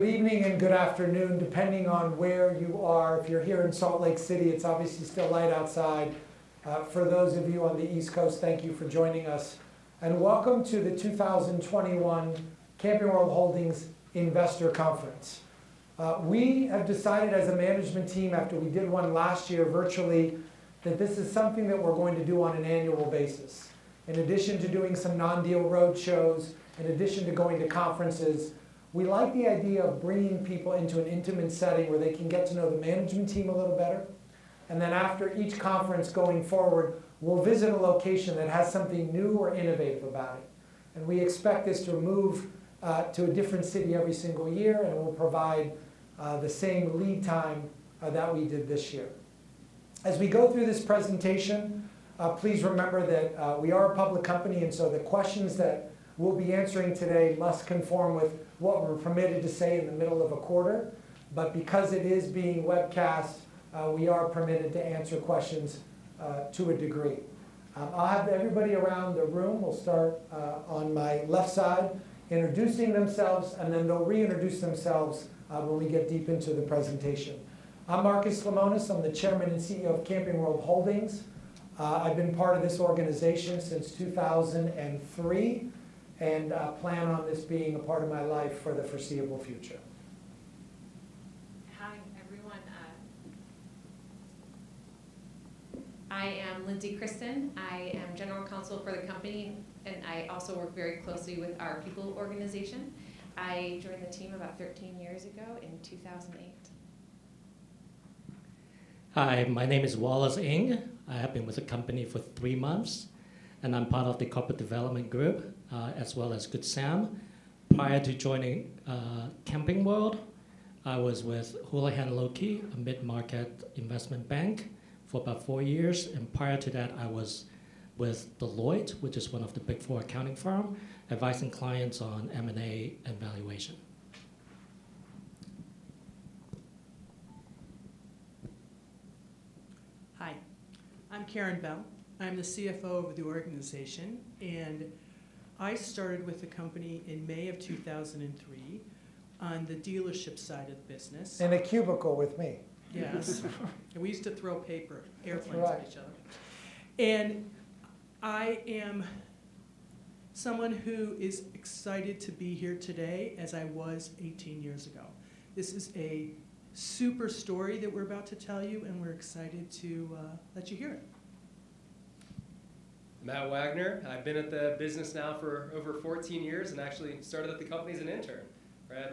Good evening and good afternoon, depending on where you are. If you're here in Salt Lake City, it's obviously still light outside. For those of you on the East Coast, thank you for joining us, and welcome to the 2021 Camping World Holdings Investor Conference. We have decided as a management team, after we did one last year virtually, that this is something that we're going to do on an annual basis. In addition to doing some non-deal road shows, in addition to going to conferences, we like the idea of bringing people into an intimate setting where they can get to know the management team a little better. Then after each conference going forward, we'll visit a location that has something new or innovative about it. We expect this to move to a different city every single year, and we'll provide the same lead time that we did this year. As we go through this presentation, please remember that we are a public company. The questions that we'll be answering today must conform with what we're permitted to say in the middle of a quarter. Because it is being webcast, we are permitted to answer questions to a degree. I'll have everybody around the room, we'll start on my left side, introducing themselves, and then they'll reintroduce themselves when we get deep into the presentation. I'm Marcus Lemonis, I'm the Chairman and CEO of Camping World Holdings. I've been part of this organization since 2003 and plan on this being a part of my life for the foreseeable future. Hi, everyone. I am Lindsey Christen. I am General Counsel for the company, and I also work very closely with our people organization. I joined the team about 13 years ago in 2008. Hi, my name is Wallace Ng. I have been with the company for three months, and I'm part of the corporate development group, as well as Good Sam. Prior to joining Camping World, I was with Houlihan Lokey, a mid-market investment bank, for about four years. Prior to that, I was with Deloitte, which is one of the Big Four accounting firm, advising clients on M&A and valuation. Hi, I'm Karin Bell. I'm the CFO of the organization. I started with the company in May of 2003 on the dealership side of the business. In a cubicle with me. Yes. We used to throw paper airplanes at each other. That's right. I am someone who is excited to be here today as I was 18 years ago. This is a super story that we're about to tell you, and we're excited to let you hear it. Matt Wagner. I've been at the business now for over 14 years. Actually started at the company as an intern.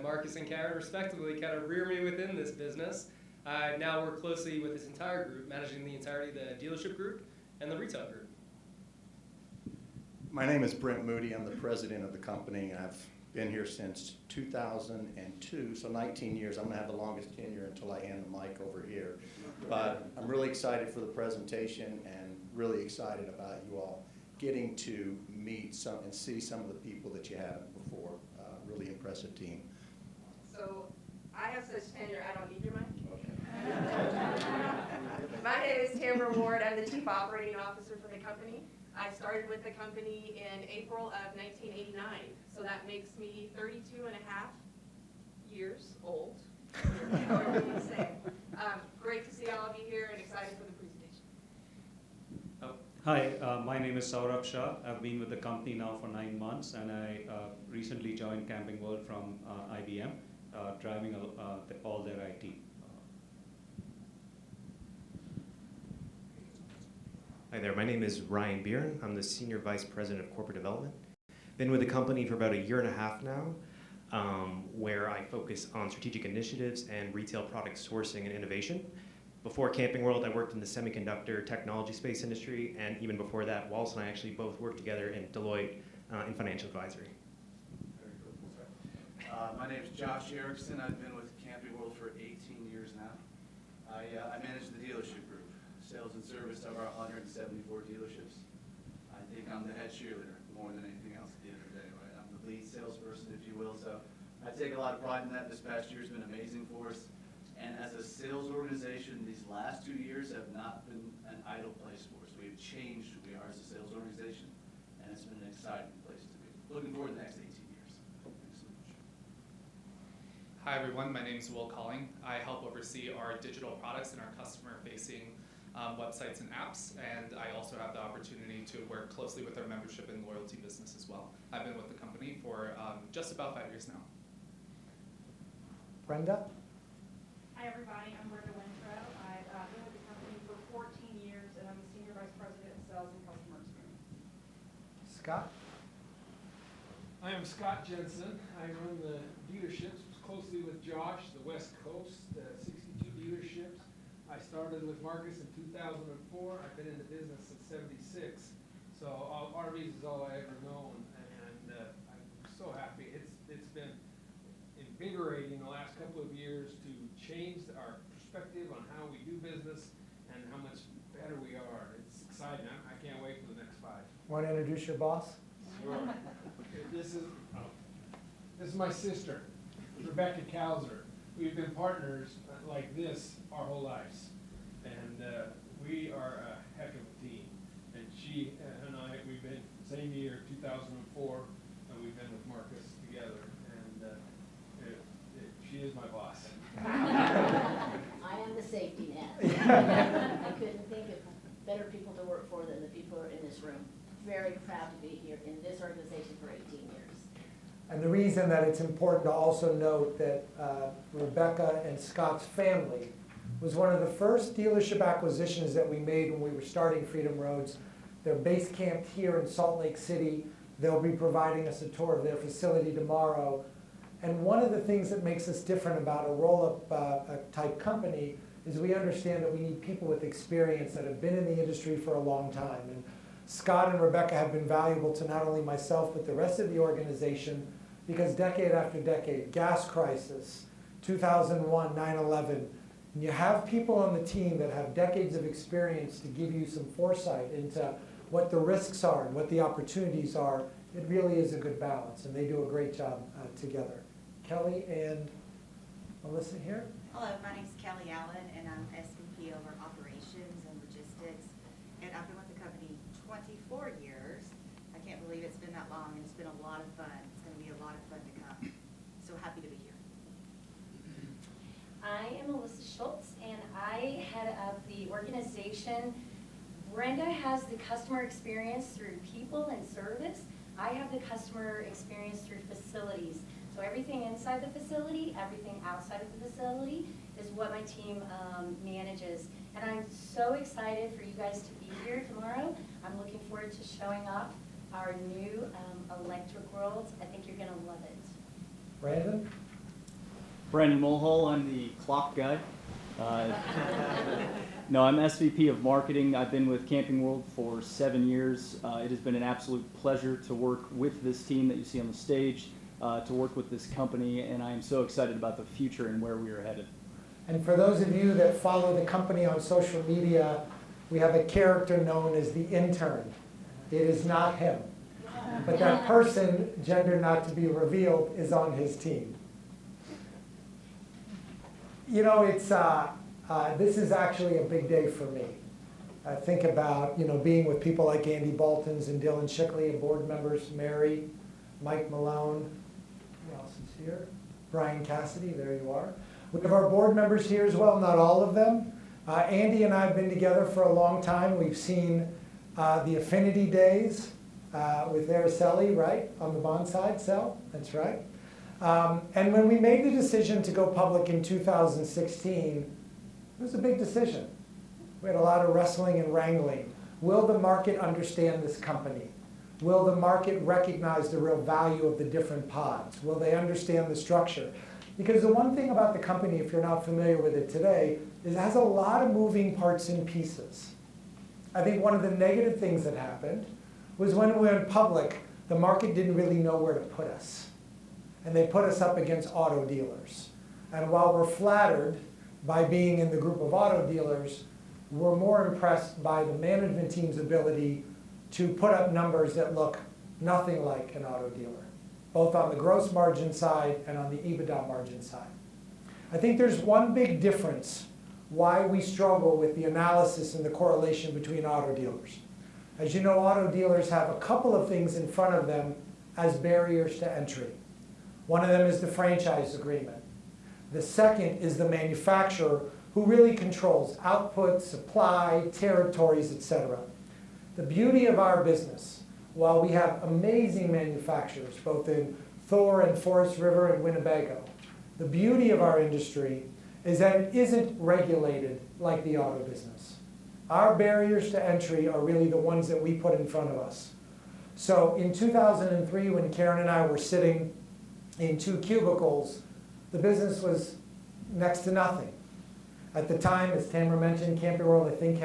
Marcus and Karin, respectively, kind of reared me within this business. I now work closely with this entire group, managing the entirety of the dealership group and the retail group. My name is Brent Moody. I'm the President of the company, and I've been here since 2002, so 19 years. I'm going to have the longest tenure until I hand the mic over here. I'm really excited for the presentation and really excited about you all getting to meet and see some of the people that you haven't before. A really impressive team. I have such tenure, I don't need your mic. My name is Tamara Ward. I am the Chief Operating Officer for the company. I started with the company in April of 1989, so that makes me 32 and a half years old. You know what I mean? Same. Great to see all of you here and excited for the presentation. Hi, my name is Saurabh Shah. I've been with the company now for nine months. I recently joined Camping World from IBM, driving all their IT. Hi there. My name is Ryan Biren. I'm the Senior Vice President of Corporate Development. I've been with the company for about a year and a half now, where I focus on strategic initiatives and retail product sourcing and innovation. Before Camping World, I worked in the semiconductor technology space industry, and even before that, Wallace and I actually both worked together in Deloitte in financial advisory. My name's Josh Erickson. I've been with Camping World for 18 years now. I manage the dealership group, sales and service to our 174 dealerships. I think I'm the head cheerleader more than anything else at the end of the day, right? I'm the lead salesperson, if you will, so I take a lot of pride in that. This past year's been amazing for us. As a sales organization, these last two years have not been an idle place for us. We have changed who we are as a sales organization, and it's been an exciting place to be. Looking forward to the next 18 years. Thanks so much. Hi, everyone. My name's Will Colling. I help oversee our digital products and our customer-facing websites and apps, and I also have the opportunity to work closely with our membership and loyalty business as well. I've been with the company for just about five years now. Brenda? Hi, everybody. I'm Brenda Wintrow. I've been with the company for 14 years, and I'm the Senior Vice President of Sales and Customer Experience. Scott? I am Scott Jensen. I run the dealerships, mostly with Josh, the West Coast, the 62 dealerships. I started with Marcus in 2004. I've been in the business since 1976. RVs is all I've ever known, and I'm so happy. It's been invigorating the last couple of years to change our perspective on how we do business and how much better we are. It's exciting. I can't wait for the next five. Want to introduce your boss? Sure. This is my sister, Rebecca Couser. We've been partners like this our whole lives, and we are a heck of a team. She and I, we've been, same year, 2004, and we've been with Marcus together. She is my boss. I am the safety net. I couldn't think of better people to work for than the people who are in this room. Very proud to be here in this organization for 18 years. The reason that it's important to also note that Rebecca and Scott's family was one of the first dealership acquisitions that we made when we were starting FreedomRoads. They're base camped here in Salt Lake City. They'll be providing us a tour of their facility tomorrow. One of the things that makes us different about a roll-up type company is we understand that we need people with experience that have been in the industry for a long time. Scott and Rebecca have been valuable to not only myself, but the rest of the organization, because decade after decade, gas crisis, 2001, 9/11, when you have people on the team that have decades of experience to give you some foresight into what the risks are and what the opportunities are, it really is a good balance, and they do a great job together. Kelly and Melissa here. Hello, my name's Kelly Allen. I'm SVP over operations and logistics. I've been with the company 24 years. I can't believe it's been that long. It's been a lot of fun. It's going to be a lot of fun to come. Happy to be here. I am Melissa Schultz. I head up the organization. Brenda has the customer experience through people and service. I have the customer experience through facilities. Everything inside the facility, everything outside of the facility, is what my team manages. I'm so excited for you guys to be here tomorrow. I'm looking forward to showing off our new Electric World. I think you're going to love it. Brandon. Brandon Mulhall, I'm the clock guy. No, I'm SVP of Marketing. I've been with Camping World for seven years. It has been an absolute pleasure to work with this team that you see on the stage, to work with this company, and I am so excited about the future and where we are headed. For those of you that follow the company on social media, we have a character known as The Intern. It is not him. That person, gender not to be revealed, is on his team. This is actually a big day for me. I think about being with people like Andris Baltins and Dillon Schickli and board members, Mary, Michael Malone. Who else is here? Brian Cassidy, there you are. We have our board members here as well, not all of them. Andris and I have been together for a long time. We've seen the Affinity Group days, with Araceli, right, on the bond side, Sal? That's right. When we made the decision to go public in 2016, it was a big decision. We had a lot of wrestling and wrangling. Will the market understand this company? Will the market recognize the real value of the different pods? Will they understand the structure? The one thing about the company, if you're not familiar with it today, is it has a lot of moving parts and pieces. I think one of the negative things that happened was when we went public, the market didn't really know where to put us, and they put us up against auto dealers. While we're flattered by being in the group of auto dealers, we're more impressed by the management team's ability to put up numbers that look nothing like an auto dealer, both on the gross margin side and on the EBITDA margin side. I think there's one big difference why we struggle with the analysis and the correlation between auto dealers. As you know, auto dealers have a couple of things in front of them as barriers to entry. One of them is the franchise agreement. The second is the manufacturer who really controls output, supply, territories, et cetera. The beauty of our business, while we have amazing manufacturers, both in Thor and Forest River and Winnebago, the beauty of our industry is that it isn't regulated like the auto business. Our barriers to entry are really the ones that we put in front of us. In 2003, when Karin and I were sitting in two cubicles, the business was next to nothing. At the time, as Tamara mentioned, Camping World, I think,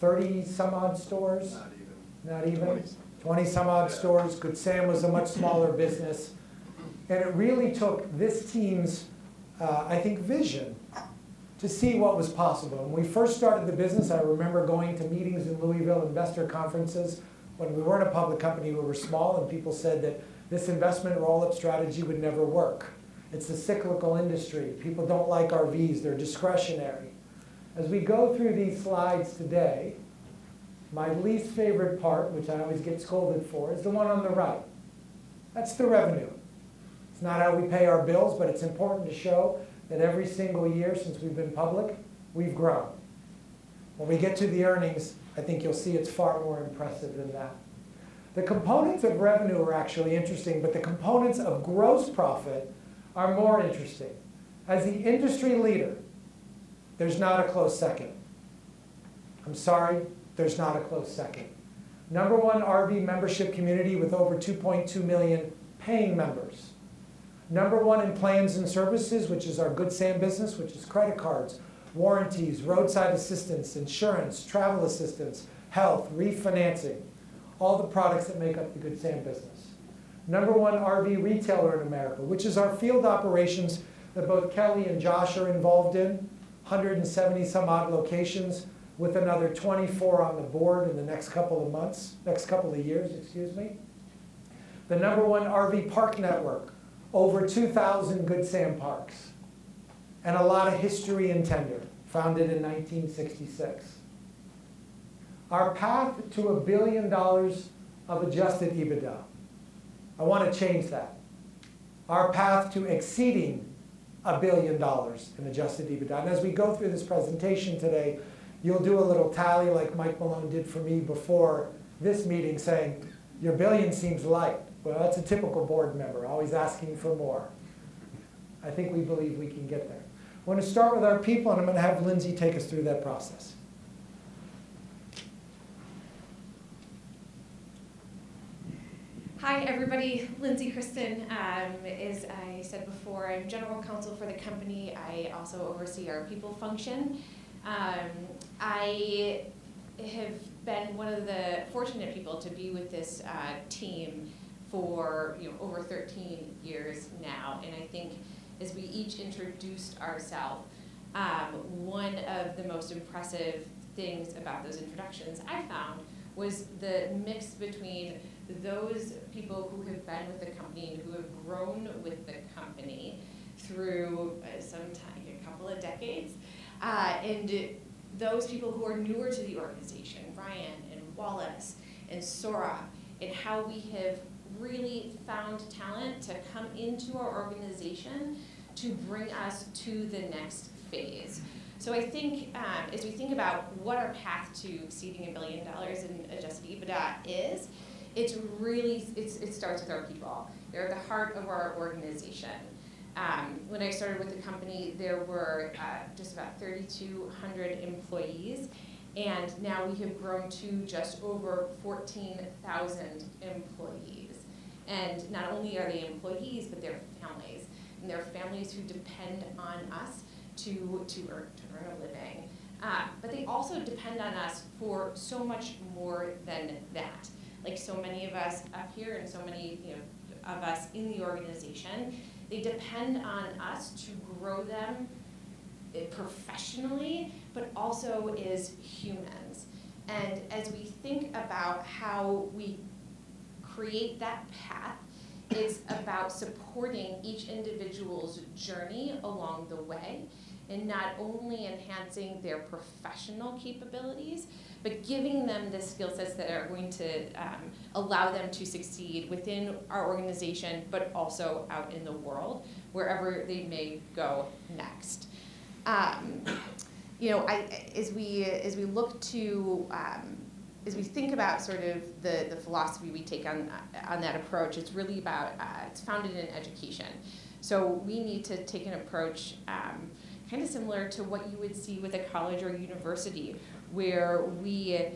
had 30 some odd stores. Not even. Not even? 20 something. 20 some odd stores. Good Sam was a much smaller business. It really took this team's, I think, vision to see what was possible. When we first started the business, I remember going to meetings in Louisville, investor conferences. When we weren't a public company, we were small, and people said that this investment roll-up strategy would never work. It's a cyclical industry. People don't like RVs. They're discretionary. As we go through these slides today, my least favorite part, which I always get scolded for, is the one on the right. That's the revenue. It's not how we pay our bills, but it's important to show that every single year since we've been public, we've grown. When we get to the earnings, I think you'll see it's far more impressive than that. The components of revenue are actually interesting, but the components of gross profit are more interesting. As the industry leader, there's not a close second. I'm sorry, there's not a close second. Number one RV membership community with over 2.2 million paying members. Number one in plans and services, which is our Good Sam business, which is credit cards, warranties, roadside assistance, insurance, travel assistance, health, refinancing, all the products that make up the Good Sam business. Number one RV retailer in America, which is our field operations that both Kelly and Josh are involved in, 170 some odd locations with another 24 on the board in the next couple of years. The Number one RV Park network, over 2,000 Good Sam Parks, and a lot of history and tenure, founded in 1966. Our path to $1 billion of adjusted EBITDA. I want to change that. Our path to exceeding $1 billion in adjusted EBITDA. As we go through this presentation today, you'll do a little tally like Mike Malone did for me before this meeting, saying, "Your $1 billion seems light." Well, that's a typical board member, always asking for more. I think we believe we can get there. I want to start with our people, and I'm going to have Lindsey take us through that process. Hi, everybody. Lindsey Christen. As I said before, I'm General Counsel for the company. I also oversee our people function. I have been one of the fortunate people to be with this team for over 13 years now. I think as we each introduced ourself, one of the most impressive things about those introductions, I found, was the mix between those people who have been with the company and who have grown with the company through some couple of decades, and those people who are newer to the organization, Ryan and Wallace and Sora, and how we have really found talent to come into our organization to bring us to the next phase. I think as we think about what our path to exceeding $1 billion in adjusted EBITDA is, it starts with our people. They're the heart of our organization. When I started with the company, there were just about 3,200 employees, now we have grown to just over 14,000 employees. Not only are they employees, but they're families, and they're families who depend on us to earn a living. They also depend on us for so much more than that. Like so many of us up here and so many of us in the organization, they depend on us to grow them professionally, but also as humans. As we think about how we create that path, it's about supporting each individual's journey along the way and not only enhancing their professional capabilities, but giving them the skill sets that are going to allow them to succeed within our organization, but also out in the world, wherever they may go next. As we think about the philosophy we take on that approach, it's founded in education. We need to take an approach similar to what you would see with a college or university, where we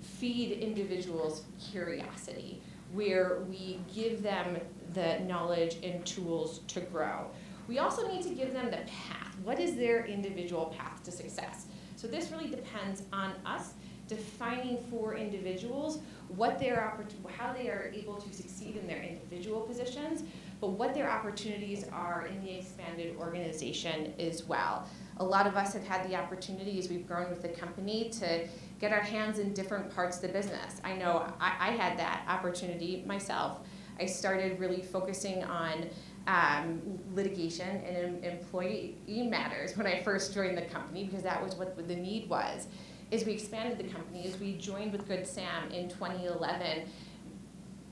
feed individuals curiosity, where we give them the knowledge and tools to grow. We also need to give them the path. What is their individual path to success? This really depends on us defining for individuals how they are able to succeed in their individual positions, but what their opportunities are in the expanded organization as well. A lot of us have had the opportunity, as we've grown with the company, to get our hands in different parts of the business. I know I had that opportunity myself. I started really focusing on litigation and employee matters when I first joined the company because that was what the need was. As we expanded the company, as we joined with Good Sam in 2011,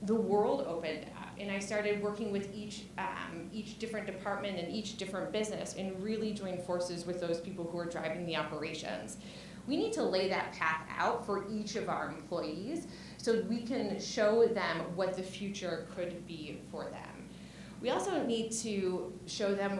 the world opened up, and I started working with each different department and each different business and really joined forces with those people who are driving the operations. We need to lay that path out for each of our employees so we can show them what the future could be for them. We also need to show them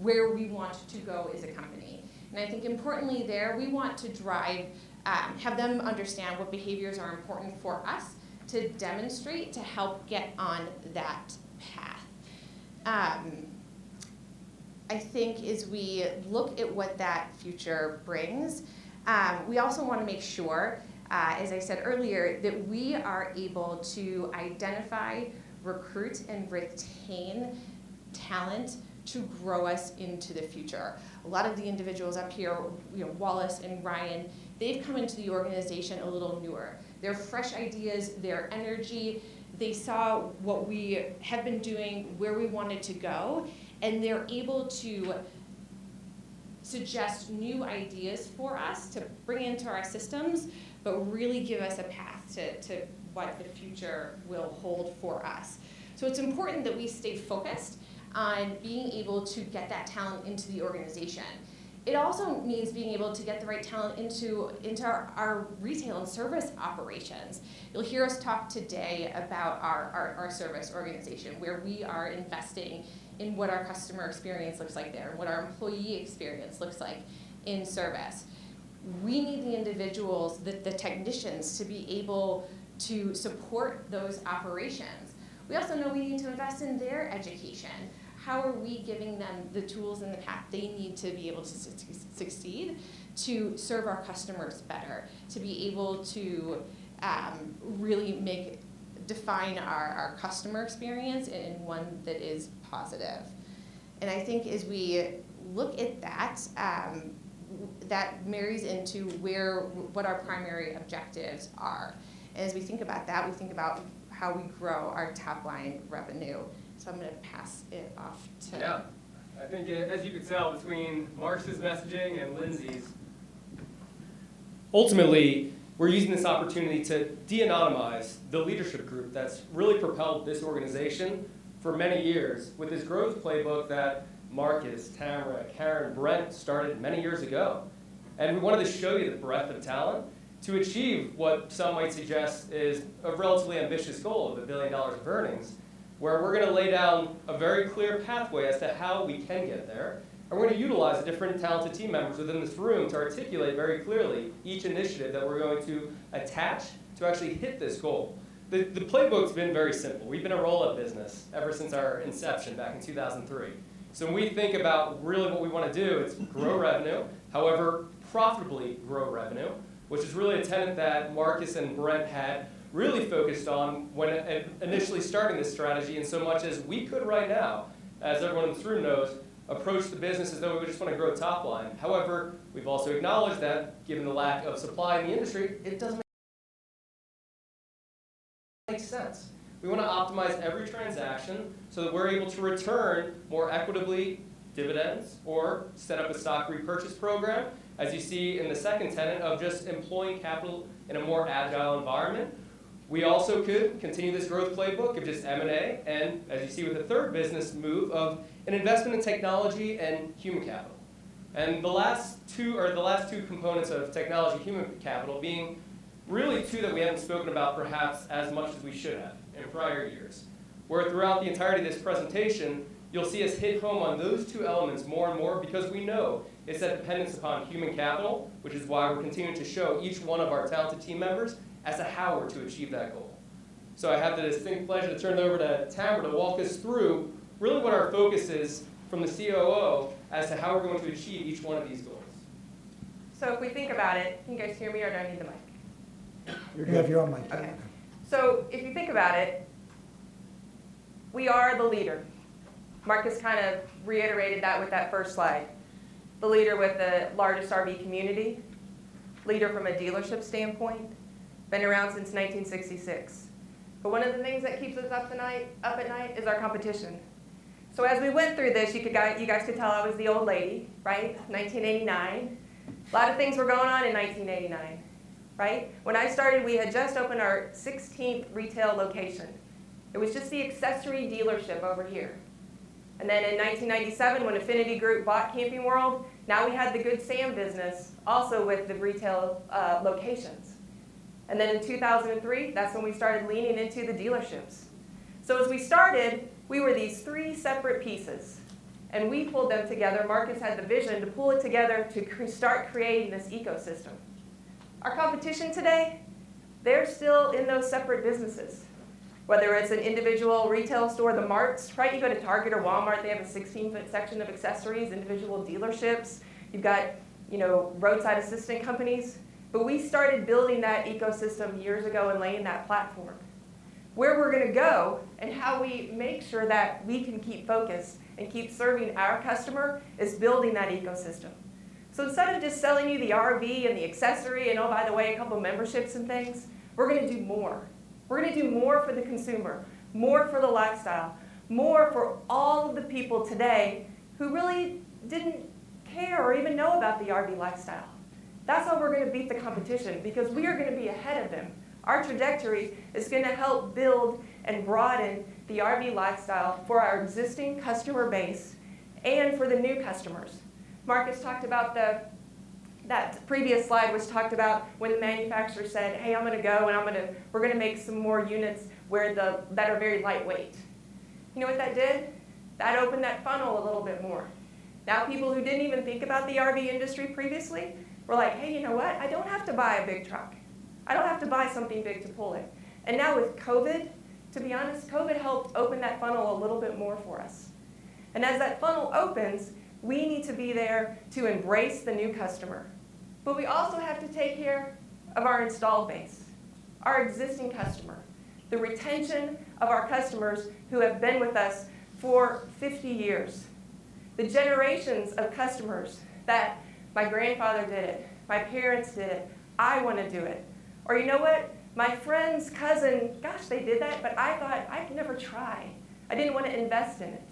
where we want to go as a company. I think importantly there, we want to have them understand what behaviors are important for us to demonstrate to help get on that path. I think as we look at what that future brings, we also want to make sure, as I said earlier, that we are able to identify, recruit, and retain talent to grow us into the future. A lot of the individuals up here, Wallace and Ryan, they've come into the organization a little newer. Their fresh ideas, their energy, they saw what we had been doing, where we wanted to go, and they're able to suggest new ideas for us to bring into our systems, but really give us a path to what the future will hold for us. It's important that we stay focused on being able to get that talent into the organization. It also means being able to get the right talent into our retail and service operations. You'll hear us talk today about our service organization, where we are investing in what our customer experience looks like there and what our employee experience looks like in service. We need the individuals, the technicians, to be able to support those operations. We also know we need to invest in their education. How are we giving them the tools and the path they need to be able to succeed to serve our customers better, to be able to really define our customer experience in one that is positive? And I think as we look at that marries into what our primary objectives are. As we think about that, we think about how we grow our top-line revenue. I'm going to pass it off to. I think as you can tell, between Marcus's messaging and Lindsey's, ultimately, we're using this opportunity to de-anonymize the leadership group that's really propelled this organization for many years with this growth playbook that Marcus, Tamara, Karin, Brent started many years ago. We wanted to show you the breadth of talent to achieve what some might suggest is a relatively ambitious goal of $1 billion of earnings, where we're going to lay down a very clear pathway as to how we can get there, and we're going to utilize the different talented team members within this room to articulate very clearly each initiative that we're going to attach to actually hit this goal. The playbook's been very simple. We've been a roll-up business ever since our inception back in 2003. When we think about really what we want to do, it's grow revenue, however, profitably grow revenue, which is really a tenet that Marcus and Brent had really focused on when initially starting this strategy. Much as we could right now, as everyone in this room knows, approach the business as though we just want to grow top line. We've also acknowledged that given the lack of supply in the industry, it doesn't make sense. We want to optimize every transaction so that we're able to return, more equitably, dividends or set up a stock repurchase program, as you see in the second tenet of just employing capital in a more agile environment. We also could continue this growth playbook of just M&A. As you see with the third business move of an investment in technology and human capital. The last two components of technology and human capital being really two that we haven't spoken about perhaps as much as we should have in prior years, where throughout the entirety of this presentation, you'll see us hit home on those two elements more and more because we know it's that dependence upon human capital, which is why we're continuing to show each one of our talented team members as to how we're to achieve that goal. I have the distinct pleasure to turn it over to Tamara to walk us through really what our focus is from the COO as to how we're going to achieve each one of these goals. If we think about it, can you guys hear me or do I need the mic? If you think about it, we are the leader. Marcus kind of reiterated that with that first slide. The leader with the largest RV community, leader from a dealership standpoint, been around since 1966. One of the things that keeps us up at night is our competition. As we went through this, you guys could tell I was the old lady, right? 1989. A lot of things were going on in 1989, right? When I started, we had just opened our 16th retail location. It was just the accessory dealership over here. In 1997 when Affinity Group bought Camping World, now we had the Good Sam business also with the retail locations. In 2003, that's when we started leaning into the dealerships. As we started, we were these three separate pieces, and we pulled them together. Marcus had the vision to pull it together to start creating this ecosystem. Our competition today, they're still in those separate businesses, whether it's an individual retail store, the marts, right? You go to Target or Walmart, they have a 16-ft section of accessories, individual dealerships. You've got roadside assistant companies. We started building that ecosystem years ago and laying that platform. Where we're going to go and how we make sure that we can keep focused and keep serving our customer is building that ecosystem. Instead of just selling you the RV and the accessory, and oh, by the way, a couple memberships and things, we're going to do more. We're going to do more for the consumer, more for the lifestyle, more for all of the people today who really didn't care or even know about the RV lifestyle. That's how we're going to beat the competition because we are going to be ahead of them. Our trajectory is going to help build and broaden the RV lifestyle for our existing customer base and for the new customers. Marcus talked about That previous slide, which talked about when the manufacturer said, "Hey, I'm going to go and we're going to make some more units that are very lightweight." You know what that did? That opened that funnel a little bit more. Now people who didn't even think about the RV industry previously were like, "Hey, you know what? I don't have to buy a big truck. I don't have to buy something big to pull it." Now with COVID, to be honest, COVID helped open that funnel a little bit more for us. As that funnel opens, we need to be there to embrace the new customer. We also have to take care of our installed base, our existing customer, the retention of our customers who have been with us for 50 years, the generations of customers that, "My grandfather did it, my parents did it, I want to do it." "You know what? My friend's cousin, gosh, they did that, but I thought I'd never try. I didn't want to invest in it."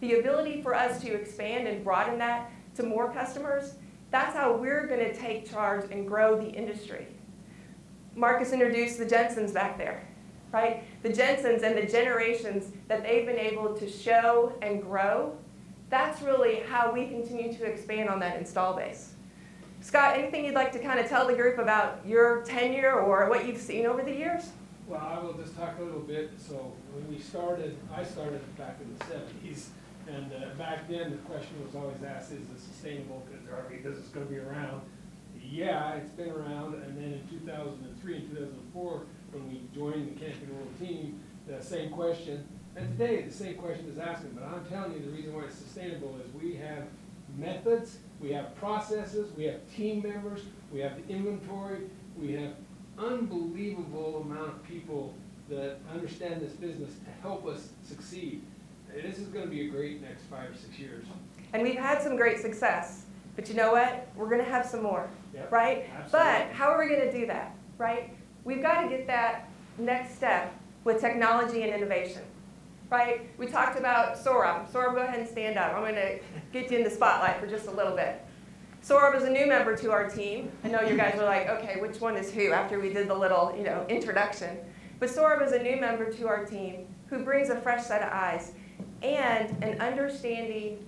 The ability for us to expand and broaden that to more customers, that's how we're going to take charge and grow the industry. Marcus introduced the Jensens back there, right? The Jensens and the generations that they've been able to show and grow, that's really how we continue to expand on that install base. Scott, anything you'd like to kind of tell the group about your tenure or what you've seen over the years? I will just talk a little bit. When we started, I started back in the 1970s, and back then the question was always asked, "Is this sustainable with RVs? Is this going to be around?" Yeah, it's been around. In 2003 and 2004 when we joined the Camping World team, the same question. Today, the same question is asked, but I'm telling you the reason why it's sustainable is. We have methods, we have processes, we have team members, we have the inventory. We have unbelievable amount of people that understand this business to help us succeed. This is going to be a great next five or six years. We've had some great success, but you know what. We're going to have some more. Right? Absolutely. How are we going to do that, right. We've got to get that next step with technology and innovation. Right. We talked about Saurabh. Saurabh, go ahead and stand up. I'm going to get you in the spotlight for just a little bit. Saurabh is a new member to our team. I know you guys were like, "Okay, which one is who?" After we did the little introduction. Saurabh is a new member to our team who brings a fresh set of eyes and an understanding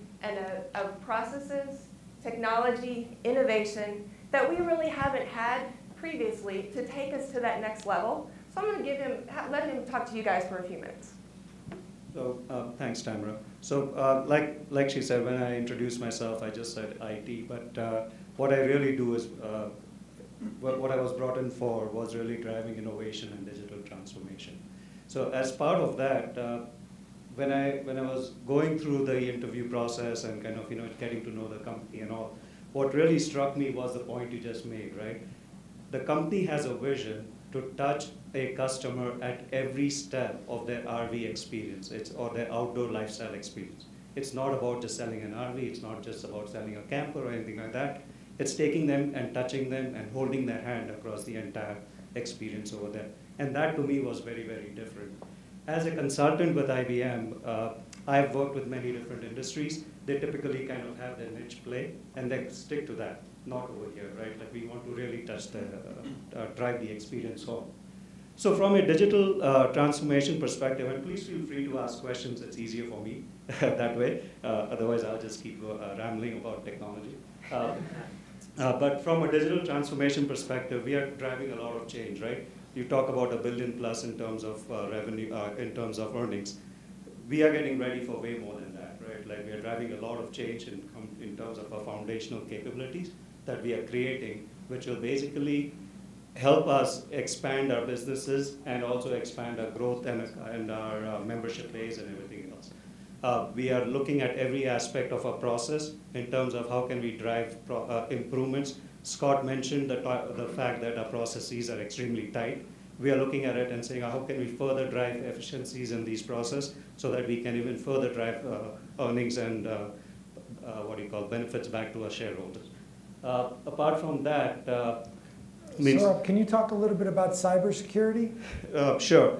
of processes, technology, innovation that we really haven't had previously to take us to that next level. I'm going to let him talk to you guys for a few minutes. Thanks, Tamara. Like she said, when I introduced myself, I just said IT, but what I was brought in for was really driving innovation and digital transformation. As part of that, when I was going through the interview process and kind of getting to know the company and all, what really struck me was the point you just made, right? The company has a vision to touch a customer at every step of their RV experience or their outdoor lifestyle experience. It's not about just selling an RV. It's not just about selling a camper or anything like that. It's taking them and touching them and holding their hand across the entire experience over there. That to me was very, very different. As a consultant with IBM, I've worked with many different industries. They typically kind of have their niche play and they stick to that. Not over here, right? We want to really drive the experience home. From a digital transformation perspective, and please feel free to ask questions. It's easier for me that way. Otherwise, I'll just keep rambling about technology. From a digital transformation perspective, we are driving a lot of change, right? You talk about a $1+ billion in terms of earnings. We are getting ready for way more than that, right? We are driving a lot of change in terms of our foundational capabilities that we are creating, which will basically help us expand our businesses and also expand our growth and our membership base and everything else. We are looking at every aspect of our process in terms of how can we drive improvements. Scott mentioned the fact that our processes are extremely tight. We are looking at it and saying, "How can we further drive efficiencies in these process so that we can even further drive earnings and, what do you call, benefits back to our shareholders? Saurabh, can you talk a little bit about cybersecurity? Sure.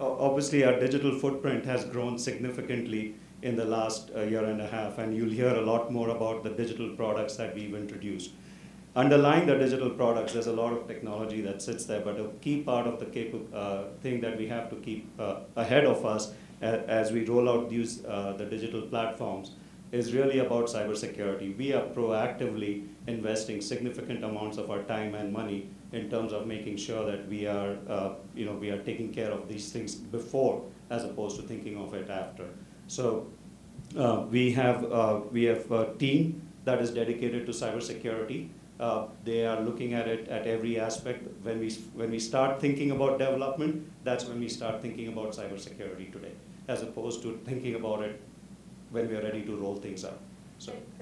Obviously, our digital footprint has grown significantly in the last year and a half, and you'll hear a lot more about the digital products that we've introduced. Underlying the digital products, there's a lot of technology that sits there, a key part of the thing that we have to keep ahead of us, as we roll out the digital platforms, is really about cybersecurity. We are proactively investing significant amounts of our time and money in terms of making sure that we are taking care of these things before as opposed to thinking of it after. We have a team that is dedicated to cybersecurity. They are looking at it at every aspect. When we start thinking about development, that's when we start thinking about cybersecurity today, as opposed to thinking about it when we are ready to roll things out.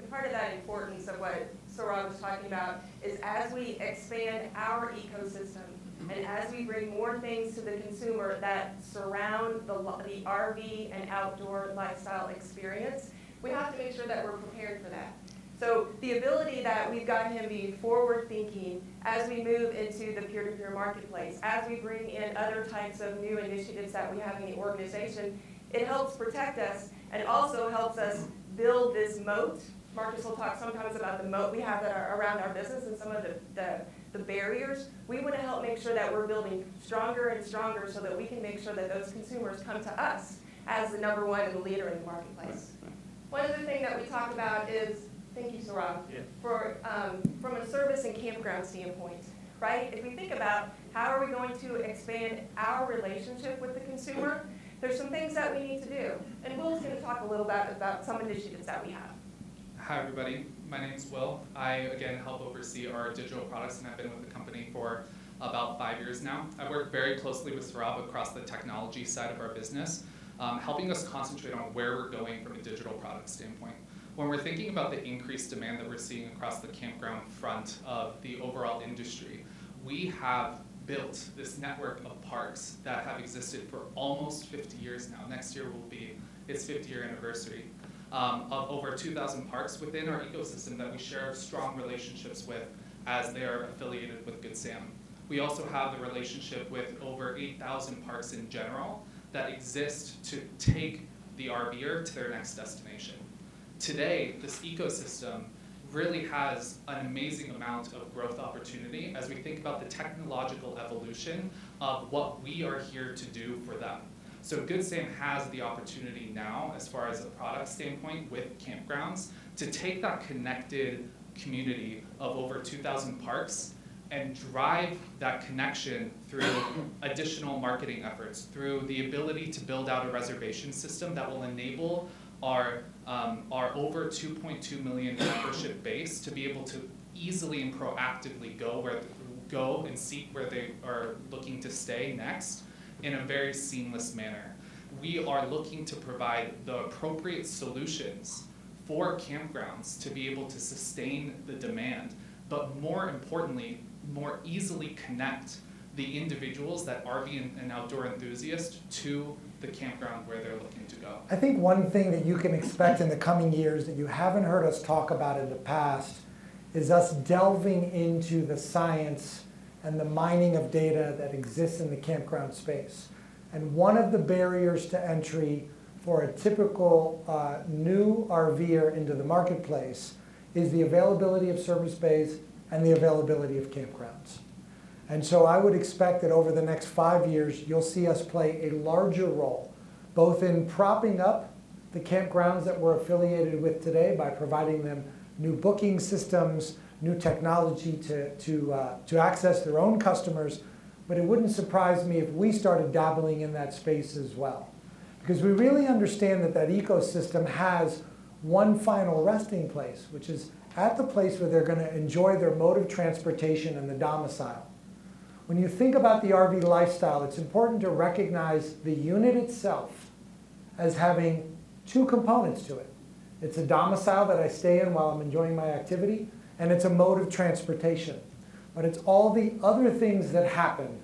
Part of that importance of what Saurabh Shah was talking about is, as we expand our ecosystem and as we bring more things to the consumer that surround the RV and outdoor lifestyle experience, we have to make sure that we're prepared for that. The ability that we've got him being forward-thinking as we move into the peer-to-peer marketplace, as we bring in other types of new initiatives that we have in the organization, it helps protect us and also helps us build this moat. Marcus will talk sometimes about the moat we have around our business and some of the barriers. We want to help make sure that we're building stronger and stronger so that we can make sure that those consumers come to us as the number one and the leader in the marketplace. One of the things that we talk about is Thank you, Saurabh. Yeah. From a service and campground standpoint, right? If we think about how are we going to expand our relationship with the consumer, there's some things that we need to do, and Will's going to talk a little about some initiatives that we have. Hi, everybody. My name's Will. I, again, help oversee our digital products, and I've been with the company for about five years now. I work very closely with Saurabh across the technology side of our business, helping us concentrate on where we're going from a digital product standpoint. When we're thinking about the increased demand that we're seeing across the campground front of the overall industry, we have built this network of parks that have existed for almost 50 years now, next year will be its 50-year anniversary, of over 2,000 parks within our ecosystem that we share strong relationships with as they are affiliated with Good Sam. We also have the relationship with over 8,000 parks in general that exist to take the RVer to their next destination. Today, this ecosystem really has an amazing amount of growth opportunity as we think about the technological evolution of what we are here to do for them. Good Sam has the opportunity now, as far as a product standpoint with campgrounds, to take that connected community of over 2,000 parks and drive that connection through additional marketing efforts, through the ability to build out a reservation system that will enable Our over 2.2 million membership base to be able to easily and proactively go and see where they are looking to stay next in a very seamless manner. We are looking to provide the appropriate solutions for campgrounds to be able to sustain the demand, but more importantly, more easily connect the individuals that RV and outdoor enthusiasts to the campground where they're looking to go. I think one thing that you can expect in the coming years that you haven't heard us talk about in the past is us delving into the science and the mining of data that exists in the campground space. One of the barriers to entry for a typical new RVer into the marketplace is the availability of service base and the availability of campgrounds. I would expect that over the next five years, you'll see us play a larger role, both in propping up the campgrounds that we're affiliated with today by providing them new booking systems, new technology to access their own customers, but it wouldn't surprise me if we started dabbling in that space as well. We really understand that that ecosystem has one final resting place, which is at the place where they're going to enjoy their mode of transportation and the domicile. When you think about the RV lifestyle, it's important to recognize the unit itself as having two components to it. It's a domicile that I stay in while I'm enjoying my activity, and it's a mode of transportation. It's all the other things that happen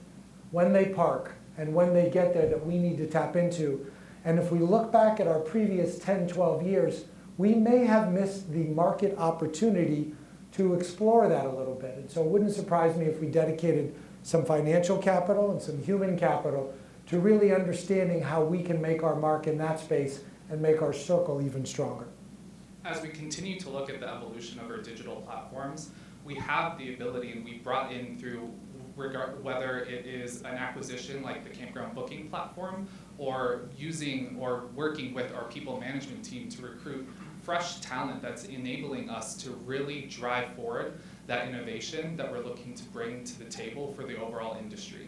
when they park and when they get there that we need to tap into. If we look back at our previous 10, 12 years, we may have missed the market opportunity to explore that a little bit. It wouldn't surprise me if we dedicated some financial capital and some human capital to really understanding how we can make our mark in that space and make our circle even stronger. As we continue to look at the evolution of our digital platforms, we have the ability, and we've brought in through, whether it is an acquisition like the campground booking platform, or using or working with our people management team to recruit fresh talent that's enabling us to really drive forward that innovation that we're looking to bring to the table for the overall industry.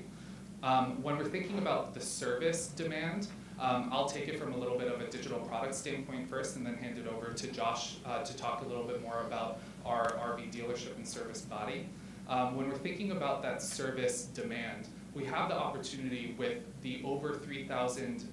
When we're thinking about the service demand, I'll take it from a little bit of a digital product standpoint first, and then hand it over to Josh to talk a little bit more about our RV dealership and service body. When we're thinking about that service demand, we have the opportunity with the over 3,000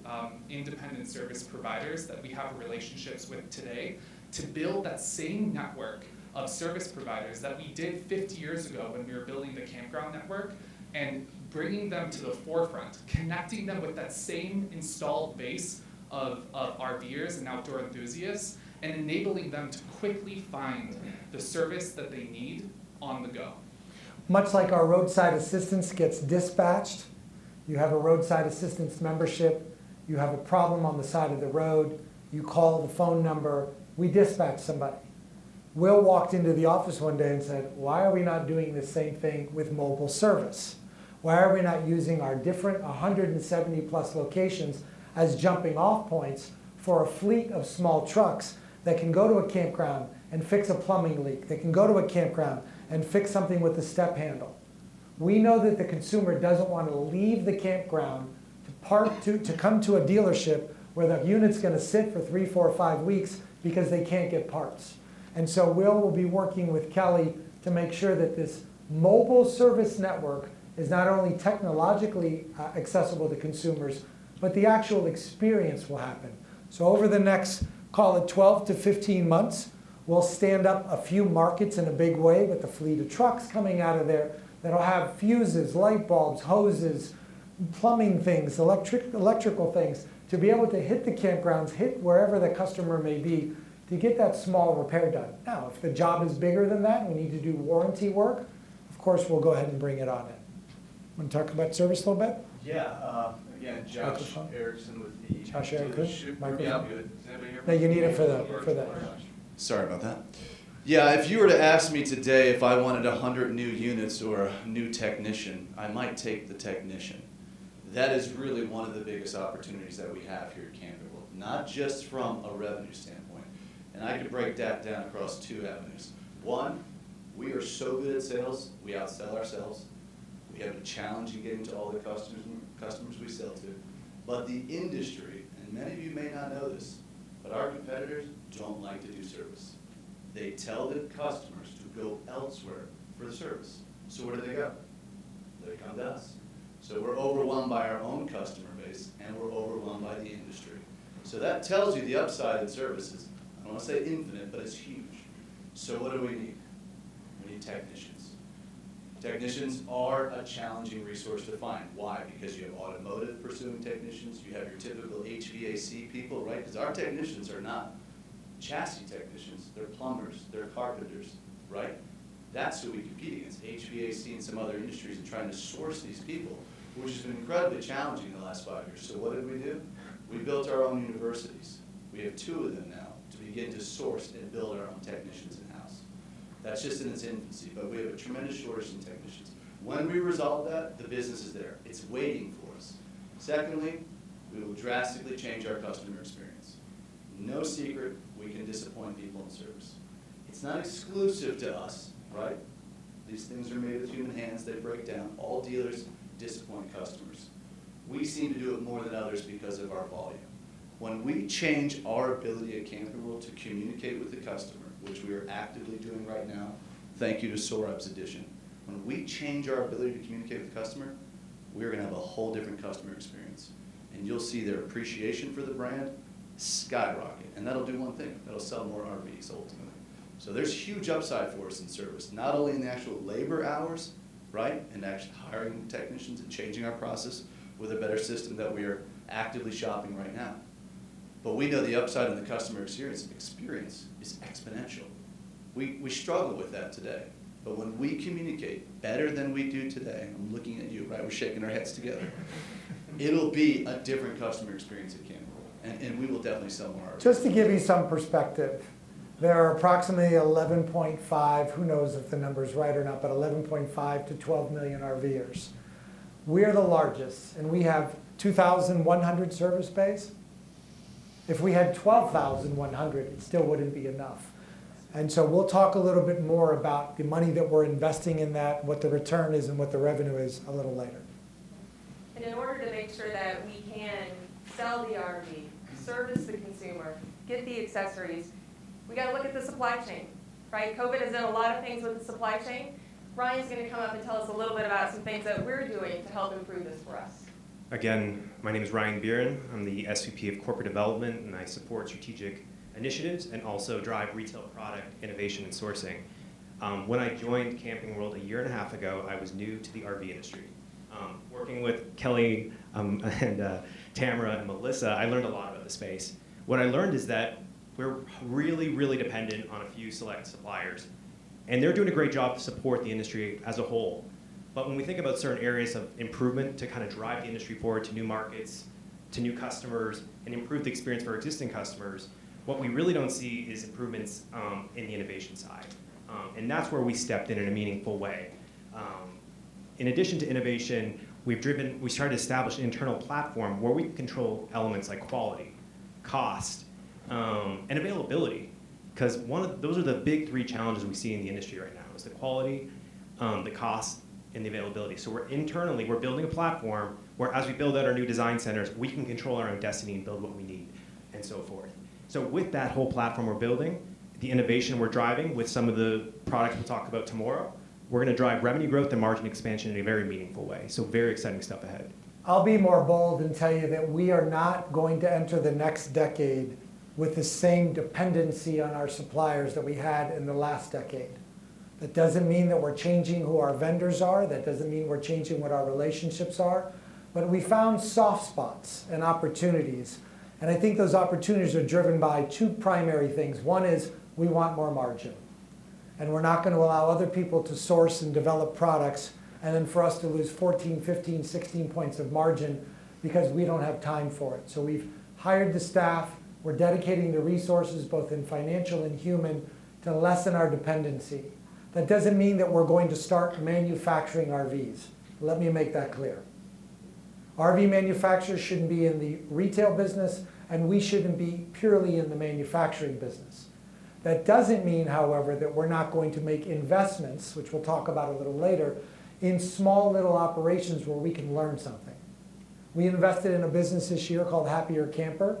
independent service providers that we have relationships with today to build that same network of service providers that we did 50 years ago when we were building the campground network and bringing them to the forefront, connecting them with that same installed base of RVers and outdoor enthusiasts, and enabling them to quickly find the service that they need on the go. Much like our roadside assistance gets dispatched, you have a roadside assistance membership, you have a problem on the side of the road, you call the phone number, we dispatch somebody. Will walked into the office one day and said, "Why are we not doing the same thing with mobile service? Why are we not using our different 170+ locations as jumping off points for a fleet of small trucks that can go to a campground and fix a plumbing leak, that can go to a campground and fix something with a step handle?" We know that the consumer doesn't want to leave the campground to park, to come to a dealership where the unit's going to sit for three, four, five weeks because they can't get parts. Will will be working with Kelly to make sure that this mobile service network is not only technologically accessible to consumers, but the actual experience will happen. Over the next, call it 12-15 months, we'll stand up a few markets in a big way with a fleet of trucks coming out of there that'll have fuses, light bulbs, hoses, plumbing things, electrical things to be able to hit the campgrounds, hit wherever the customer may be to get that small repair done. If the job is bigger than that and we need to do warranty work, of course, we'll go ahead and bring it on in. Want to talk about service a little bit? Yeah. Again, Josh Erickson. Josh Erickson. Yeah. Is anybody hearing me? No, you need it for that. Sorry about that. Yeah, if you were to ask me today if I wanted 100 new units or a new technician, I might take the technician. That is really one of the biggest opportunities that we have here at Camping World, not just from a revenue standpoint. I could break that down across two avenues. One, we are so good at sales, we outsell ourselves. We have a challenge in getting to all the customers we sell to. The industry, and many of you may not know this, but our competitors don't like to do service. They tell their customers to go elsewhere for the service. Where do they go? They come to us. We're overwhelmed by our own customer base, and we're overwhelmed by the industry. That tells you the upside in service is, I don't want to say infinite, but it's huge. What do we need? We need technicians. Technicians are a challenging resource to find. Why? You have automotive pursuing technicians, you have your typical HVAC people, right? Our technicians are not chassis technicians. They're plumbers, they're carpenters, right? That's who we compete against, HVAC and some other industries and trying to source these people, which has been incredibly challenging in the last five years. What did we do? We built our own universities. We have two of them now to begin to source and build our own technicians in-house. That's just in its infancy, but we have a tremendous shortage in technicians. When we resolve that, the business is there. It's waiting for us. Secondly, we will drastically change our customer experience. No secret, we can disappoint people in service. It's not exclusive to us, right. These things are made with human hands. They break down. All dealers disappoint customers. We seem to do it more than others because of our volume. When we change our ability at Camping World to communicate with the customer, which we are actively doing right now, thank you to Saurabh's addition. When we change our ability to communicate with the customer, we are going to have a whole different customer experience, and you'll see their appreciation for the brand skyrocket, and that'll do one thing. That'll sell more RVs ultimately. There's huge upside for us in service, not only in the actual labor hours, and actually hiring technicians and changing our process with a better system that we are actively shopping right now, but we know the upside in the customer experience is exponential. We struggle with that today, but when we communicate better than we do today, I'm looking at you. We're shaking our heads together. It'll be a different customer experience at Camping World, and we will definitely sell more RVs. Just to give you some perspective, there are approximately 11.5, who knows if the number's right or not, but 11.5 million-12 million RVers. We are the largest, we have 2,100 service bays. If we had 12,100, it still wouldn't be enough. We'll talk a little bit more about the money that we're investing in that, what the return is and what the revenue is a little later. In order to make sure that we can sell the RV, service the consumer, get the accessories, we got to look at the supply chain. COVID has done a lot of things with the supply chain. Ryan's going to come up and tell us a little bit about some things that we're doing to help improve this for us. Again, my name is Ryan Biren. I'm the SVP of Corporate Development, and I support strategic initiatives and also drive retail product innovation and sourcing. When I joined Camping World a year and a half ago, I was new to the RV industry. Working with Kelly, and Tamara, and Melissa, I learned a lot about the space. What I learned is that we're really, really dependent on a few select suppliers, and they're doing a great job to support the industry as a whole. When we think about certain areas of improvement to drive the industry forward to new markets, to new customers, and improve the experience for existing customers, what we really don't see is improvements in the innovation side. That's where we stepped in in a meaningful way. In addition to innovation, we started to establish an internal platform where we control elements like quality, cost, and availability, because those are the big three challenges we see in the industry right now, is the quality, the cost, and the availability. Internally, we're building a platform where as we build out our new design centers, we can control our own destiny and build what we need and so forth. With that whole platform we're building, the innovation we're driving with some of the products we'll talk about tomorrow, we're going to drive revenue growth and margin expansion in a very meaningful way. Very exciting stuff ahead. I'll be more bold and tell you that we are not going to enter the next decade with the same dependency on our suppliers that we had in the last decade. That doesn't mean that we're changing who our vendors are. That doesn't mean we're changing what our relationships are. We found soft spots and opportunities, and I think those opportunities are driven by two primary things. One is we want more margin, and we're not going to allow other people to source and develop products, and then for us to lose 14, 15, 16 points of margin because we don't have time for it. We've hired the staff, we're dedicating the resources, both in financial and human, to lessen our dependency. That doesn't mean that we're going to start manufacturing RVs. Let me make that clear. RV manufacturers shouldn't be in the retail business, we shouldn't be purely in the manufacturing business. That doesn't mean, however, that we're not going to make investments, which we'll talk about a little later, in small little operations where we can learn something. We invested in a business this year called Happier Camper.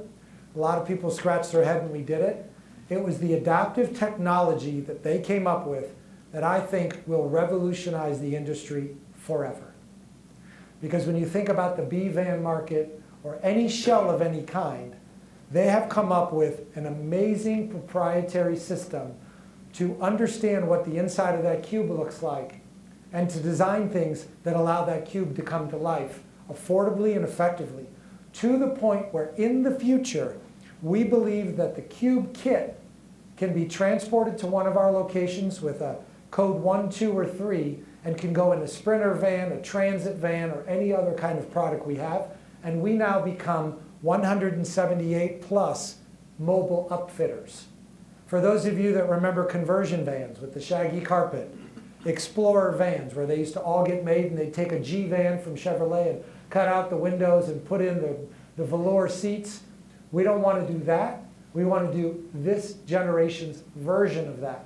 A lot of people scratched their head when we did it. It was the adaptive technology that they came up with that I think will revolutionize the industry forever. When you think about the B van market or any shell of any kind, they have come up with an amazing proprietary system to understand what the inside of that cube looks like and to design things that allow that cube to come to life affordably and effectively to the point where, in the future, we believe that the cube kit can be transported to one of our locations with a code one, two, or three and can go in a Sprinter van, a Transit van, or any other kind of product we have, and we now become 178+ mobile upfitters. For those of you that remember conversion vans with the shaggy carpet, Explorer vans, where they used to all get made and they'd take a G-van from Chevrolet and cut out the windows and put in the velour seats, we don't want to do that. We want to do this generation's version of that.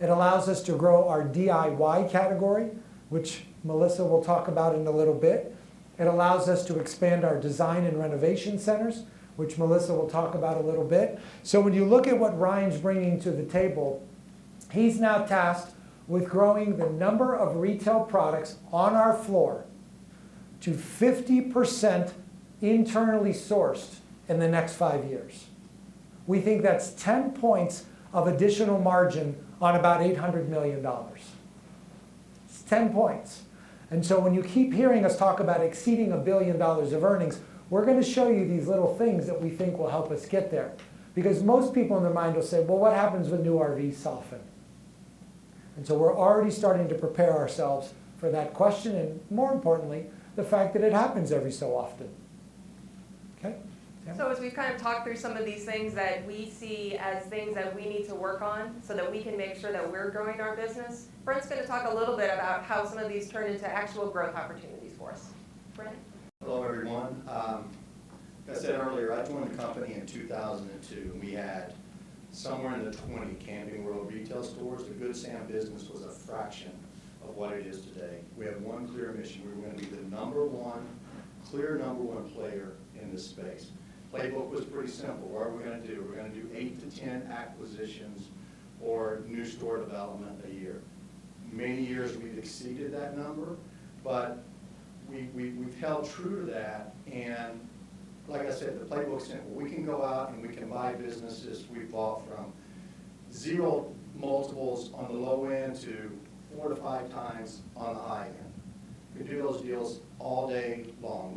It allows us to grow our DIY category, which Melissa will talk about in a little bit. It allows us to expand our design and renovation centers, which Melissa will talk about a little bit. When you look at what Ryan's bringing to the table, he's now tasked with growing the number of retail products on our floor to 50% internally sourced in the next five years. We think that's 10 points of additional margin on about $800 million. It's 10 points. When you keep hearing us talk about exceeding $1 billion of earnings, we're going to show you these little things that we think will help us get there. Because most people in their mind will say, "Well, what happens when new RVs soften?" We're already starting to prepare ourselves for that question, and more importantly, the fact that it happens every so often. Okay. Tamara? As we've kind of talked through some of these things that we see as things that we need to work on so that we can make sure that we're growing our business, Brent's going to talk a little bit about how some of these turn into actual growth opportunities for us. Brent? Hello, everyone. I said earlier, I joined the company in 2002, and we had somewhere in the 20 Camping World retail stores. The Good Sam business was a fraction of what it is today. We had one clear mission: we were going to be the clear number one player in this space. Playbook was pretty simple. What are we going to do? We're going to do 8-10 acquisitions or new store development a year. Many years we've exceeded that number, but we've held true to that, and like I said, the playbook's simple. We can go out and we can buy businesses. We've bought from zero multiples on the low end to 4x-5x on the high end. We do those deals all day long.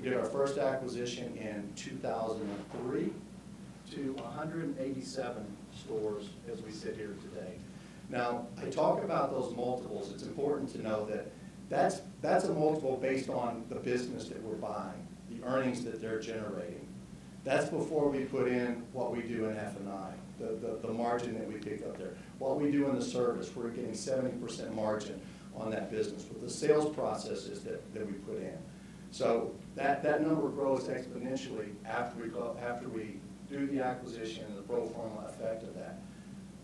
We did our first acquisition in 2003 to 187 stores as we sit here today. I talk about those multiples. It's important to know that that's a multiple based on the business that we're buying, the earnings that they're generating. That's before we put in what we do in F&I, the margin that we pick up there. What we do in the service, we're getting 70% margin on that business with the sales processes that we put in. That number grows exponentially after we do the acquisition and the pro forma effect of that.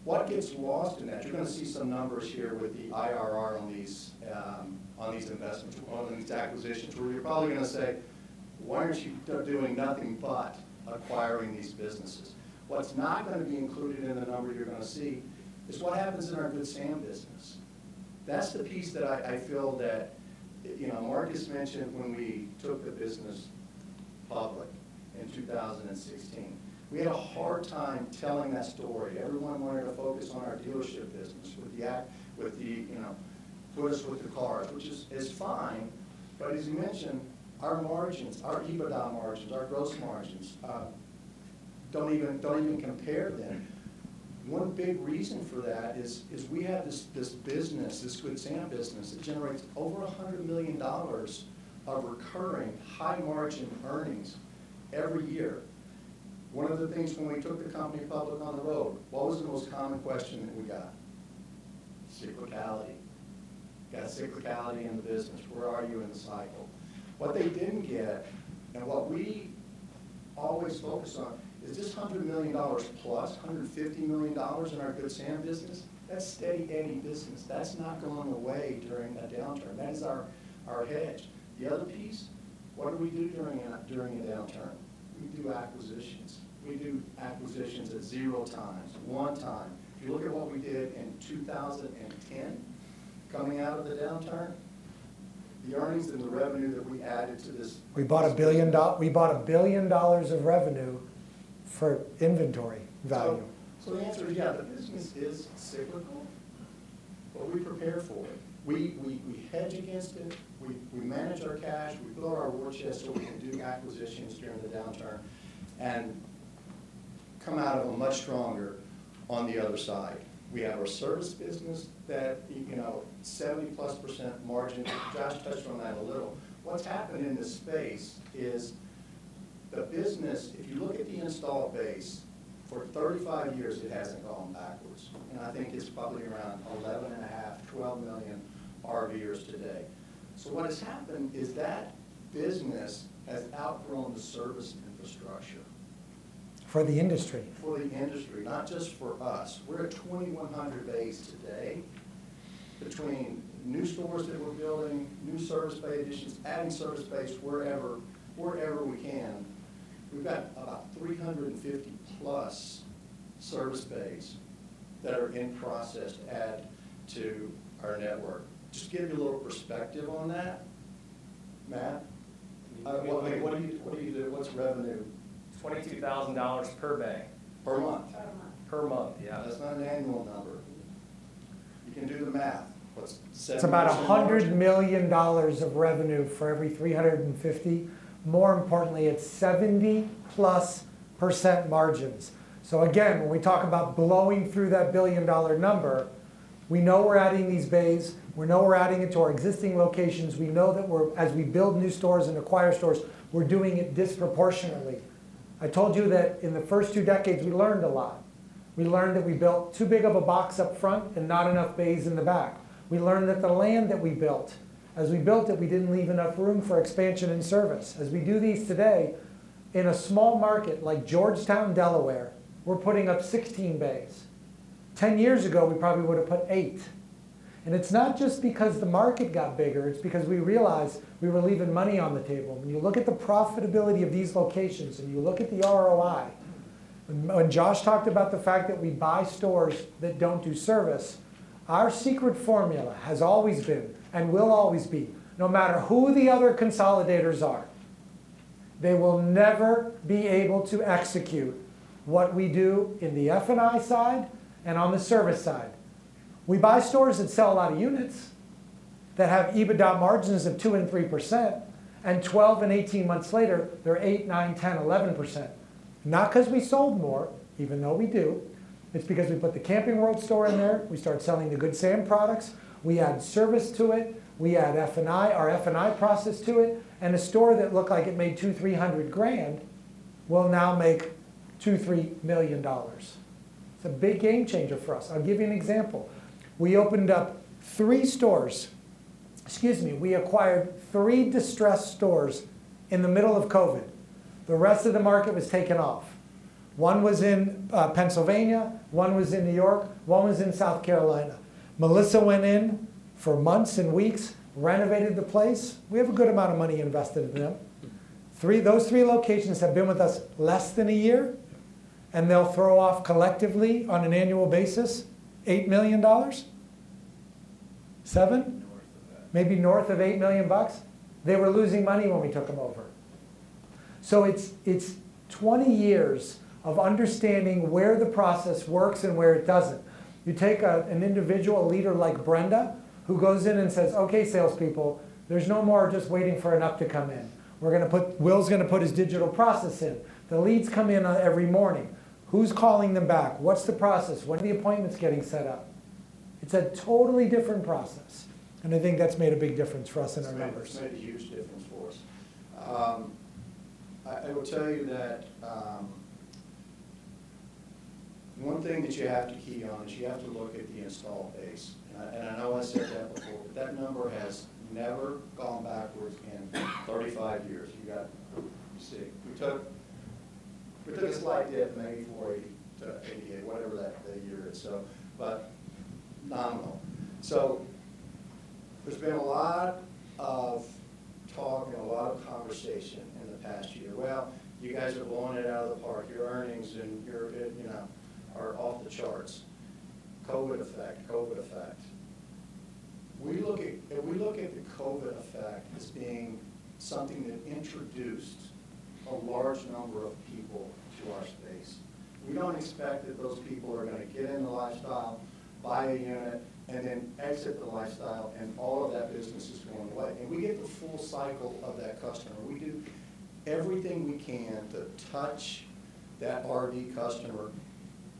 What gets lost in that, you're going to see some numbers here with the IRR on these investments, on these acquisitions, where you're probably going to say, "Why aren't you doing nothing but acquiring these businesses?" What's not going to be included in the number you're going to see is what happens in our Good Sam business. That's the piece that I feel that Marcus mentioned when we took the business public in 2016. We had a hard time telling that story. Everyone wanted to focus on our dealership business with the tourists, with the cars, which is fine, but as he mentioned, our margins, our EBITDA margins, our gross margins, don't even compare then. One big reason for that is we have this business, this Good Sam business, that generates over $100 million of recurring high-margin earnings every year. One of the things when we took the company public on the road, what was the most common question that we got? Cyclicality. You got cyclicality in the business. Where are you in the cycle? What they didn't get, and what we always focus on is this $100 million+, $150 million in our Good Sam business. That's steady eddy business. That's not going away during a downturn. That is our hedge. The other piece, what do we do during a downturn? We do acquisitions. We do acquisitions at zero times, one time. If you look at what we did in 2010, coming out of the downturn, the earnings and the revenue that we added to this. We bought $1 billion of revenue for inventory value. The answer is, yeah, the business is cyclical, but we prepare for it. We hedge against it. We manage our cash. We build our war chest so we can do acquisitions during the downturn and come out of it much stronger on the other side. We have our service business that 70%+ margin. Josh touched on that a little. What's happened in this space is the business, if you look at the install base, for 35 years, it hasn't gone backwards, and I think it's probably around 11.5 million, 12 million RVers today. What has happened is that business has outgrown the service infrastructure. For the industry. For the industry, not just for us. We're at 2,100 bays today. Between new stores that we're building, new service bay additions, adding service bays wherever we can, we've got about 350+service bays that are in process to add to our network. Just to give you a little perspective on that, Matt, what do you do? What's revenue? $22,000 per bay. Per month. Per month. Per month. Yeah, that's not an annual number. You can do the math. What's 70% margin? It's about $100 million of revenue for every 350. More importantly, it's 70%+ margins. Again, when we talk about blowing through that billion-dollar number, we know we're adding these bays. We know we're adding it to our existing locations. We know that as we build new stores and acquire stores, we're doing it disproportionately. I told you that in the first two decades, we learned a lot. We learned that we built too big of a box up front and not enough bays in the back. We learned that the land that we built, as we built it, we didn't leave enough room for expansion and service. As we do these today, in a small market like Georgetown, Delaware, we're putting up 16 bays, 10 years ago, we probably would've put eight, and it's not just because the market got bigger. It's because we realized we were leaving money on the table. When you look at the profitability of these locations, and you look at the ROI, when Josh talked about the fact that we buy stores that don't do service, our secret formula has always been and will always be, no matter who the other consolidators are, they will never be able to execute what we do in the F&I side and on the service side. We buy stores that sell a lot of units that have EBITDA margins of 2% and 3%, and 12 and 18 months later, they're 8%, 9%, 10%, 11%. Not because we sold more, even though we do. It's because we put the Camping World store in there. We start selling the Good Sam products. We add service to it. We add F&I, our F&I process to it, and a store that looked like it made $200,000, $300,000 will now make $2 million, $3 million. It's a big game changer for us. I'll give you an example. We opened up three stores. Excuse me. We acquired three distressed stores in the middle of COVID. The rest of the market was taken off. One was in Pennsylvania, one was in New York, one was in South Carolina. Melissa went in for months and weeks, renovated the place. We have a good amount of money invested in them. Those three locations have been with us less than a year, and they'll throw off collectively, on an annual basis, $8 million, $7? North of that. North of $8 million. They were losing money when we took them over. It's 20 years of understanding where the process works and where it doesn't. You take an individual leader like Brenda, who goes in and says, "Okay, salespeople, there's no more just waiting for enough to come in." Will's going to put his digital process in. The leads come in every morning. Who's calling them back? What's the process? When are the appointments getting set up? It's a totally different process, and I think that's made a big difference for us and our members. It's made a huge difference for us. I will tell you that one thing that you have to key on is you have to look at the install base. I know I said that before, but that number has never gone backwards in 35 years. You see, we took a slight dip maybe to 1988, whatever that year is. Nominal. There's been a lot of talk and a lot of conversation in the past year. Well, you guys are blowing it out of the park. Your earnings and your EBITDA are off the charts. COVID effect. We look at the COVID effect as being something that introduced a large number of people to our space. We don't expect that those people are going to get in the lifestyle, buy a unit, and then exit the lifestyle, and all of that business is going away. We get the full cycle of that customer. We do everything we can to touch that RV customer,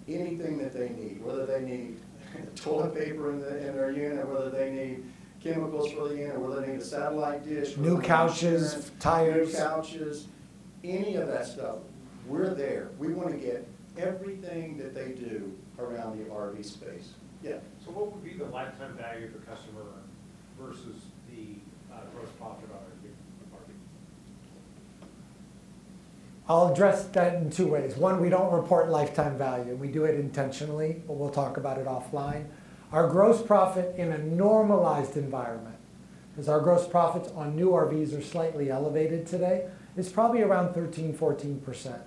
anything that they need, whether they need toilet paper in their unit, whether they need chemicals for the unit, whether they need a satellite dish. New couches, tires. New couches, any of that stuff, we're there. We want to get everything that they do around the RV space. Yeah. What would be the lifetime value of a customer versus the gross profit on a new RV? I'll address that in two ways. One, we don't report lifetime value. We do it intentionally, but we'll talk about it offline. Our gross profit in a normalized environment, because our gross profits on new RVs are slightly elevated today, is probably around 13%-14%.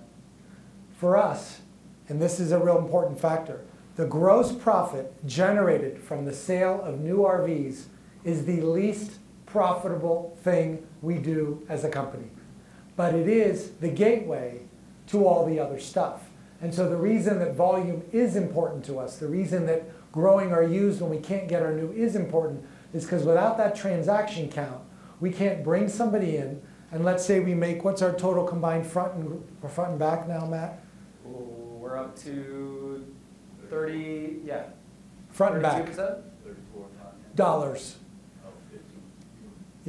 For us, this is a real important factor, the gross profit generated from the sale of new RVs is the least profitable thing we do as a company, but it is the gateway to all the other stuff. The reason that volume is important to us, the reason that growing our used when we can't get our new is important, is because without that transaction count, we can't bring somebody in, and let's say we make, what's our total combined front and back now, Matt? We're up to 30. Yeah. Front and back. 32, was that? 34, 35. Dollars. Oh, 15.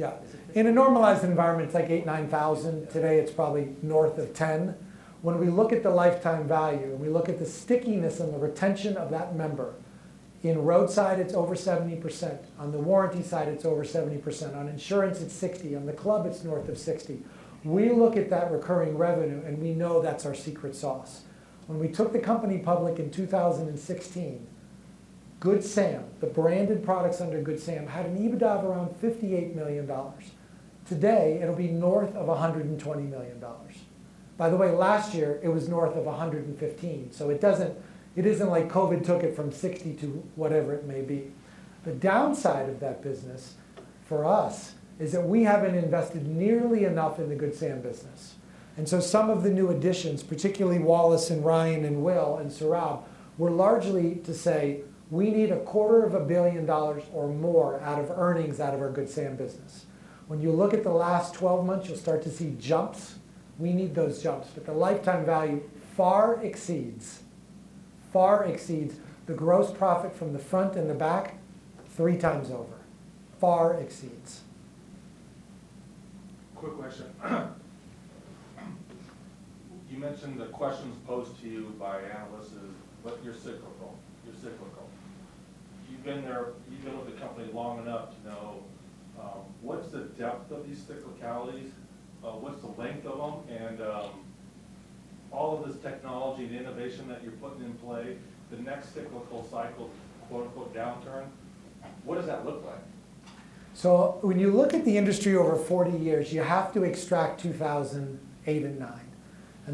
Yeah. In a normalized environment, it's like 8,000, 9,000. Today, it's probably north of 10. When we look at the lifetime value, and we look at the stickiness and the retention of that member, in roadside, it's over 70%. On the warranty side, it's over 70%. On insurance, it's 60%. On the club, it's north of 60%. We look at that recurring revenue, and we know that's our secret sauce. When we took the company public in 2016, Good Sam, the branded products under Good Sam, had an EBITDA of around $58 million. Today, it'll be north of $120 million. By the way, last year it was north of $115 million, so it isn't like COVID took it from $60 million to whatever it may be. The downside of that business for us is that we haven't invested nearly enough in the Good Sam business, and so some of the new additions, particularly Wallace and Ryan and Will and Saurabh, were largely to say, "We need a quarter of a billion dollars or more out of earnings out of our Good Sam business." When you look at the last 12 months, you'll start to see jumps. We need those jumps, but the lifetime value far exceeds the gross profit from the front and the back 3x over. Far exceeds. Quick question. You mentioned the questions posed to you by analysts is, but you're cyclical. You've been with the company long enough to know what's the depth of these cyclicalities, what's the length of them, and all of this technology and innovation that you're putting in play, the next cyclical cycle, quote-unquote, "downturn," what does that look like? When you look at the industry over 40 years, you have to extract 2008 and 2009.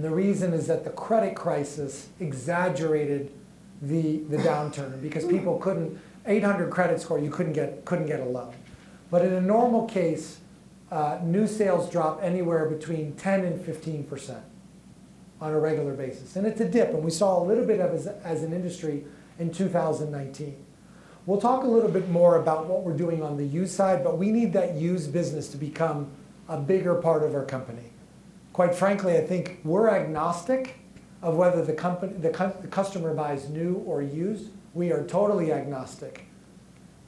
The reason is that the credit crisis exaggerated the downturn because 800 credit score, you couldn't get a loan. In a normal case, new sales draw anywhere between 10% and 15% on a regular basis, and it's a dip, and we saw a little bit of as an industry in 2019. We'll talk a little bit more about what we're doing on the used side, but we need that used business to become a bigger part of our company. Quite frankly, I think we're agnostic of whether the customer buys new or used. We are totally agnostic.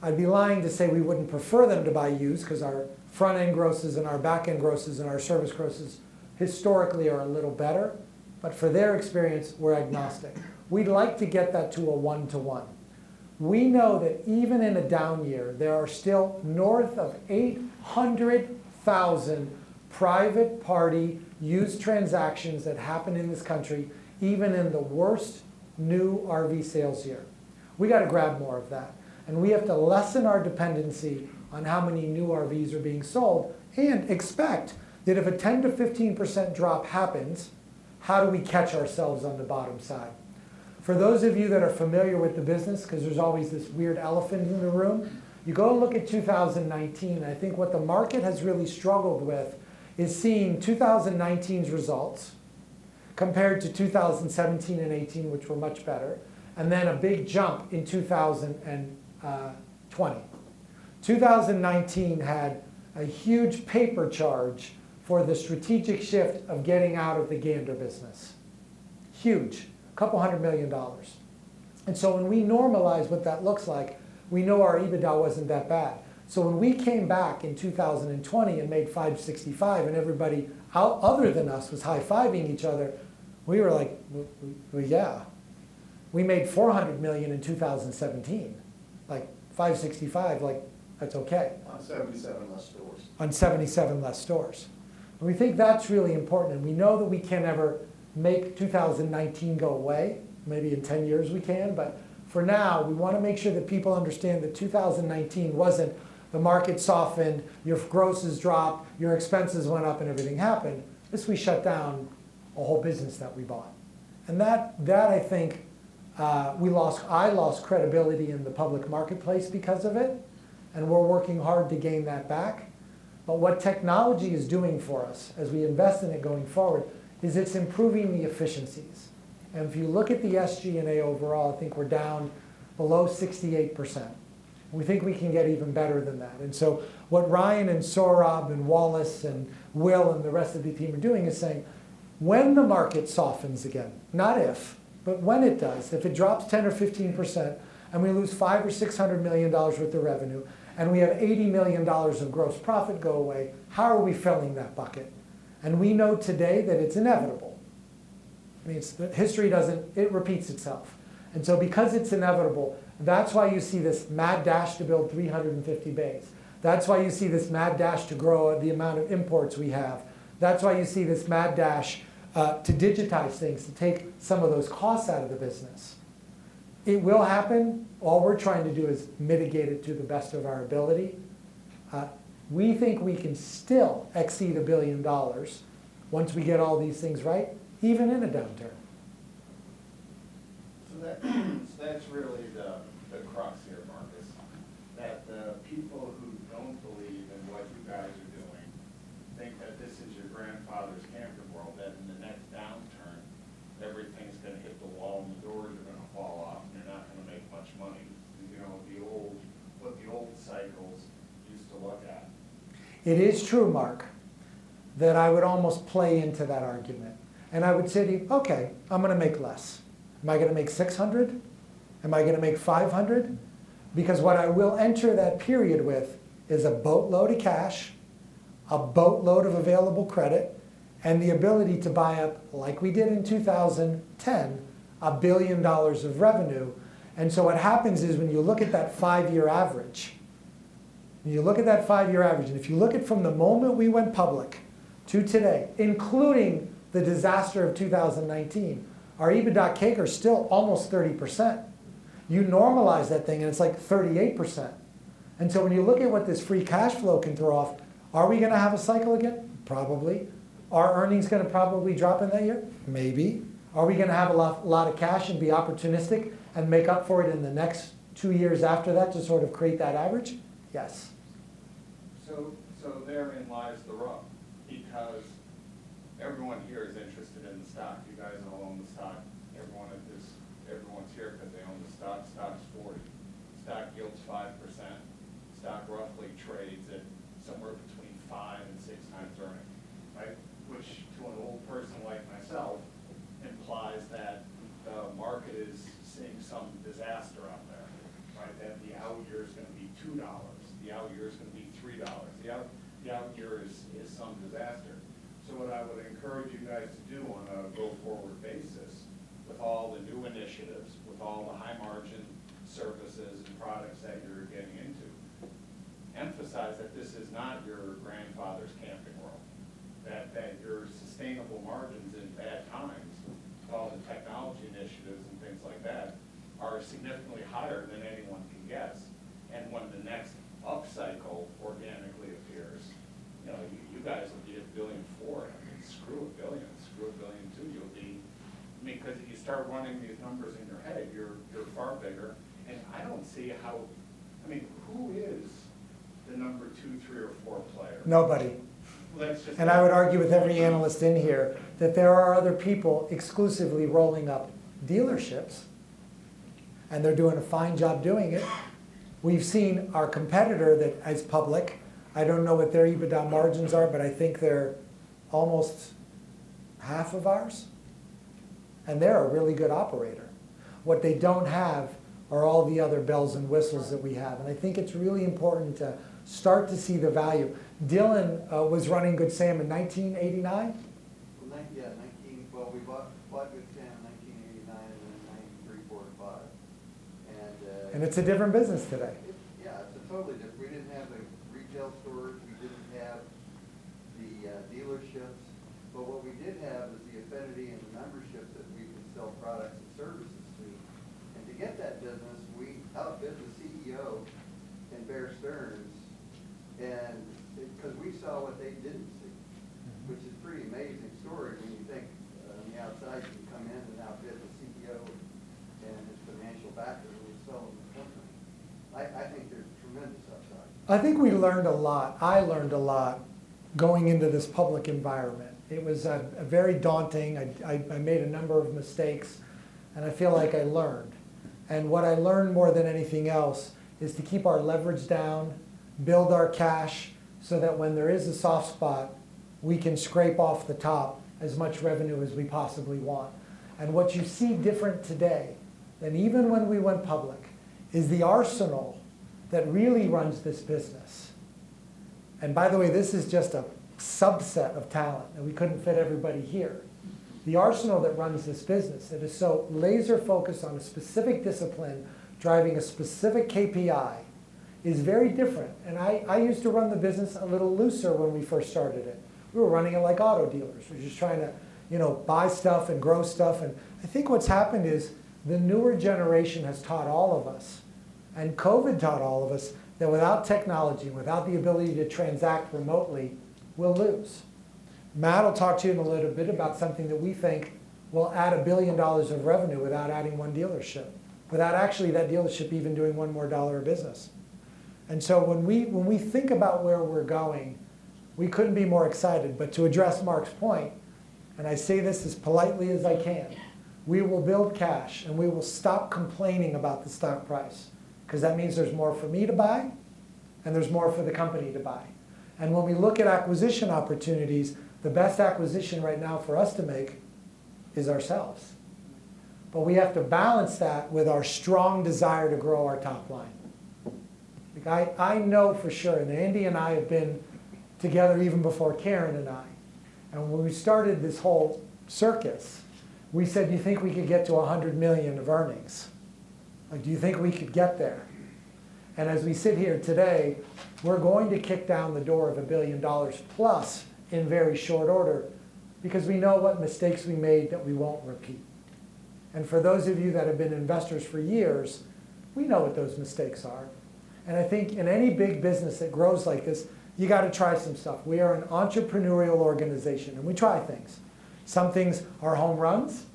I'd be lying to say we wouldn't prefer them to buy used because our front-end grosses and our back-end grosses and our service grosses historically are a little better. For their experience, we're agnostic. We'd like to get that to a 1:1. We know that even in a down year, there are still north of 800,000 private party used transactions that happen in this country, even in the worst new RV sales year. We got to grab more of that, and we have to lessen our dependency on how many new RVs are being sold and expect that if a 10%-15% draw happens, how do we catch ourselves on the bottom side? For those of you that are familiar with the business, because there's always this weird elephant in the room, you go and look at 2019, and I think what the market has really struggled with is seeing 2019's results compared to 2017 and 2018, which were much better, and then a big jump in 2020. 2019 had a huge paper charge for the strategic shift of getting out of the Gander business. Huge. A couple hundred million dollars. When we normalize what that looks like, we know our EBITDA wasn't that bad. When we came back in 2020 and made $565 million and everybody other than us was high-fiving each other, we were like, "Well, yeah. We made $400 million in 2017, $565 million, that's okay. 77 less stores. We think that's really important, and we know that we can't ever make 2019 go away. Maybe in 10 years we can, for now, we want to make sure that people understand that 2019 wasn't the market softened, your grosses dropped, your expenses went up, and everything happened. This, we shut down a whole business that we bought. That, I think, I lost credibility in the public marketplace because of it, and we're working hard to gain that back. What technology is doing for us as we invest in it going forward is it's improving the efficiencies. If you look at the SG&A overall, I think we're down below 68%, and we think we can get even better than that. What Ryan and Saurabh and Wallace and Will and the rest of the team are doing is saying, "When the market softens again," not if, but when it does, if it drops 10%-15% and we lose $500 million-$600 million worth of revenue and we have $80 million of gross profit go away, how are we filling that bucket? We know today that it's inevitable. History repeats itself. Because it's inevitable, that's why you see this mad dash to build 350 bays. That's why you see this mad dash to grow the amount of imports we have. That's why you see this mad dash to digitize things, to take some of those costs out of the business. It will happen. All we're trying to do is mitigate it to the best of our ability. We think we can still exceed $1 billion once we get all these things right, even in a downturn. That's really the crux here, Marcus, that the people who don't believe in what you guys are doing think that this is your grandfather's Camping World, that in the next downturn, everything's going to hit the wall and the doors are going to fall off and you're not going to make much money. What the old cycles used to look at. It is true, Mark, that I would almost play into that argument and I would say to you, "Okay, I'm going to make less. Am I going to make $600? Am I going to make $500?" What I will enter that period with is a boatload of cash, a boatload of available credit, and the ability to buy up, like we did in 2010, $1 billion of revenue. What happens is when you look at that five-year average, and if you look at from the moment we went public to today, including the disaster of 2019, our EBITDA CAGR is still almost 30%. You normalize that thing, and it's like 38%. When you look at what this free cash flow can throw off, are we going to have a cycle again? Probably. Are earnings going to probably drop in that year? Maybe. Are we going to have a lot of cash and be opportunistic and make up for it in the next two years after that to sort of create that average? Yes. Therein lies the rub, because everyone here is interested in the stock. You guys all own the stock. Everyone's here because they own the stock. Stock's $40. Stock yields 5%. Stock roughly trades at somewhere between 5x and 6x earning, right? Which to an old person like myself, implies that the market is seeing some disaster out there, right? That the out year is going to be $2, the out year is going to be $3. The out year is some disaster. What I would encourage you guys to do on a go-forward basis with all the new initiatives, with all the high-margin services and products that you're getting into, emphasize that this is not your grandfather's Camping World, that your sustainable margins in bad times with all the technology initiatives and things like that are significantly higher than anyone can guess. When the next upcycle organically appears, you guys will be at $1.4 billion. I mean, screw $1 billion, screw $1.2 billion. If you start running these numbers in your head, you're far bigger, and I don't see how, who is the number two, three, or four player? Nobody. I would argue with every analyst in here that there are other people exclusively rolling up dealerships, and they're doing a fine job doing it. We've seen our competitor that is public. I don't know what their EBITDA margins are, but I think they're almost half of ours. They're a really good operator. What they don't have are all the other bells and whistles that we have. I think it's really important to start to see the value. Dillon was running Good Sam in 1989? Yeah, well, we bought Good Sam in 1989, and then 1993, four to five. It's a different business today. Yeah, it's totally different. We didn't have the retail stores, we didn't have the dealerships. What we did have was the affinity and the membership that we could sell products and services to. To get that business, we outbid the CEO and Bear Stearns because we saw what they didn't see, which is a pretty amazing story when you think on the outside you can come in and outbid the CEO and his financial backers when we sell them the company. I think there's tremendous upside. I think we learned a lot. I learned a lot going into this public environment. It was very daunting. I made a number of mistakes, and I feel like I learned. What I learned more than anything else is to keep our leverage down, build our cash, so that when there is a soft spot, we can scrape off the top as much revenue as we possibly want. What you see different today than even when we went public is the arsenal that really runs this business. By the way, this is just a subset of talent. We couldn't fit everybody here. The arsenal that runs this business that is so laser-focused on a specific discipline, driving a specific KPI is very different. I used to run the business a little looser when we first started it. We were running it like auto dealers. We're just trying to buy stuff and grow stuff. I think what's happened is the newer generation has taught all of us, and COVID taught all of us that without technology, without the ability to transact remotely, we'll lose. Matt will talk to you in a little bit about something that we think will add $1 billion of revenue without adding one dealership, without actually that dealership even doing one more dollar of business. When we think about where we're going, we couldn't be more excited. To address Mark's point, and I say this as politely as I can, we will build cash, and we will stop complaining about the stock price, because that means there's more for me to buy and there's more for the company to buy. When we look at acquisition opportunities, the best acquisition right now for us to make is ourselves. We have to balance that with our strong desire to grow our top line. I know for sure, Andy and I have been together even before Karin and I, and when we started this whole circus, we said, "Do you think we could get to $100 million of earnings? Do you think we could get there?" As we sit here today, we're going to kick down the door of $1+ billion in very short order because we know what mistakes we made that we won't repeat. For those of you that have been investors for years, we know what those mistakes are. I think in any big business that grows like this, you got to try some stuff. We are an entrepreneurial organization. We try things. Some things are home runs.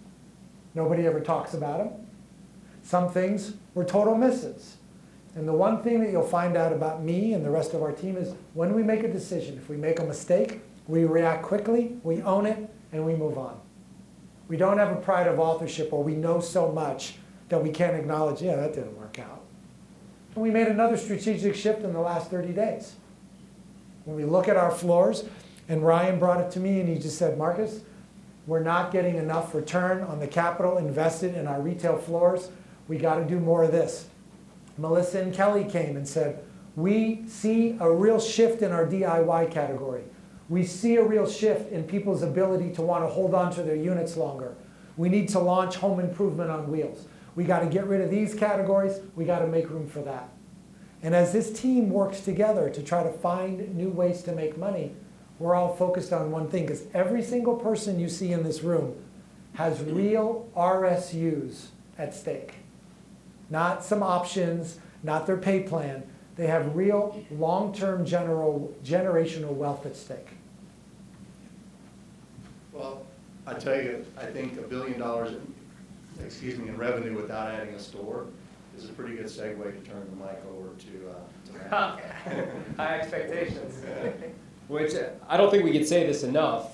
Nobody ever talks about them. Some things were total misses. The one thing that you'll find out about me and the rest of our team is when we make a decision, if we make a mistake, we react quickly, we own it, and we move on. We don't have a pride of authorship, or we know so much that we can't acknowledge, "Yeah, that didn't work out." We made another strategic shift in the last 30 days. When we look at our floors and Ryan brought it to me, and he just said, "Marcus, we're not getting enough return on the capital invested in our retail floors." We got to do more of this. Melissa and Kelly came and said, "We see a real shift in our DIY category. We see a real shift in people's ability to want to hold onto their units longer. We need to launch home improvement on wheels. We got to get rid of these categories. We got to make room for that. As this team works together to try to find new ways to make money, we're all focused on one thing, because every single person you see in this room has real RSUs at stake. Not some options, not their pay plan. They have real long-term generational wealth at stake. Well, I tell you, I think $1 billion, excuse me, in revenue without adding a store is a pretty good segue to turn the mic over to Matt. High expectations. I don't think we could say this enough.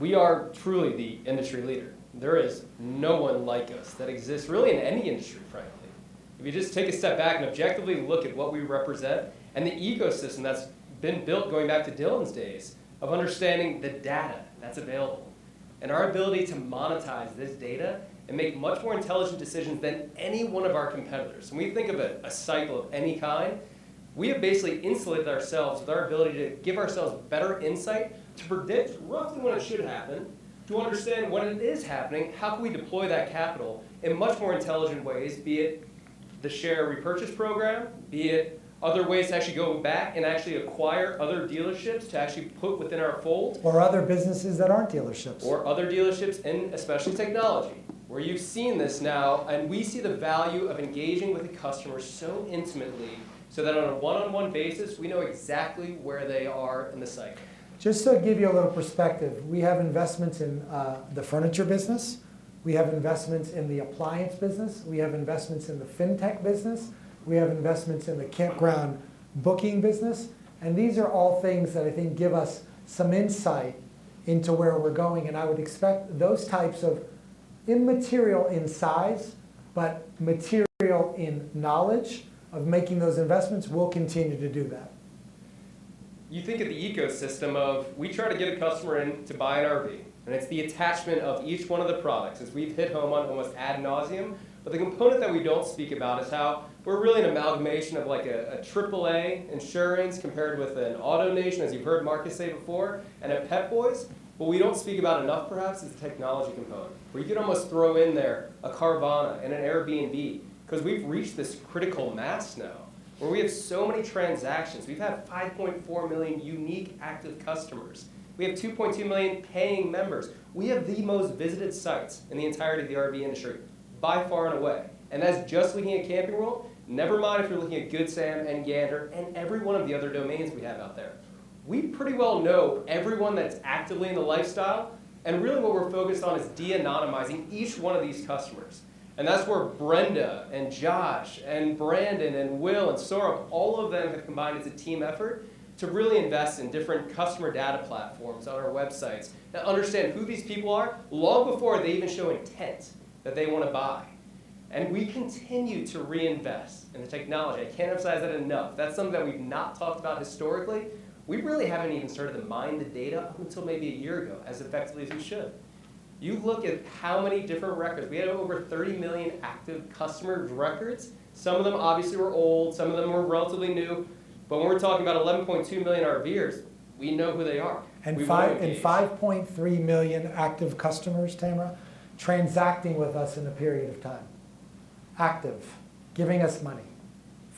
We are truly the industry leader. There is no one like us that exists really in any industry, frankly. If you just take a step back and objectively look at what we represent and the ecosystem that's been built, going back to Dillon's days of understanding the data that's available and our ability to monetize this data and make much more intelligent decisions than any one of our competitors. When we think of a cycle of any kind, we have basically insulated ourselves with our ability to give ourselves better insight to predict roughly when it should happen, to understand when it is happening, how can we deploy that capital in much more intelligent ways, be it the share repurchase program, be it other ways to actually go back and actually acquire other dealerships to actually put within our fold. Other businesses that aren't dealerships. Other dealerships, and especially technology, where you've seen this now, and we see the value of engaging with the customer so intimately, so that on a one-on-one basis, we know exactly where they are in the cycle. Just to give you a little perspective, we have investments in the furniture business. We have investments in the appliance business. We have investments in the fintech business. We have investments in the campground booking business. These are all things that I think give us some insight into where we're going. I would expect those types of immaterial in size, but material in knowledge of making those investments will continue to do that. You think of the ecosystem of, we try to get a customer in to buy an RV, and it's the attachment of each one of the products, as we've hit home on almost ad nauseam. The component that we don't speak about is how we're really an amalgamation of like a AAA insurance compared with an AutoNation, as you've heard Marcus say before, and a Pep Boys. What we don't speak about enough perhaps is the technology component, where you could almost throw in there a Carvana and an Airbnb, because we've reached this critical mass now where we have so many transactions. We've had 5.4 million unique active customers. We have 2.2 million paying members. We have the most visited sites in the entirety of the RV industry by far and away, that's just looking at Camping World, never mind if you're looking at Good Sam and Gander, and every one of the other domains we have out there. We pretty well know everyone that's actively in the lifestyle, really what we're focused on is de-anonymizing each one of these customers. That's where Brenda and Josh and Brandon and Will and Saurabh, all of them have combined as a team effort to really invest in different customer data platforms on our websites that understand who these people are long before they even show intent that they want to buy. We continue to reinvest in the technology. I can't emphasize that enough. That's something that we've not talked about historically. We really haven't even started to mine the data until maybe a year ago, as effectively as we should. You look at how many different records. We had over 30 million active customer records. Some of them obviously were old, some of them were relatively new, but when we're talking about 11.2 million RVers, we know who they are. We will engage. 5.3 million active customers, Tamara, transacting with us in a period of time. Active. Giving us money.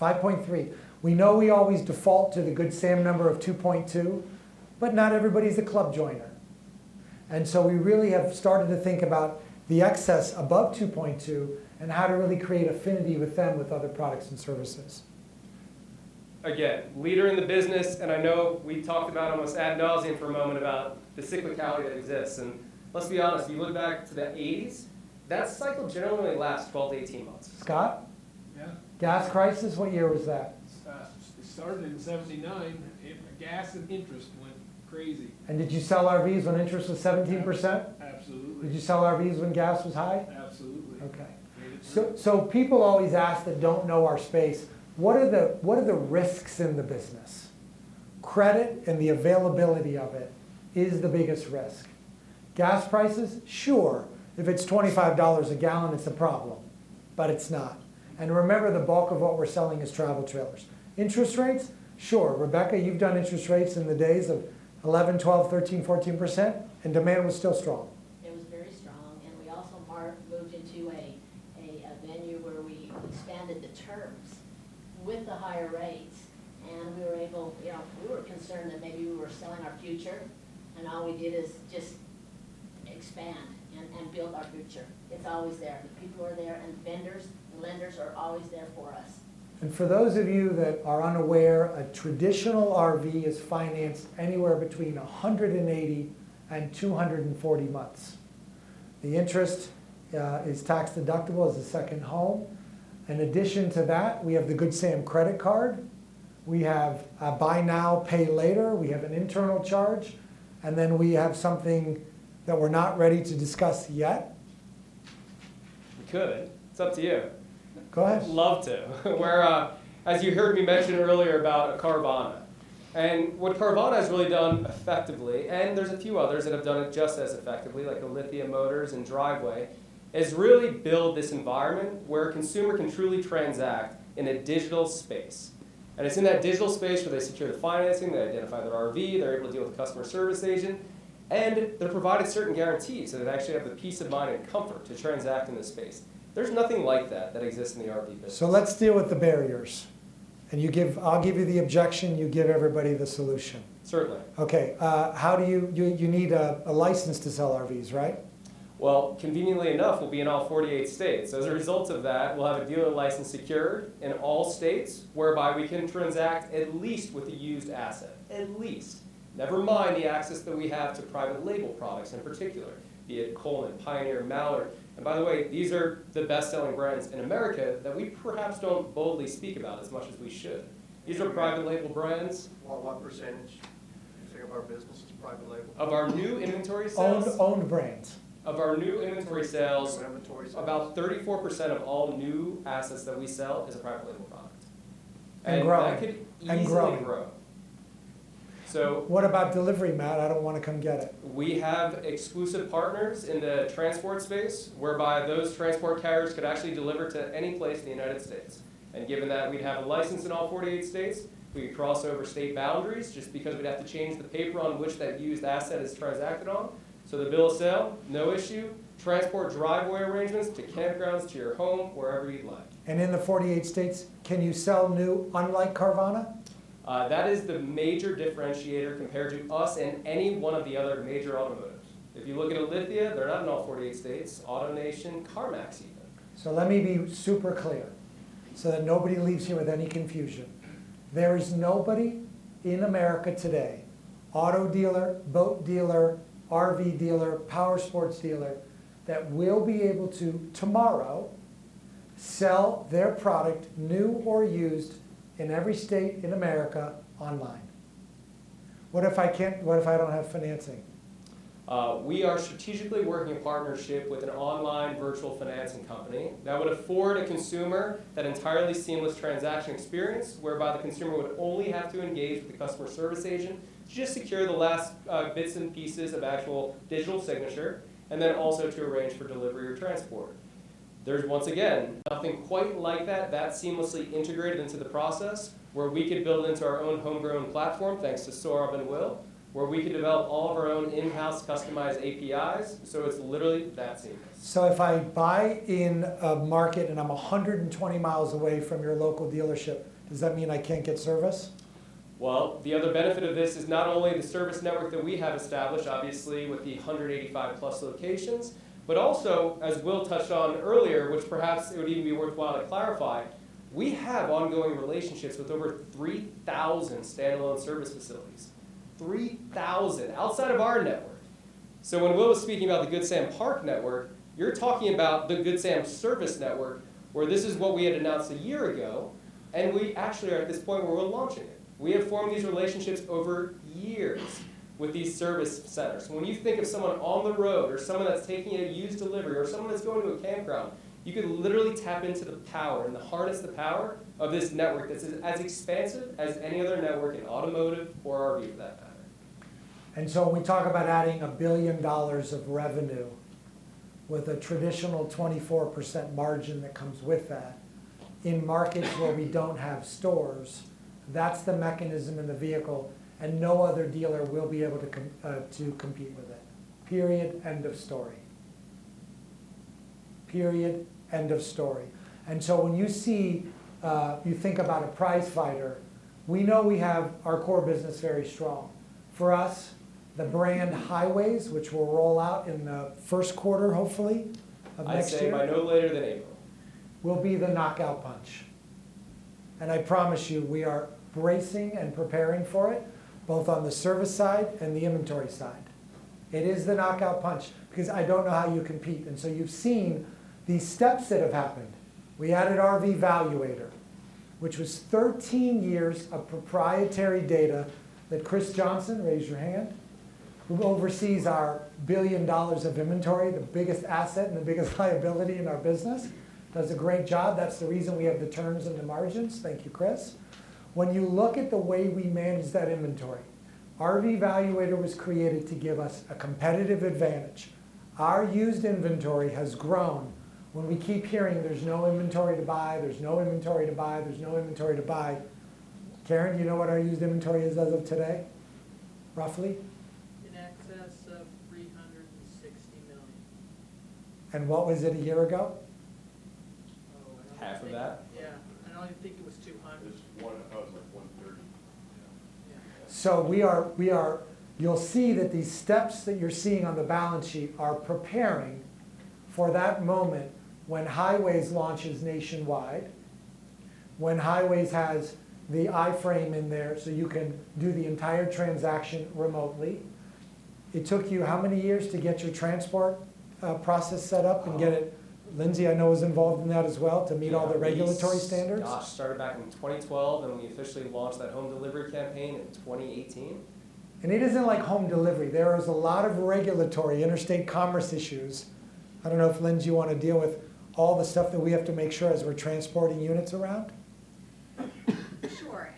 5.3. We know we always default to the Good Sam number of 2.2, but not everybody's a club joiner. We really have started to think about the excess above 2.2, and how to really create affinity with them with other products and services. Leader in the business, I know we talked about almost ad nauseam for a moment about the cyclicality that exists, let's be honest, you look back to the 1980s, that cycle generally lasts 12-18 months. Scott? Yeah? Gas crisis, what year was that? It started in 1979. Gas and interest went crazy. Did you sell RVs when interest was 17%? Absolutely. Did you sell RVs when gas was high? Absolutely. Okay. Made it through. People always ask that don't know our space, what are the risks in the business? Credit, and the availability of it, is the biggest risk. Gas prices? Sure. If it's $25 a gallon, it's a problem, but it's not. Remember, the bulk of what we're selling is travel trailers. Interest rates? Sure. Rebecca, you've done interest rates in the days of 11%, 12%, 13%, 14%, and demand was still strong. It was very strong. We also, Mark, moved into a venue where we expanded the terms with the higher rates. We were concerned that maybe we were selling our future. All we did is just expand and build our future. It's always there. The people are there. Vendors, lenders are always there for us. For those of you that are unaware, a traditional RV is financed anywhere between 180 and 240 months. The interest is tax-deductible as a second home. In addition to that, we have the Good Sam credit card. We have a buy now, pay later. We have an internal charge, then we have something that we're not ready to discuss yet. We could. It's up to you. Go ahead. Love to. As you heard me mention earlier about Carvana, and what Carvana has really done effectively, and there's a few others that have done it just as effectively, like a Lithia Motors and Driveway, is really build this environment where a consumer can truly transact in a digital space. It's in that digital space where they secure the financing, they identify their RV, they're able to deal with a customer service agent, and they're provided certain guarantees so they actually have the peace of mind and comfort to transact in the space. There's nothing like that that exists in the RV business. Let's deal with the barriers. I'll give you the objection, you give everybody the solution. Certainly. Okay. You need a license to sell RVs, right? Conveniently enough, we'll be in all 48 states. As a result of that, we'll have a dealer license secured in all states, whereby we can transact at least with a used asset. At least. Never mind the access that we have to private label products in particular, be it Coleman, Pioneer, Mallard. By the way, these are the best-selling brands in America that we perhaps don't boldly speak about as much as we should. These are private label brands. Well, what percentage, say, of our business is private label? Of our new inventory sales? Owned brands. Of our new inventory sales. Of inventory sales. About 34% of all new assets that we sell is a private label product. Growing. That could easily grow. What about delivery, Matt? I don't want to come get it. We have exclusive partners in the transport space, whereby those transport carriers could actually deliver to any place in the U.S. Given that we'd have a license in all 48 states, we could cross over state boundaries, just because we'd have to change the paper on which that used asset is transacted on. The bill of sale, no issue. Transport, Driveway arrangements to campgrounds, to your home, wherever you'd like. In the 48 states, can you sell new, unlike Carvana? That is the major differentiator compared to us and any one of the other major automakers. If you look at a Lithia, they're not in all 48 states. AutoNation, CarMax even. Let me be super clear so that nobody leaves here with any confusion. There is nobody in America today, auto dealer, boat dealer, RV dealer, powersports dealer, that will be able to, tomorrow, sell their product, new or used, in every state in America online. What if I don't have financing? We are strategically working in partnership with an online virtual financing company that would afford a consumer that entirely seamless transaction experience, whereby the consumer would only have to engage with the customer service agent to just secure the last bits and pieces of actual digital signature, and then also to arrange for delivery or transport. There's once again, nothing quite like that seamlessly integrated into the process where we could build into our own homegrown platform, thanks to Saurabh and Will, where we could develop all of our own in-house customized APIs. It's literally that seamless. If I buy in a market and I'm 120 mi away from your local dealership, does that mean I can't get service? The other benefit of this is not only the service network that we have established, obviously, with the 185+ locations, but also, as Will touched on earlier, which perhaps it would even be worthwhile to clarify, we have ongoing relationships with over 3,000 standalone service facilities. 3,000 outside of our network. When Will was speaking about the Good Sam Park network, you're talking about the Good Sam service network, where this is what we had announced a year ago, and we actually are at this point where we're launching it. We have formed these relationships over years with these service centers. When you think of someone on the road, or someone that's taking a used delivery, or someone that's going to a campground, you could literally tap into the power and harness the power of this network that's as expansive as any other network in automotive or RV for that matter. When we talk about adding $1 billion of revenue with a traditional 24% margin that comes with that, in markets where we don't have stores, that's the mechanism and the vehicle, and no other dealer will be able to compete with it. Period. End of story. When you think about a prizefighter, we know we have our core business very strong. For us, the brand RVway, which we'll roll out in the first quarter, hopefully of next year. I'd say by no later than April. Will be the knockout punch. I promise you, we are bracing and preparing for it, both on the service side and the inventory side. It is the knockout punch because I don't know how you compete. You've seen these steps that have happened. We added Good Sam RV Valuator, which was 13 years of proprietary data that Chris Johnson, raise your hand, who oversees our $1 billion of inventory, the biggest asset and the biggest liability in our business, does a great job. That's the reason we have the turns and the margins. Thank you, Chris. When you look at the way we manage that inventory, Good Sam RV Valuator was created to give us a competitive advantage. Our used inventory has grown. When we keep hearing there's no inventory to buy, Karin, you know what our used inventory is as of today, roughly? In excess of $360 million. What was it a year ago? Oh, I don't think. Half of that. Yeah. I only think it was $200. It was $100, like $130. Yeah. You'll see that these steps that you're seeing on the balance sheet are preparing for that moment when Highways launches nationwide, when Highways has the iframe in there, so you can do the entire transaction remotely. It took you how many years to get your transport process set up and get it, Lindsey, I know, was involved in that as well to meet all the regulatory standards. Gosh, started back in 2012, we officially launched that home delivery campaign in 2018. It isn't like home delivery. There is a lot of regulatory interstate commerce issues. I don't know if, Lindsey, you want to deal with all the stuff that we have to make sure as we're transporting units around. Sure.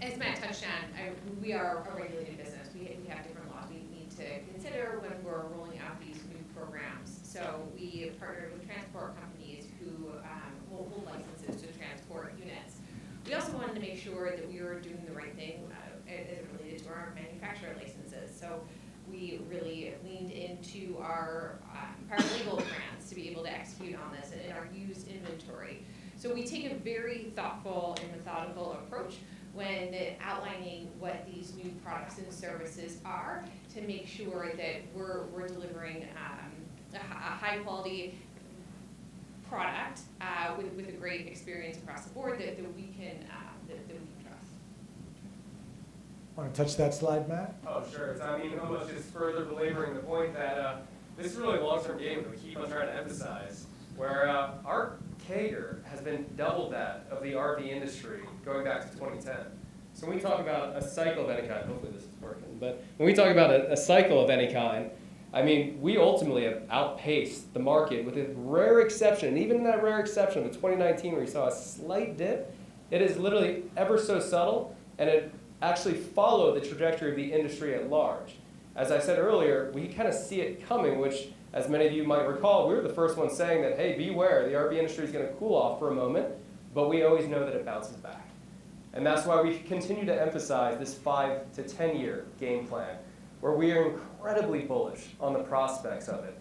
As Matt touched on, we are a regulated business. We have different laws we need to consider when we're rolling out these new programs. We have partnered with transport companies who hold licenses to transport units. We also wanted to make sure that we were doing the right thing as it related to our manufacturer licenses. We really leaned into our legal grounds to be able to execute on this in our used inventory. We take a very thoughtful and methodical approach when outlining what these new products and services are to make sure that we're delivering a high-quality product, with a great experience across the board that we can trust. Want to touch that slide, Matt? Oh, sure. It's almost just further belaboring the point that this is really a long-term game that we keep on trying to emphasize, where our CAGR has been double that of the RV industry going back to 2010. When we talk about a cycle of any kind, hopefully this is working, but when we talk about a cycle of any kind, we ultimately have outpaced the market with a rare exception. Even in that rare exception with 2019 where you saw a slight dip, it is literally ever so subtle, and it actually followed the trajectory of the industry at large. As I said earlier, we kind of see it coming, which as many of you might recall, we were the first ones saying that, "Hey, beware, the RV industry is going to cool off for a moment," but we always know that it bounces back. That's why we continue to emphasize this 5-10-year game plan, where we are incredibly bullish on the prospects of it.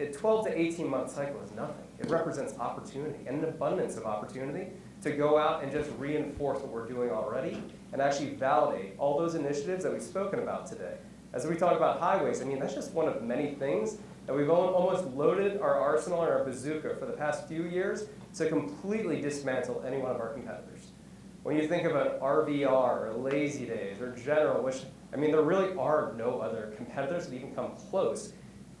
A 12-18-month cycle is nothing. It represents opportunity and an abundance of opportunity to go out and just reinforce what we're doing already and actually validate all those initiatives that we've spoken about today. As we talk about Highways, that's just one of many things, and we've almost loaded our arsenal and our bazooka for the past few years to completely dismantle any one of our competitors. When you think about RVR or Lazydays or General, which there really are no other competitors that even come close.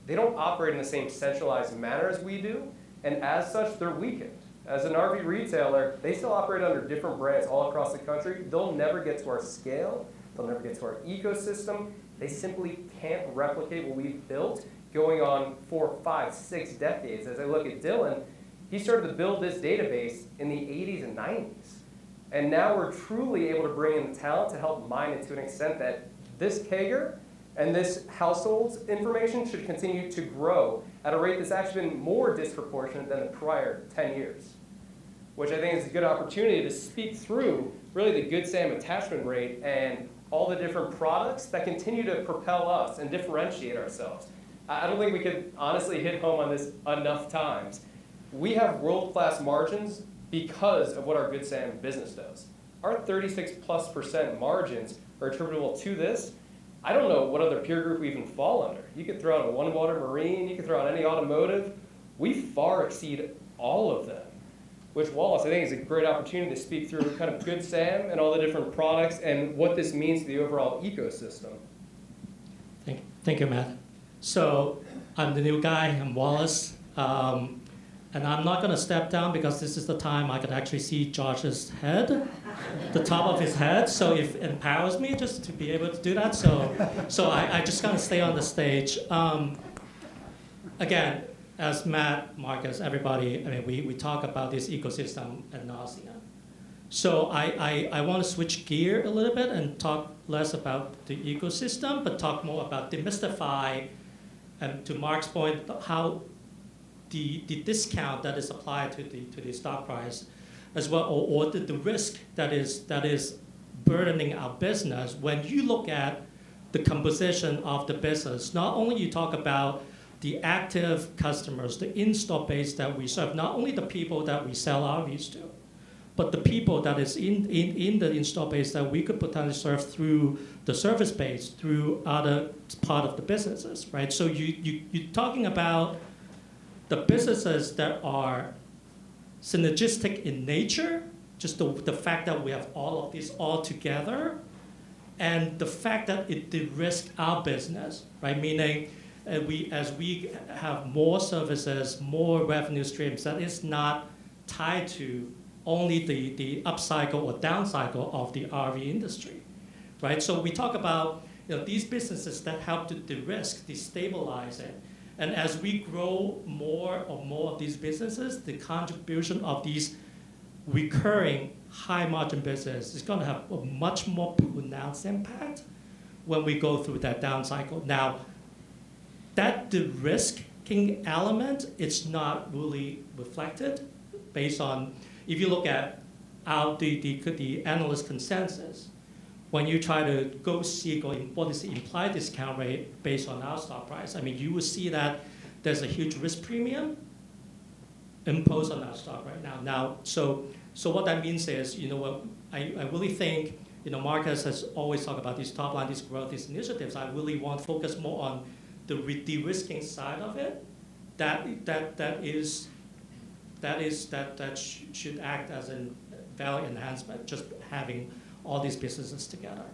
They don't operate in the same centralized manner as we do, and as such, they're weakened. As an RV retailer, they still operate under different brands all across the country. They'll never get to our scale. They'll never get to our ecosystem. They simply can't replicate what we've built going on four, five, six decades. As I look at Dillon, he started to build this database in the 1980s and 1990s, and now we're truly able to bring in the talent to help mine it to an extent that this CAGR and this household information should continue to grow at a rate that's actually been more disproportionate than the prior 10 years. Which I think is a good opportunity to speak through really the Good Sam attachment rate and all the different products that continue to propel us and differentiate ourselves. I don't think we could honestly hit home on this enough times. We have world-class margins because of what our Good Sam business does. Our 36%+ margins are attributable to this. I don't know what other peer group we even fall under. You could throw out a Winnebago or MarineMax, you could throw out any automotive. We far exceed all of them. With Wallace, I think it's a great opportunity to speak through Good Sam and all the different products and what this means to the overall ecosystem. Thank you, Matt. I'm the new guy. I'm Wallace. I'm not going to step down because this is the time I can actually see Josh's head. The top of his head. It empowers me just to be able to do that. I just kind of stay on the stage. Again, as Matt, Marcus, everybody, we talk about this ecosystem ad nauseam. I want to switch gear a little bit and talk less about the ecosystem, but talk more about demystify and to Mark's point, how the discount that is applied to the stock price as well, or the risk that is burdening our business. When you look at the composition of the business, not only you talk about the active customers, the install base that we serve, not only the people that we sell RVs to, but the people that is in the install base that we could potentially serve through the service base through other part of the businesses. You're talking about the businesses that are synergistic in nature, just the fact that we have all of this all together, and the fact that it de-risk our business. Meaning as we have more services, more revenue streams, that is not tied to only the up cycle or down cycle of the RV industry. We talk about these businesses that help to de-risk, stabilize it. As we grow more and more of these businesses, the contribution of these recurring high-margin business is going to have a much more pronounced impact when we go through that down cycle. That de-risking element, it's not really reflected based on if you look at the analyst consensus, when you try to go see what is the implied discount rate based on our stock price, you will see that there's a huge risk premium imposed on our stock right now. What that means is, I really think Marcus has always talked about this top line, these growth initiatives. I really want to focus more on the de-risking side of it. That should act as a value enhancement, just having all these businesses together.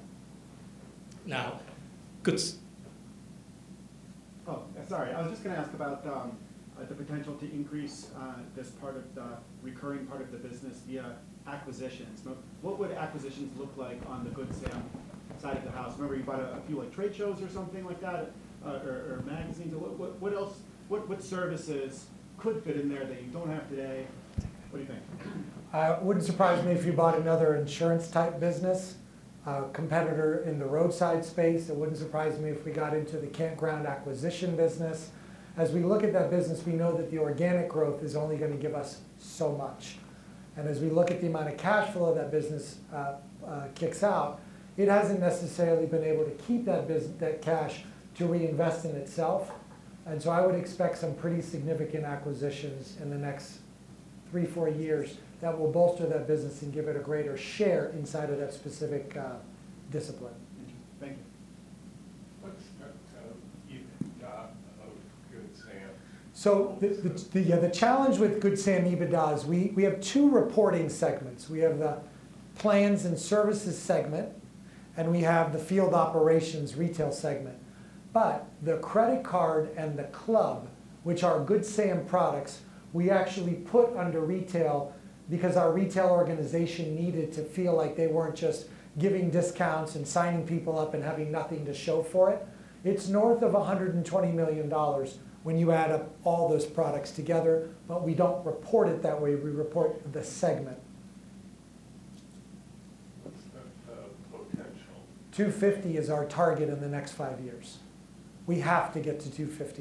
Good Sam. Oh, sorry. I was just going to ask about the potential to increase this recurring part of the business via acquisitions. What would acquisitions look like on the Good Sam side of the house? Remember you bought a few trade shows or something like that, or magazines. What services could fit in there that you don't have today? What do you think? It wouldn't surprise me if we bought another insurance-type business a competitor in the roadside space. It wouldn't surprise me if we got into the campground acquisition business. As we look at that business, we know that the organic growth is only going to give us so much. As we look at the amount of cash flow that business kicks out, it hasn't necessarily been able to keep that cash to reinvest in itself. I would expect some pretty significant acquisitions in the next three, four years that will bolster that business and give it a greater share inside of that specific discipline. Thank you. What's the EBITDA of Good Sam? The challenge with Good Sam EBITDA is we have two reporting segments. We have the plans and services segment, and we have the field operations retail segment. The credit card and the club, which are Good Sam products, we actually put under retail because our retail organization needed to feel like they weren't just giving discounts and signing people up and having nothing to show for it. It's north of $120 million when you add up all those products together. We don't report it that way. We report the segment. What's the potential? $250 million is our target in the next five years. We have to get to $250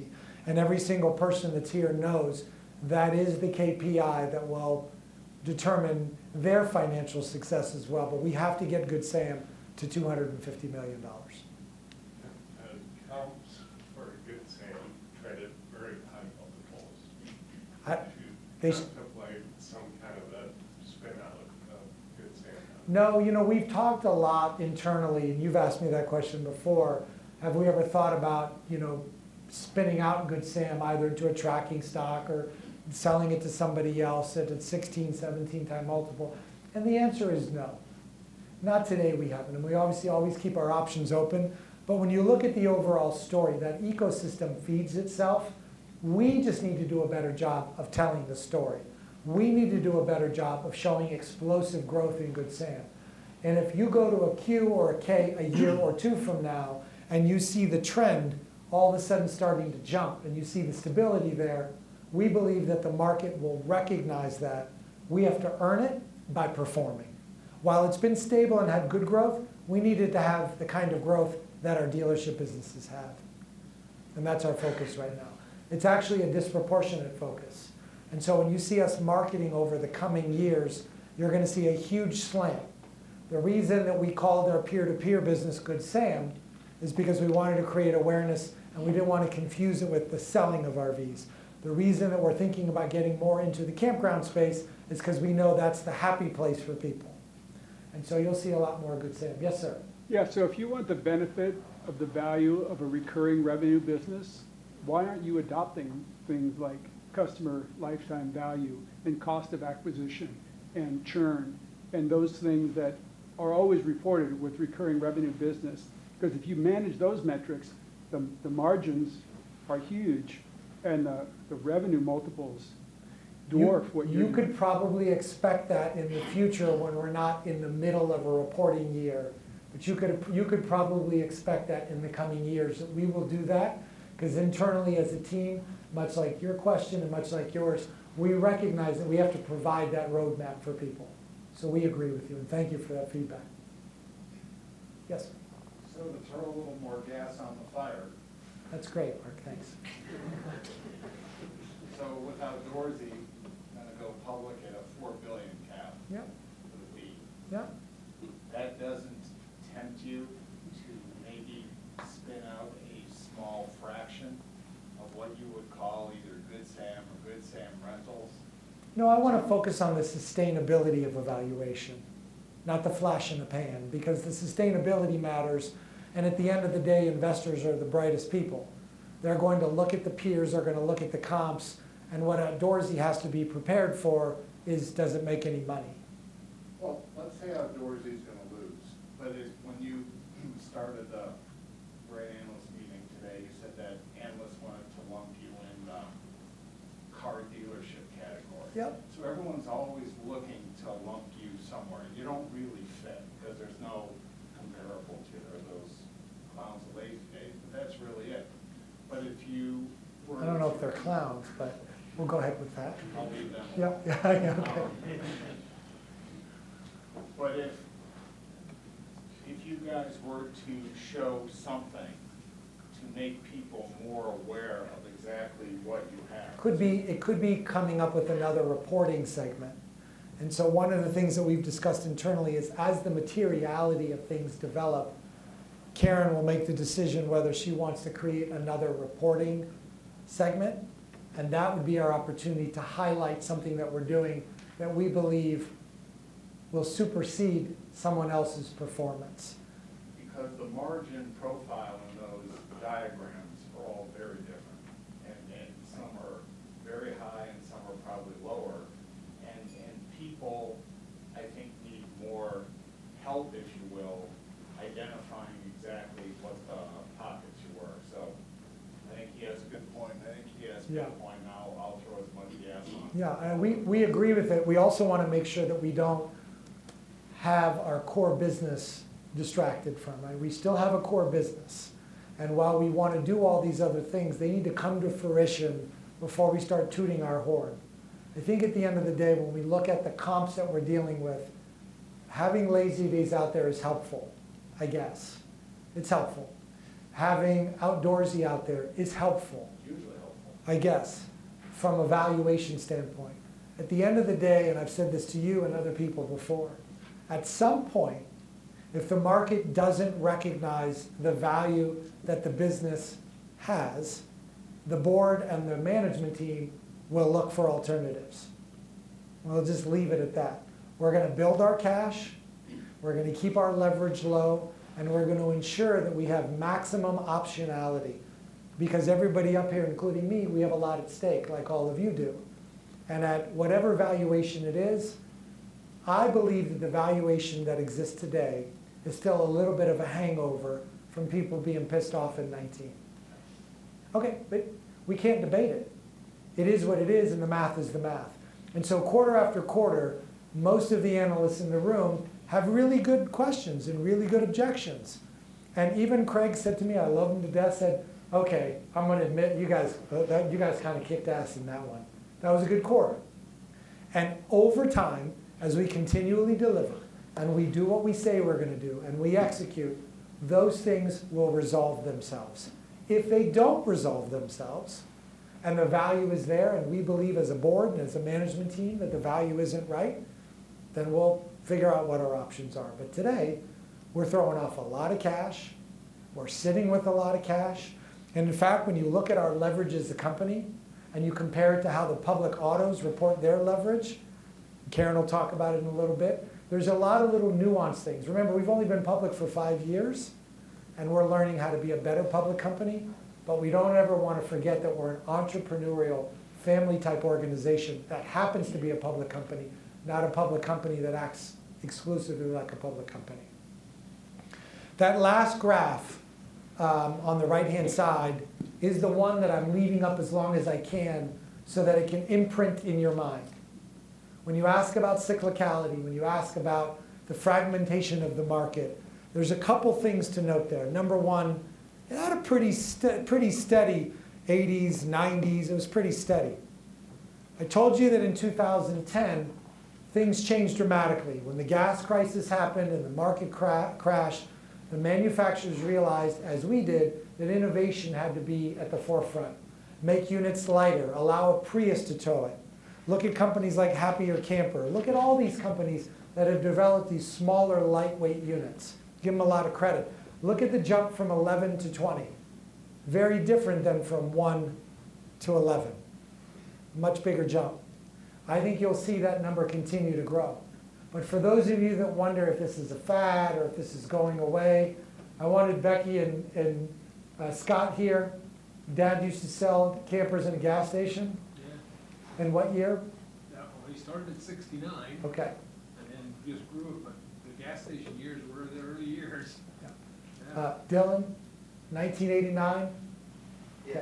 million. Every single person that's here knows that is the KPI that will determine their financial success as well. We have to get Good Sam to $250 million. How for Good Sam credit very high multiples. To apply some kind of a spin out of Good Sam? No. We've talked a lot internally. You've asked me that question before. Have we ever thought about spinning out Good Sam either to a tracking stock or selling it to somebody else at a 16, 17 time multiple? The answer is no. Not today we haven't. We obviously always keep our options open. When you look at the overall story, that ecosystem feeds itself. We just need to do a better job of telling the story. We need to do a better job of showing explosive growth in Good Sam. If you go to a Q or a K a year or two from now, and you see the trend all of a sudden starting to jump and you see the stability there, we believe that the market will recognize that. We have to earn it by performing. While it's been stable and had good growth, we need it to have the kind of growth that our dealership businesses have, and that's our focus right now. It's actually a disproportionate focus. When you see us marketing over the coming years, you're going to see a huge slant. The reason that we called our peer-to-peer business Good Sam is because we wanted to create awareness, and we didn't want to confuse it with the selling of RVs. The reason that we're thinking about getting more into the campground space is because we know that's the happy place for people. You'll see a lot more of Good Sam. Yes, sir. Yeah. If you want the benefit of the value of a recurring revenue business, why aren't you adopting things like customer lifetime value and cost of acquisition and churn and those things that are always reported with recurring revenue business? Because if you manage those metrics, the margins are huge and the revenue multiples dwarf what you. You could probably expect that in the future when we're not in the middle of a reporting year. You could probably expect that in the coming years, that we will do that. Internally as a team, much like your question and much like yours we recognize that we have to provide that roadmap for people. We agree with you, and thank you for that feedback. Yes, sir. To throw a little more gas on the fire. That's great, Mark. Thanks. With Outdoorsy going to go public at a $4 billion cap. Yep. For the week. Yep. That doesn't tempt you to maybe spin out a small fraction of what you would call either Good Sam or Good Sam Rentals? I want to focus on the sustainability of a valuation, not the flash in the pan, because the sustainability matters, and at the end of the day, investors are the brightest people. They're going to look at the peers, they're going to look at the comps and what Outdoorsy has to be prepared for is, does it make any money? Well, let's say Outdoorsy is going to lose. When you started the grand analyst meeting today, you said that analysts wanted to lump you in the car dealership category. Yep. Everyone's always looking to lump you somewhere, and you don't really fit because there's no comparable to those clowns at Lazydays. That's really it. I don't know if they're clowns, but we'll go ahead with that. I'll leave that one. Yep. Yeah, okay. If you guys were to show something to make people more aware of exactly what you have. It could be coming up with another reporting segment. One of the things that we've discussed internally is as the materiality of things develop, Karin will make the decision whether she wants to create another reporting segment, and that would be our opportunity to highlight something that we're doing that we believe will supersede someone else's performance. The margin profile in those diagrams are all very different. Some are very high, and some are probably lower. People, I think, need more help, if you will, identifying exactly what the pockets you are. I think he has a good point. Yeah. We agree with it. We also want to make sure that we don't have our core business distracted from it. We still have a core business, while we want to do all these other things, they need to come to fruition before we start tooting our horn. I think at the end of the day, when we look at the comps that we're dealing with, having Lazydays out there is helpful, I guess. It's helpful. Having Outdoorsy out there is helpful. Usually helpful. I guess, from a valuation standpoint. At the end of the day, I've said this to you and other people before, at some point, if the market doesn't recognize the value that the business has, the board and the management team will look for alternatives. I'll just leave it at that. We're going to build our cash, we're going to keep our leverage low, and we're going to ensure that we have maximum optionality because everybody up here, including me, we have a lot at stake, like all of you do. At whatever valuation it is I believe that the valuation that exists today is still a little bit of a hangover from people being pissed off in 2019. Okay. We can't debate it. It is what it is and the math is the math. Quarter after quarter, most of the analysts in the room have really good questions and really good objections. Even Craig said to me, I love him to death, said, "Okay, I'm going to admit, you guys kind of kicked ass in that one." That was a good quarter. Over time, as we continually deliver and we do what we say we're going to do and we execute, those things will resolve themselves. If they don't resolve themselves and the value is there, and we believe as a board and as a management team that the value isn't right. We'll figure out what our options are. Today, we're throwing off a lot of cash, we're sitting with a lot of cash, and in fact, when you look at our leverage as a company, and you compare it to how the public autos report their leverage, Karin will talk about it in a little bit, there's a lot of little nuance things. Remember, we've only been public for five years. We're learning how to be a better public company, but we don't ever want to forget that we're an entrepreneurial, family-type organization that happens to be a public company, not a public company that acts exclusively like a public company. That last graph on the right-hand side is the one that I'm leaving up as long as I can so that it can imprint in your mind. When you ask about cyclicality, when you ask about the fragmentation of the market, there's a couple things to note there. Number one, it had a pretty steady 1980s, 1990s. It was pretty steady. I told you that in 2010, things changed dramatically. When the gas crisis happened and the market crashed, the manufacturers realized, as we did, that innovation had to be at the forefront. Make units lighter, allow a Prius to tow it. Look at companies like Happier Camper. Look at all these companies that have developed these smaller, lightweight units. Give them a lot of credit. Look at the jump from 11 to 20. Very different than from 1 to 11. Much bigger jump. I think you'll see that number continue to grow. For those of you that wonder if this is a fad or if this is going away, I wanted Becky and Scott here. Dad used to sell campers in a gas station? Yeah. In what year? Well, he started in 1969. Okay. Just grew it, but the gas station years were the early years. Yeah. Yeah. Dillon, 1989? Yeah.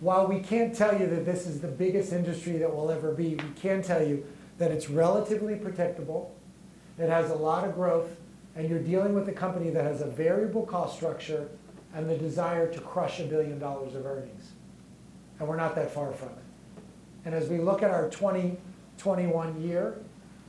While we can't tell you that this is the biggest industry that we'll ever be, we can tell you that it's relatively protectable, it has a lot of growth, and you're dealing with a company that has a variable cost structure and the desire to crush $1 billion of earnings. We're not that far from it. As we look at our 2021 year,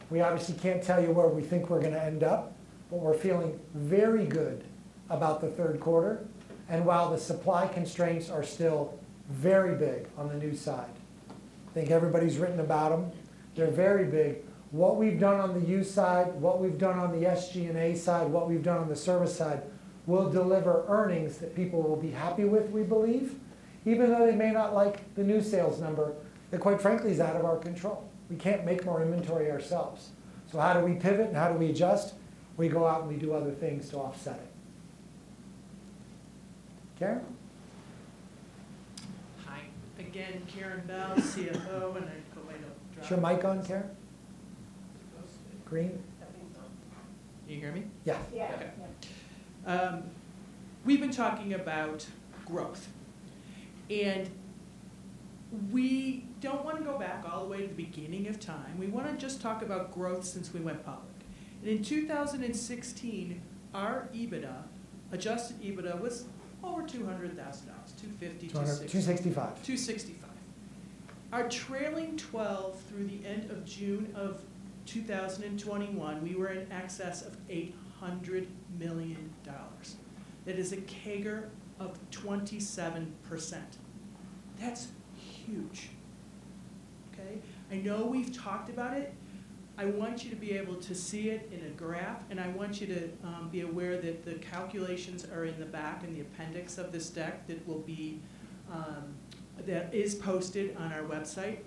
we obviously can't tell you where we think we're going to end up, but we're feeling very good about the third quarter. While the supply constraints are still very big on the new side, I think everybody's written about them. They're very big. What we've done on the used side, what we've done on the SG&A side, what we've done on the service side, will deliver earnings that people will be happy with, we believe, even though they may not like the new sales number that, quite frankly, is out of our control. We can't make more inventory ourselves. How do we pivot and how do we adjust? We go out, and we do other things to offset it. Karin? Hi. Again, Karin Bell, CFO, and I go way. Is your mic on, Karin? Green? I think so. Can you hear me? Yeah. We've been talking about growth. We don't want to go back all the way to the beginning of time. We want to just talk about growth since we went public. In 2016, our EBITDA, adjusted EBITDA, was over $200,000. $265. $265. Our trailing 12 through the end of June of 2021, we were in excess of $800 million. That is a CAGR of 27%. That's huge. Okay? I know we've talked about it. I want you to be able to see it in a graph. I want you to be aware that the calculations are in the back in the appendix of this deck that is posted on our website.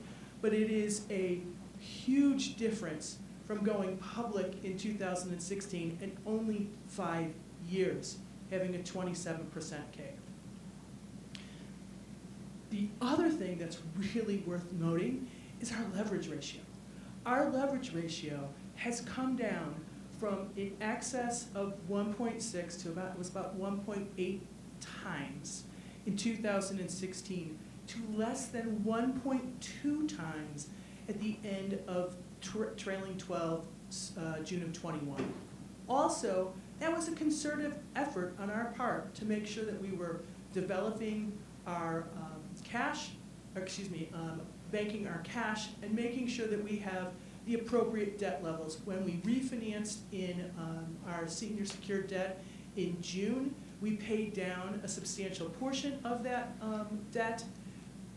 It is a huge difference from going public in 2016 and only five years, having a 27% CAGR. The other thing that's really worth noting is our leverage ratio. Our leverage ratio has come down from in excess of 1.6, it was about 1.8x in 2016, to less than 1.2x at the end of trailing 12 June of 2021. That was a concerted effort on our part to make sure that we were developing our cash, or excuse me, banking our cash and making sure that we have the appropriate debt levels. When we refinanced in our senior secured debt in June, we paid down a substantial portion of that debt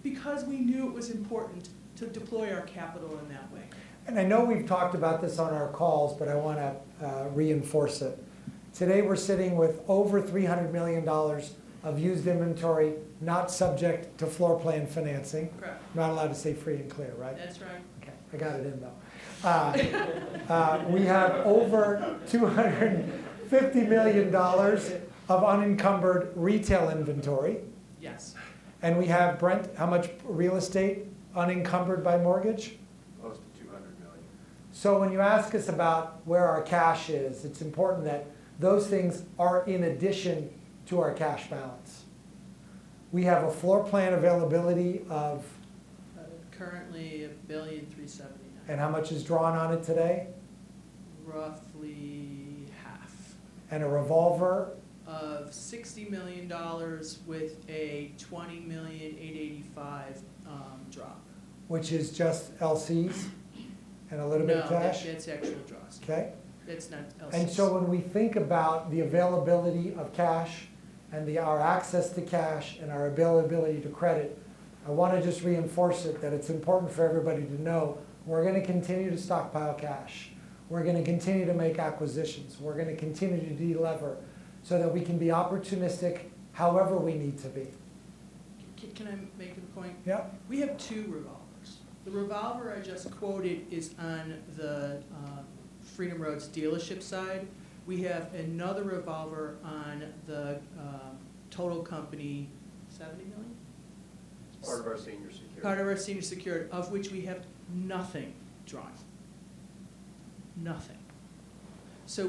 because we knew it was important to deploy our capital in that way. I know we've talked about this on our calls, but I want to reinforce it. Today we're sitting with over $300 million of used inventory not subject to floorplan financing. Correct. Not allowed to say free and clear, right? That's right. Okay. I got it in, though. We have over $250 million of unencumbered retail inventory. Yes. We have, Brent, how much real estate unencumbered by mortgage? Close to $200 million. When you ask us about where our cash is, it's important that those things are in addition to our cash balance. We have a floorplan availability of? Currently $1.379 billion. How much is drawn on it today? Roughly half. A revolver? Of $60 million with a $20.885 million draw. Which is just LCs and a little bit of cash? No, that's actual draws. Okay. It's not LCs. When we think about the availability of cash and our access to cash and our availability to credit, I want to just reinforce it that it's important for everybody to know we're going to continue to stockpile cash. We're going to continue to make acquisitions. We're going to continue to de-lever so that we can be opportunistic however we need to be. Can I make a point? Yeah. We have two revolvers. The revolver I just quoted is on the FreedomRoads dealership side. We have another revolver on the total company, $70 million? Part of our senior secured. Part of our senior secured, of which we have nothing drawing. Nothing.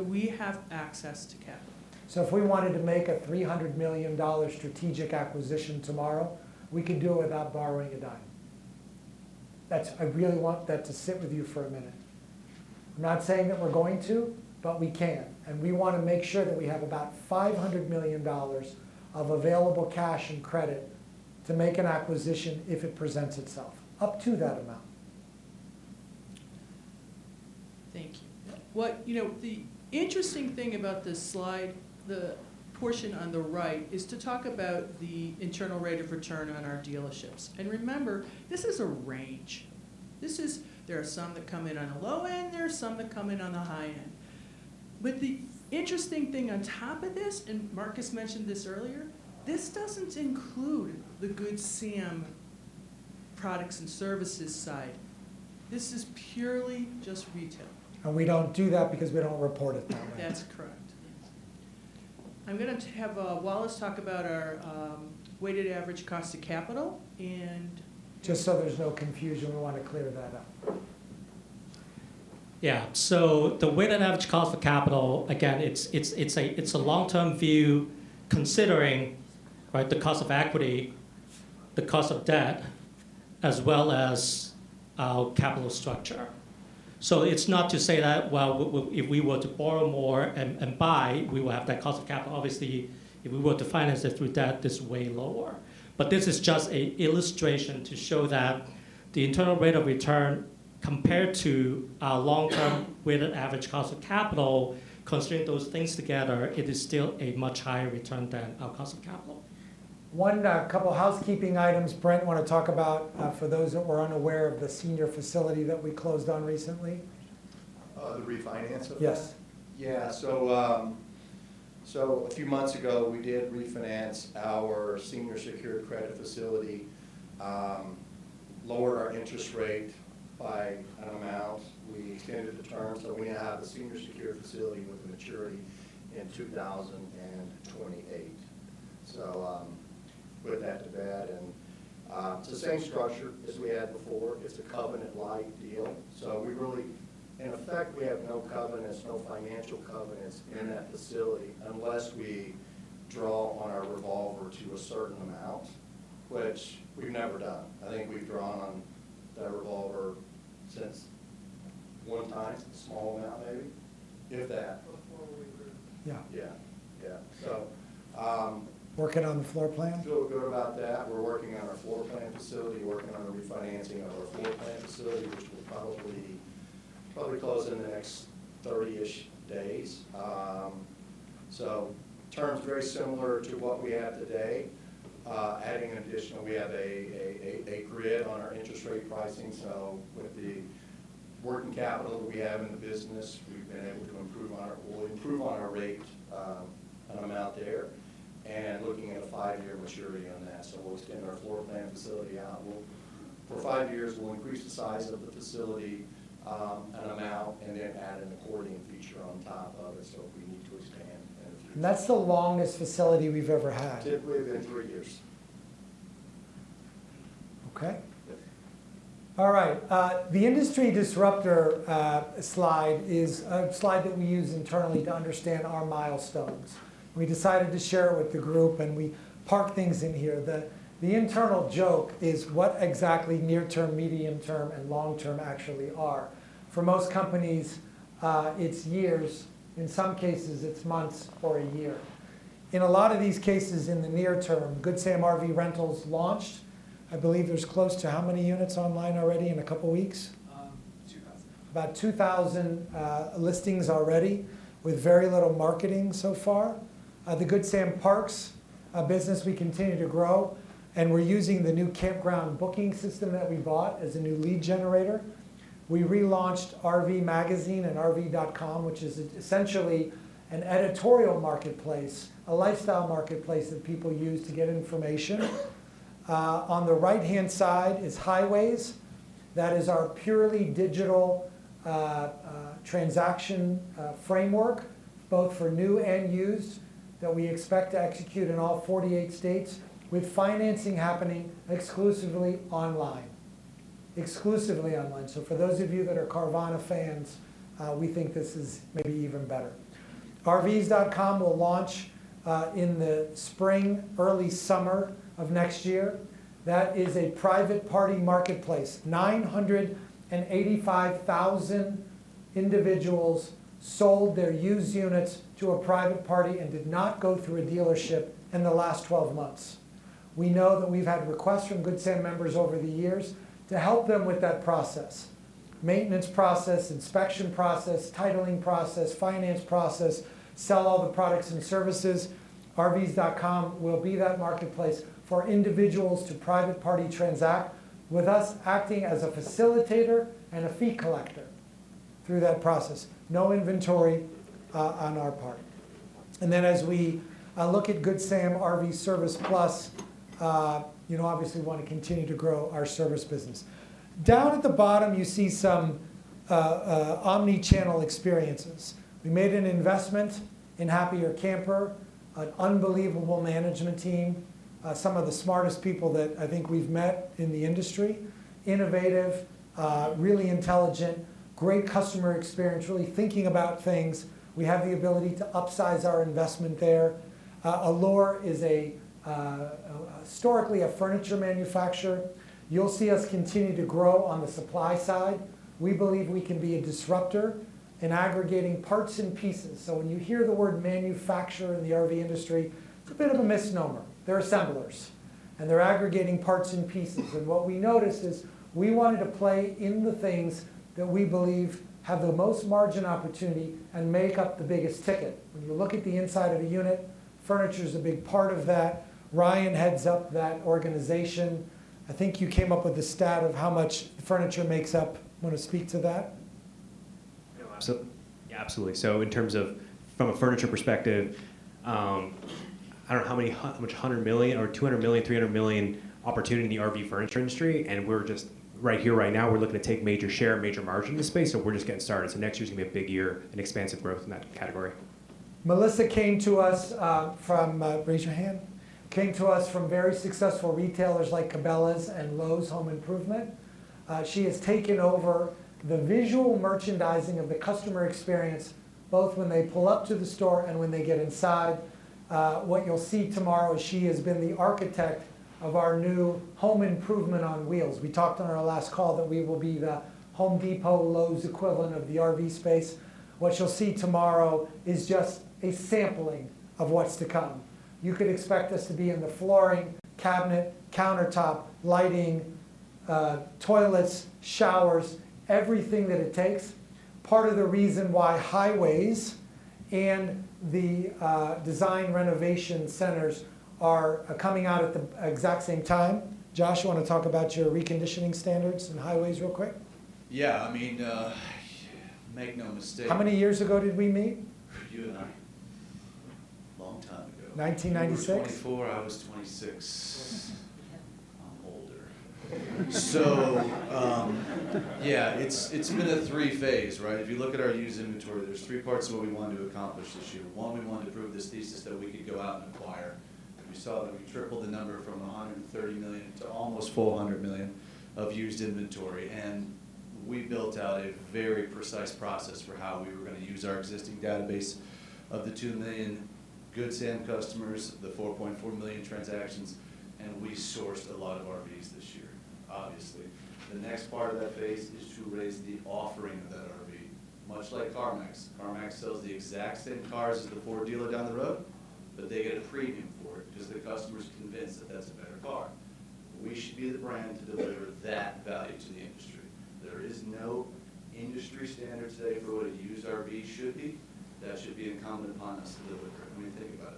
We have access to capital. If we wanted to make a $300 million strategic acquisition tomorrow, we could do it without borrowing a dime. I really want that to sit with you for a minute. I'm not saying that we're going to, but we can, and we want to make sure that we have about $500 million of available cash and credit to make an acquisition if it presents itself, up to that amount. Thank you. Yeah. The interesting thing about this slide, the portion on the right, is to talk about the internal rate of return on our dealerships. Remember, this is a range. There are some that come in on a low end, there are some that come in on the high end. The interesting thing on top of this, and Marcus mentioned this earlier, this doesn't include the Good Sam products and services side. This is purely just retail. We don't do that because we don't report it that way. That's correct. Yes. I'm going to have Wallace talk about our weighted average cost of capital. Just so there is no confusion, we want to clear that up. The weighted average cost of capital, again, it's a long-term view considering the cost of equity, the cost of debt, as well as our capital structure. It's not to say that, well, if we were to borrow more and buy, we will have that cost of capital. Obviously, if we were to finance it through debt, it's way lower. This is just an illustration to show that the internal rate of return compared to our long-term weighted average cost of capital, considering those things together, it is still a much higher return than our cost of capital. One, a couple housekeeping items. Brent, want to talk about, for those that were unaware of the senior facility that we closed on recently? The refinance of it? Yes. Yeah. A few months ago, we did refinance our senior secured credit facility, lower our interest rate by an amount. We extended the term, so we have a senior secured facility with maturity in 2028. Put an end to that, and it's the same structure as we had before. It's a covenant-lite deal. Really, in effect, we have no covenants, no financial covenants in that facility unless we draw on our revolver to a certain amount, which we've never done. I think we've drawn on that revolver since one time, it's a small amount maybe, if that. Yeah. Yeah. Yeah. Working on the floorplan. Feel good about that. We're working on our floor plan facility, working on the refinancing of our floor plan facility, which will probably close in the next 30-ish days. Terms very similar to what we have today. We have a grid on our interest rate pricing, so with the working capital that we have in the business, we'll improve on our rate, an amount there, and looking at a five-year maturity on that. We'll extend our floor plan facility out. For five years, we'll increase the size of the facility, an amount, and then add an accordion feature on top of it, so if we need to expand in the future. That's the longest facility we've ever had. Typically been three years. Okay. Yeah. All right. The industry disruptor slide is a slide that we use internally to understand our milestones. We decided to share it with the group, and we park things in here. The internal joke is what exactly near term, medium term, and long-term actually are. For most companies, it's years. In some cases, it's months or a year. In a lot of these cases, in the near term, Good Sam RV Rentals launched. I believe there's close to how many units online already in a couple weeks? 2,000. About 2,000 listings already with very little marketing so far. The Good Sam Parks business we continue to grow, and we're using the new campground booking system that we bought as a new lead generator. We relaunched RV Magazine and RV.com, which is essentially an editorial marketplace, a lifestyle marketplace that people use to get information. On the right-hand side is Highways. That is our purely digital transaction framework, both for new and used, that we expect to execute in all 48 states with financing happening exclusively online. Exclusively online. For those of you that are Carvana fans, we think this is maybe even better. RVs.com will launch in the spring, early summer of next year. That is a private party marketplace. 985,000 individuals sold their used units to a private party and did not go through a dealership in the last 12 months. We know that we've had requests from Good Sam members over the years to help them with that process. Maintenance process, inspection process, titling process, finance process, sell all the products and services. RVs.com will be that marketplace for individuals to private party transact with us acting as a facilitator and a fee collector through that process. No inventory on our part. As we look at Good Sam RV Service Plus, obviously we want to continue to grow our service business. Down at the bottom, you see some omnichannel experiences. We made an investment in Happier Camper, an unbelievable management team, some of the smartest people that I think we've met in the industry. Innovative, really intelligent, great customer experience, really thinking about things. We have the ability to upsize our investment there. Allure is historically a furniture manufacturer. You'll see us continue to grow on the supply side. We believe we can be a disruptor in aggregating parts and pieces. When you hear the word manufacturer in the RV industry, it's a bit of a misnomer. They're assemblers, and they're aggregating parts and pieces. What we noticed is we wanted to play in the things that we believe have the most margin opportunity and make up the biggest ticket. When you look at the inside of a unit, furniture is a big part of that. Ryan heads up that organization. I think you came up with the stat of how much furniture makes up. You want to speak to that? Yeah, absolutely. From a furniture perspective, I don't know how much, $100 million or $200 million, $300 million opportunity in the RV furniture industry, and we're just right here, right now, we're looking to take major share, major margin in the space, so we're just getting started. Next year's going to be a big year in expansive growth in that category. Melissa came to us from, raise your hand, came to us from very successful retailers like Cabela's and Lowe's Home Improvement. She has taken over the visual merchandising of the customer experience, both when they pull up to the store and when they get inside. What you'll see tomorrow, she has been the architect of our new home improvement on wheels. We talked on our last call that we will be the Home Depot, Lowe's equivalent of the RV space. What you'll see tomorrow is just a sampling of what's to come. You could expect us to be in the flooring, cabinet, countertop, lighting, toilets, showers, everything that it takes. Part of the reason why Highways and the design renovation centers are coming out at the exact same time. Josh, you want to talk about your reconditioning standards and Highways real quick? Yeah, make no mistake. How many years ago did we meet? You and I. A long time ago. 1996? You were 24, I was 26. I'm older. Yeah, it's been a three-phase, right? If you look at our used inventory, there's three parts to what we wanted to accomplish this year. One, we wanted to prove this thesis that we could go out and acquire. You saw that we tripled the number from $130 million to almost $400 million of used inventory. We built out a very precise process for how we were going to use our existing database of the 2 million Good Sam customers, the 4.4 million transactions, and we sourced a lot of RVs this year, obviously. The next part of that phase is to raise the offering of that RV. Much like CarMax. CarMax sells the exact same cars as the Ford dealer down the road, but they get a premium for it because the customer's convinced that that's a better car. We should be the brand to deliver that value to the industry. There is no industry standard today for what a used RV should be. That should be incumbent upon us to deliver. I mean, think about it.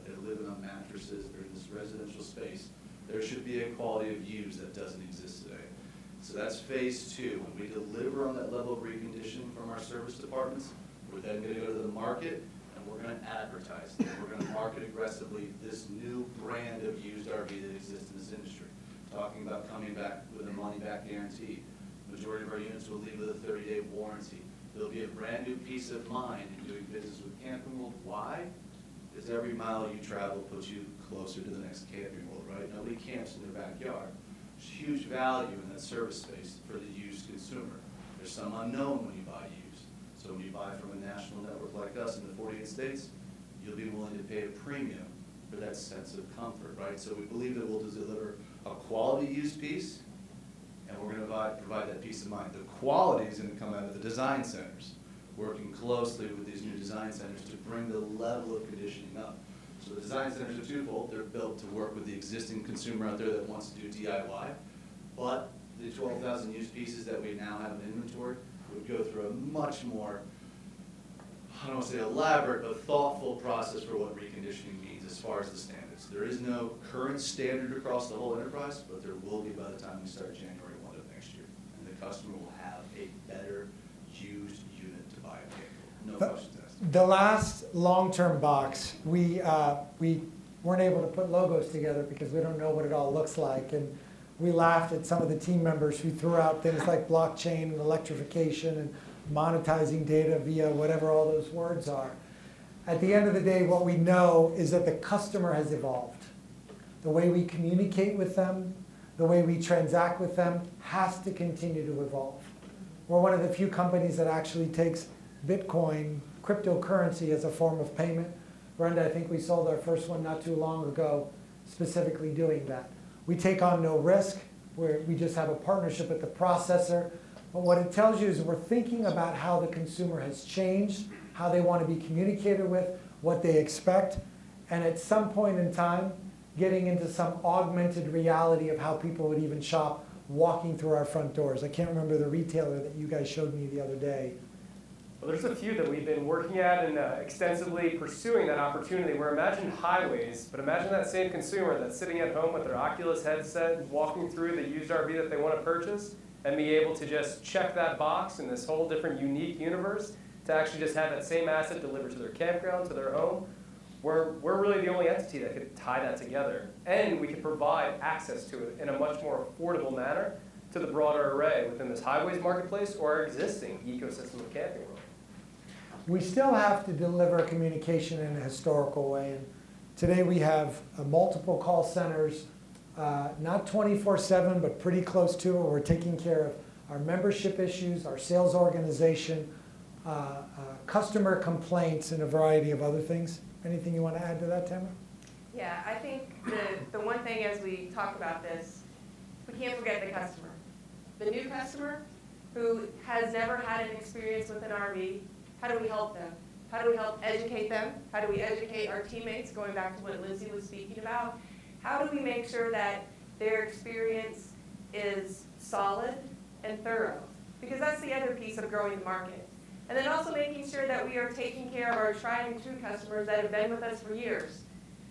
They're living on mattresses. They're in this residential space. There should be a quality of used that doesn't exist today. That's phase II. When we deliver on that level of reconditioning from our service departments, we're then going to go to the market and we're going to advertise that. We're going to market aggressively this new brand of used RV that exists in this industry. We're talking about coming back with a money-back guarantee. Majority of our units will leave with a 30-day warranty. There'll be a brand-new peace of mind in doing business with Camping World. Why? Because every mile you travel puts you closer to the next Camping World, right? Nobody camps in their backyard. There's huge value in that service space for the used consumer. There's some unknown when you buy used. When you buy from a national network like us in the 48 states, you'll be willing to pay a premium for that sense of comfort, right? We believe that we'll deliver a quality used piece, and we're going to provide that peace of mind. The quality is going to come out of the design centers, working closely with these new design centers to bring the level of conditioning up. The design centers are twofold. They're built to work with the existing consumer out there that wants to do DIY, but the 12,000 used pieces that we now have in inventory would go through a much more, I don't want to say elaborate, but thoughtful process for what reconditioning means as far as the standards. There is no current standard across the whole enterprise, but there will be by the time we start January 1 of next year, and the customer will have a better used unit to buy at Camping World. No question it. The last long-term box, we weren't able to put logos together because we don't know what it all looks like, and we laughed at some of the team members who threw out things like blockchain and electrification and monetizing data via whatever all those words are. At the end of the day, what we know is that the customer has evolved. The way we communicate with them, the way we transact with them has to continue to evolve. We're one of the few companies that actually takes Bitcoin cryptocurrency as a form of payment. Brenda, I think we sold our first one not too long ago, specifically doing that. We take on no risk. We just have a partnership with the processor. What it tells you is we're thinking about how the consumer has changed, how they want to be communicated with, what they expect, and at some point in time, getting into some augmented reality of how people would even shop walking through our front doors. I can't remember the retailer that you guys showed me the other day. Well, there's a few that we've been working at and extensively pursuing that opportunity where imagine Highways, but imagine that same consumer that's sitting at home with their Oculus headset walking through the used RV that they want to purchase and being able to just check that box in this whole different unique universe to actually just have that same asset delivered to their campground, to their home. We're really the only entity that could tie that together, and we could provide access to it in a much more affordable manner to the broader array within this Highways marketplace or our existing ecosystem of Camping World. We still have to deliver communication in a historical way. Today we have multiple call centers, not 24/7, but pretty close to where we're taking care of our membership issues, our sales organization, customer complaints, and a variety of other things. Anything you want to add to that, Tamara? I think the one thing as we talk about this, we can't forget the customer, the new customer who has never had an experience with an RV. How do we help them? How do we help educate them? How do we educate our teammates, going back to what Lindsey was speaking about? How do we make sure that their experience is solid and thorough? Because that's the other piece of growing the market. Making sure that we are taking care of our tried-and-true customers that have been with us for years,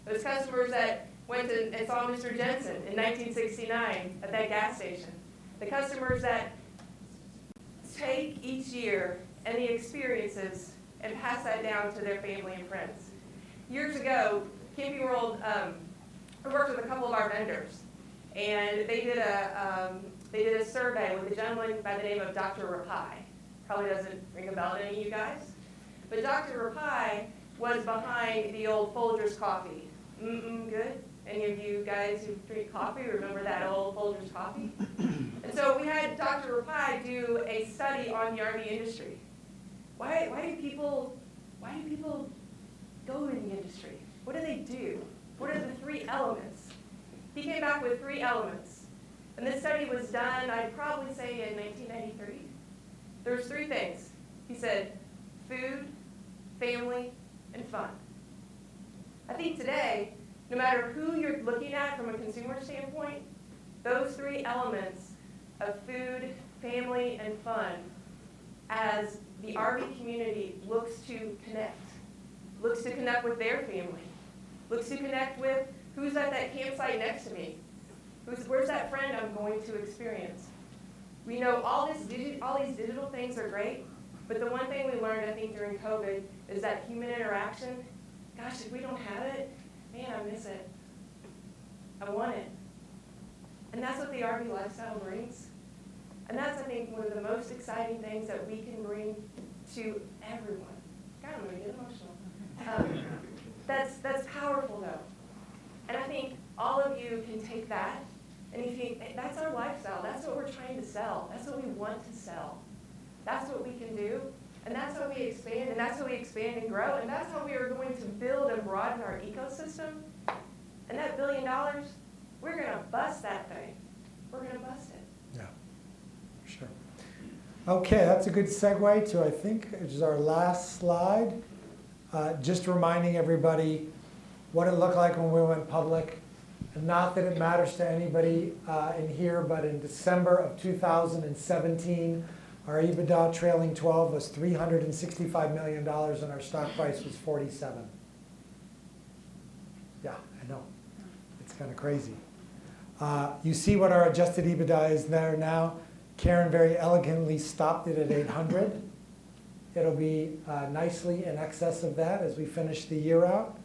those customers that went and saw Mr. Jensen in 1969 at that gas station, the customers that take each year and the experiences and pass that down to their family and friends. Years ago, Camping World worked with a couple of our vendors. They did a survey with a gentleman by the name of Clotaire Rapaille. Probably doesn't ring a bell to any of you guys. Clotaire Rapaille was behind the old Folgers coffee. Mmmm good. Any of you guys who drink coffee remember that old Folgers coffee? We had Clotaire Rapaille do a study on the RV industry. Why do people go in the industry? What do they do? What are the three elements? He came back with three elements, and this study was done, I'd probably say in 1993. There was three things. He said, food, family, and fun. I think today, no matter who you're looking at from a consumer standpoint, those three elements of food, family, and fun as the RV community looks to connect, looks to connect with their family, looks to connect with who's at that campsite next to me. Where's that friend I'm going to experience? We know all these digital things are great, but the one thing we learned, I think, during COVID is that human interaction, gosh, if we don't have it, man, I miss it. I want it. That's what the RV lifestyle brings, and that's I think one of the most exciting things that we can bring to everyone. God, I'm going to get emotional. That's powerful, though. I think all of you can take that, and you think that's our lifestyle. That's what we're trying to sell. That's what we want to sell. That's what we can do, that's how we expand and grow, and that's how we are going to build and broaden our ecosystem. That $1 billion, we're going to bust that thing. We're going to bust it. For sure. That's a good segue to, I think, this is our last slide. Just reminding everybody what it looked like when we went public. Not that it matters to anybody in here, in December of 2017, our EBITDA trailing 12 was $365 million, and our stock price was $47. I know. It's kind of crazy. You see what our adjusted EBITDA is there now. Karin very elegantly stopped it at $800 million. It'll be nicely in excess of that as we finish the year out.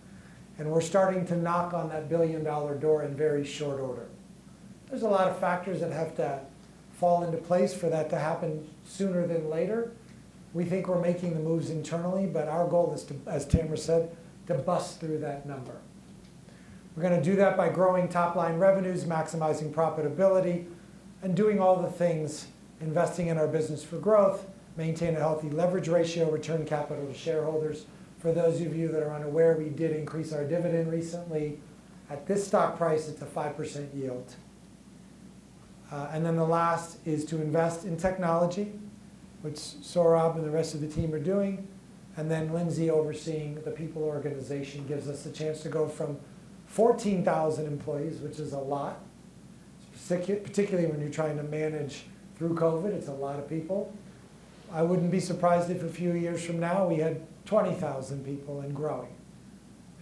We're starting to knock on that billion-dollar door in very short order. There's a lot of factors that have to fall into place for that to happen sooner than later. We think we're making the moves internally. Our goal is, as Tamara said, to bust through that number. We're going to do that by growing top-line revenues, maximizing profitability, and doing all the things, investing in our business for growth, maintain a healthy leverage ratio, return capital to shareholders. For those of you that are unaware, we did increase our dividend recently. At this stock price, it's a 5% yield. The last is to invest in technology, which Saurabh and the rest of the team are doing. Lindsey overseeing the people organization gives us the chance to go from 14,000 employees, which is a lot, particularly when you're trying to manage through COVID, it's a lot of people. I wouldn't be surprised if a few years from now we had 20,000 people and growing.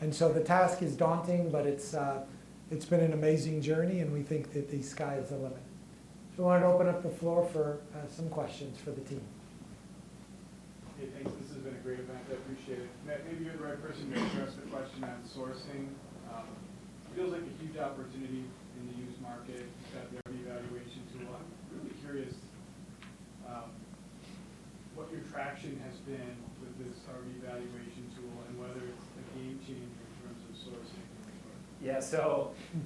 The task is daunting, but it's been an amazing journey, and we think that the sky is the limit. If you want, I'd open up the floor for some questions for the team. Hey, thanks. This has been a great event. I appreciate it. Matt, maybe you're the right person to address the question on sourcing. It feels like a huge opportunity in the used market. You've got the Good Sam RV Valuator. I'm really curious what your traction has been with this Good Sam RV Valuator and whether it's a game changer in terms of sourcing and so forth. Yeah.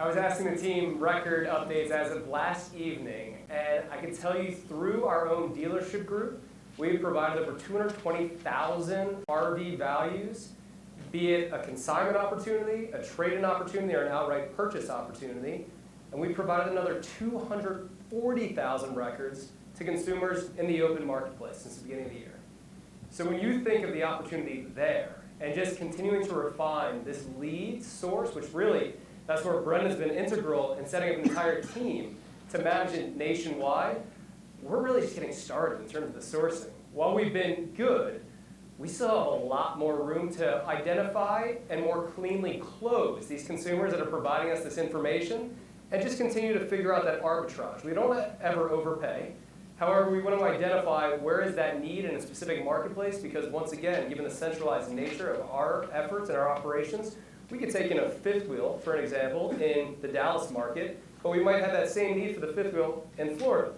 I was asking the team record updates as of last evening, and I can tell you through our own dealership group, we've provided over 220,000 RV values, be it a consignment opportunity, a trade-in opportunity, or an outright purchase opportunity, and we provided another 240,000 records to consumers in the open marketplace since the beginning of the year. When you think of the opportunity there and just continuing to refine this lead source, which really that's where Brenda's been integral in setting up an entire team to manage it nationwide. We're really just getting started in terms of the sourcing. While we've been good, we still have a lot more room to identify and more cleanly close these consumers that are providing us this information and just continue to figure out that arbitrage. We don't ever overpay. We want to identify where is that need in a specific marketplace, because once again, given the centralized nature of our efforts and our operations, we could take in a fifth wheel, for example, in the Dallas market, but we might have that same need for the fifth wheel in Florida.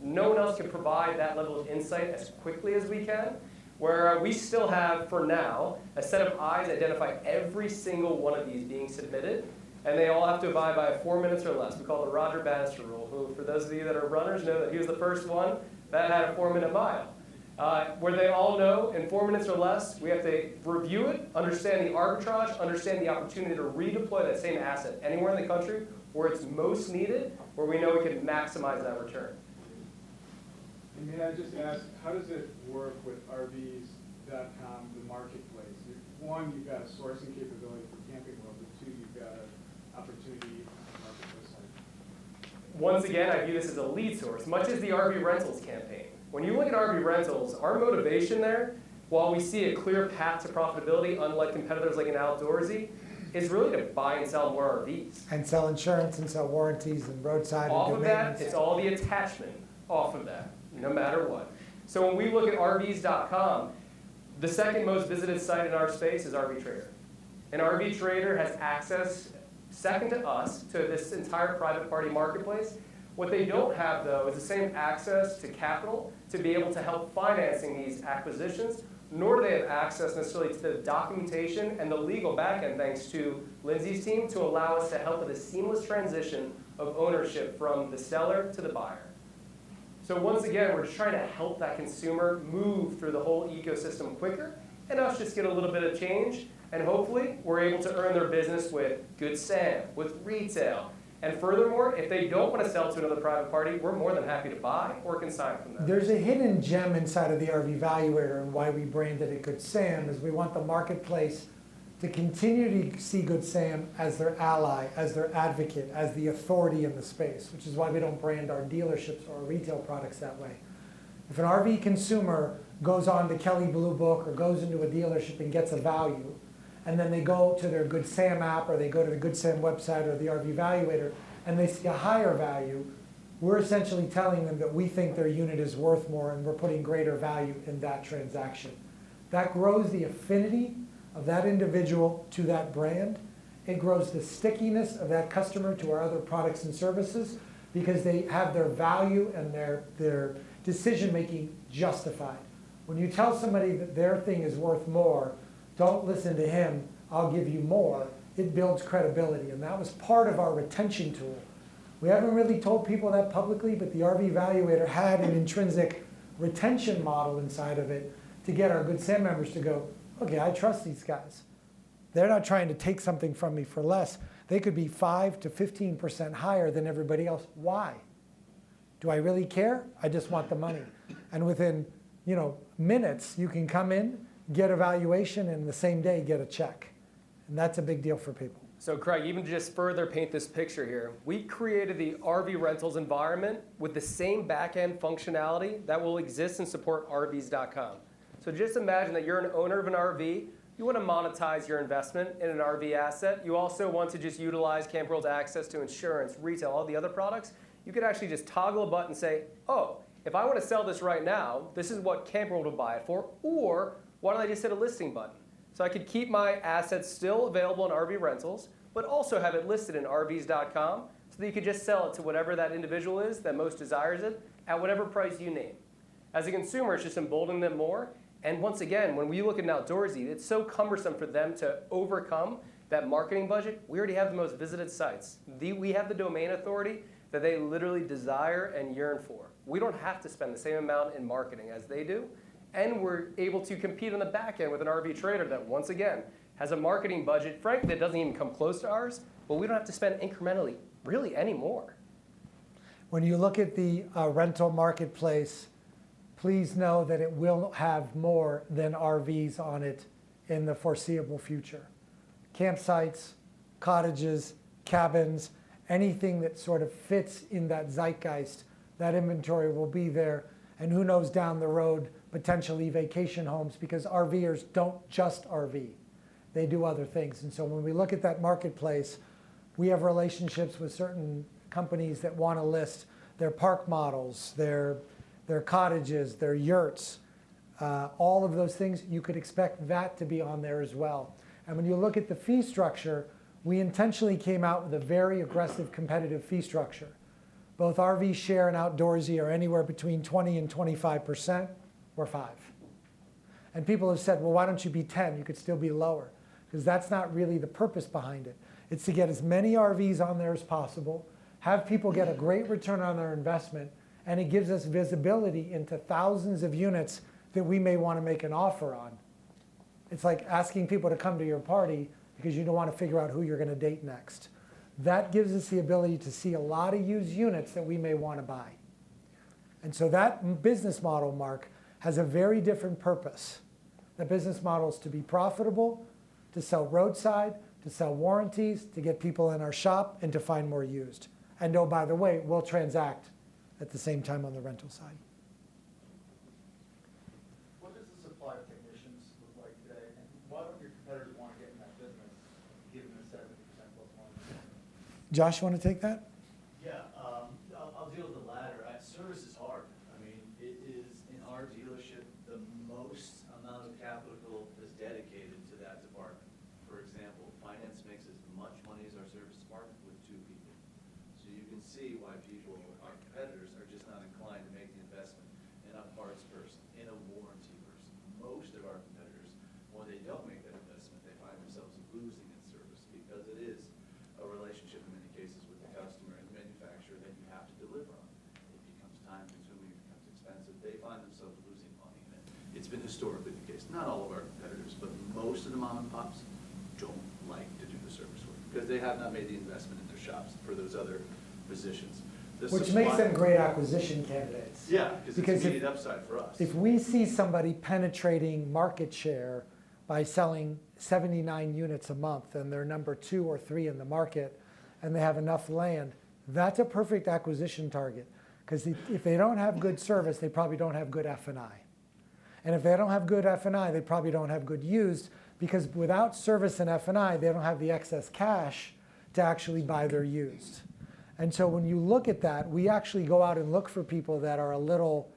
No one else can provide that level of insight as quickly as we can, where we still have, for now, a set of eyes identifying every single one of these being submitted, and they all have to abide by four minutes or less. We call it the Roger Bannister rule, who for those of you that are runners, know that he was the first one that had a four-minute mile. Where they all know in four minutes or less, we have to review it, understand the arbitrage, understand the opportunity to redeploy that same asset anywhere in the country where it's most needed, where we know we can maximize that return. May I just ask, how does it work with RVs.com, the marketplace? One, you've got a sourcing capability for Camping World, but two, you've got an opportunity on the marketplace side. Once again, I view this as a lead source, much as the RV rentals campaign. When you look at RV rentals, our motivation there, while we see a clear path to profitability, unlike competitors like an Outdoorsy, is really to buy and sell more RVs. Sell insurance and sell warranties and roadside and maintenance. It's all the attachment off of that, no matter what. When we look at rvs.com, the second most visited site in our space is RV Trader. RV Trader has access, second to us, to this entire private party marketplace. What they don't have, though, is the same access to capital to be able to help financing these acquisitions, nor do they have access necessarily to the documentation and the legal backend, thanks to Lindsey's team, to allow us to help with a seamless transition of ownership from the seller to the buyer. Once again, we're just trying to help that consumer move through the whole ecosystem quicker and us just get a little bit of change, and hopefully we're able to earn their business with Good Sam, with retail. Furthermore, if they don't want to sell to another private party, we're more than happy to buy or consign from them. There's a hidden gem inside of the RV Valuator and why we branded it Good Sam is we want the marketplace to continue to see Good Sam as their ally, as their advocate, as the authority in the space, which is why we don't brand our dealerships or retail products that way. If an RV consumer goes onto Kelley Blue Book or goes into a dealership and gets a value, and then they go to their Good Sam app, or they go to the Good Sam website or the RV Valuator, and they see a higher value, we're essentially telling them that we think their unit is worth more, and we're putting greater value in that transaction. That grows the affinity of that individual to that brand. It grows the stickiness of that customer to our other products and services because they have their value and their decision-making justified. When you tell somebody that their thing is worth more, don't listen to him, I'll give you more, it builds credibility, and that was part of our retention tool. We haven't really told people that publicly, but the RV Valuator had an intrinsic retention model inside of it to get our Good Sam members to go, "Okay, I trust these guys. They're not trying to take something from me for less. They could be 5%-15% higher than everybody else. Why? Do I really care? I just want the money." Within minutes, you can come in, get a valuation, and the same day, get a check. That's a big deal for people. Craig, even to just further paint this picture here, we created the RV rentals environment with the same backend functionality that will exist and support rvs.com. Just imagine that you're an owner of an RV. You want to monetize your investment in an RV asset. You also want to just utilize Camping World's access to insurance, retail, all the other products. You could actually just toggle a button and say, oh, if I want to sell this right now, this is what Camping World will buy it for. Why don't I just hit a listing button? I could keep my asset still available on RV rentals, but also have it listed in rvs.com so that you could just sell it to whatever that individual is that most desires it at whatever price you name. As a consumer, it's just emboldening them more, and once again, when we look at an Outdoorsy, it's so cumbersome for them to overcome that marketing budget. We already have the most visited sites. We have the domain authority that they literally desire and yearn for. We don't have to spend the same amount in marketing as they do, and we're able to compete on the back end with an RV Trader that, once again, has a marketing budget, frankly, that doesn't even come close to ours, but we don't have to spend incrementally really any more. When you look at the rental marketplace, please know that it will have more than RVs on it in the foreseeable future. Campsites, cottages, cabins, anything that sort of fits in that zeitgeist, that inventory will be there. Who knows, down the road, potentially vacation homes, because RVers don't just RV. They do other things. When we look at that marketplace, we have relationships with certain companies that want to list their park models, their cottages, their yurts. All of those things, you could expect that to be on there as well. When you look at the fee structure, we intentionally came out with a very aggressive, competitive fee structure. Both RVshare and Outdoorsy are anywhere between 20% and 25%. We're 5%. People have said, "Well, why don't you be 10%? You could still be lower." Because that's not really the purpose behind it. It's to get as many RVs on there as possible, have people get a great return on their investment, and it gives us visibility into thousands of units that we may want to make an offer on. It's like asking people to come to your party because you don't want to figure out who you're going to date next. That gives us the ability to see a lot of used units that we may want to buy. That business model, Mark, has a very different purpose. The business model is to be profitable, to sell roadside, to sell warranties, to get people in our shop, and to find more used. Oh, by the way, we'll transact at the same time on the rental side. What does the supply of technicians look like today? Why would your competitors want to get in that business given the 70%+ margin? Josh, you want to take that? And if they don't have good F&I, they probably don't have good used, because without service and F&I, they don't have the excess cash to actually buy their used. When you look at that, we actually go out and look for people that are a little,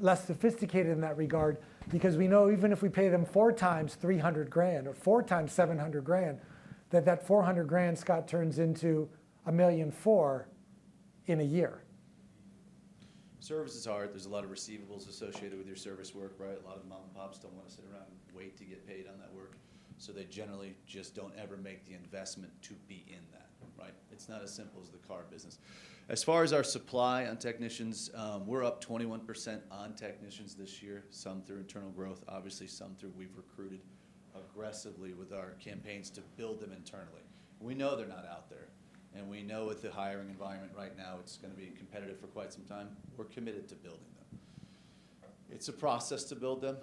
less sophisticated in that regard because we know even if we pay them 4x $300,000 or 4x $700,000, that that $400,000, Scott, turns into $1.4 million in a year. Service is hard. There's a lot of receivables associated with your service work, right? A lot of the mom and pops don't want to sit around and wait to get paid on that work. They generally just don't ever make the investment to be in that. Right? It's not as simple as the car business. As far as our supply on technicians, we're up 21% on technicians this year, some through internal growth, obviously some through we've recruited aggressively with our campaigns to build them internally. We know they're not out there, and we know with the hiring environment right now, it's going to be competitive for quite some time. We're committed to building them. It's a process to build them.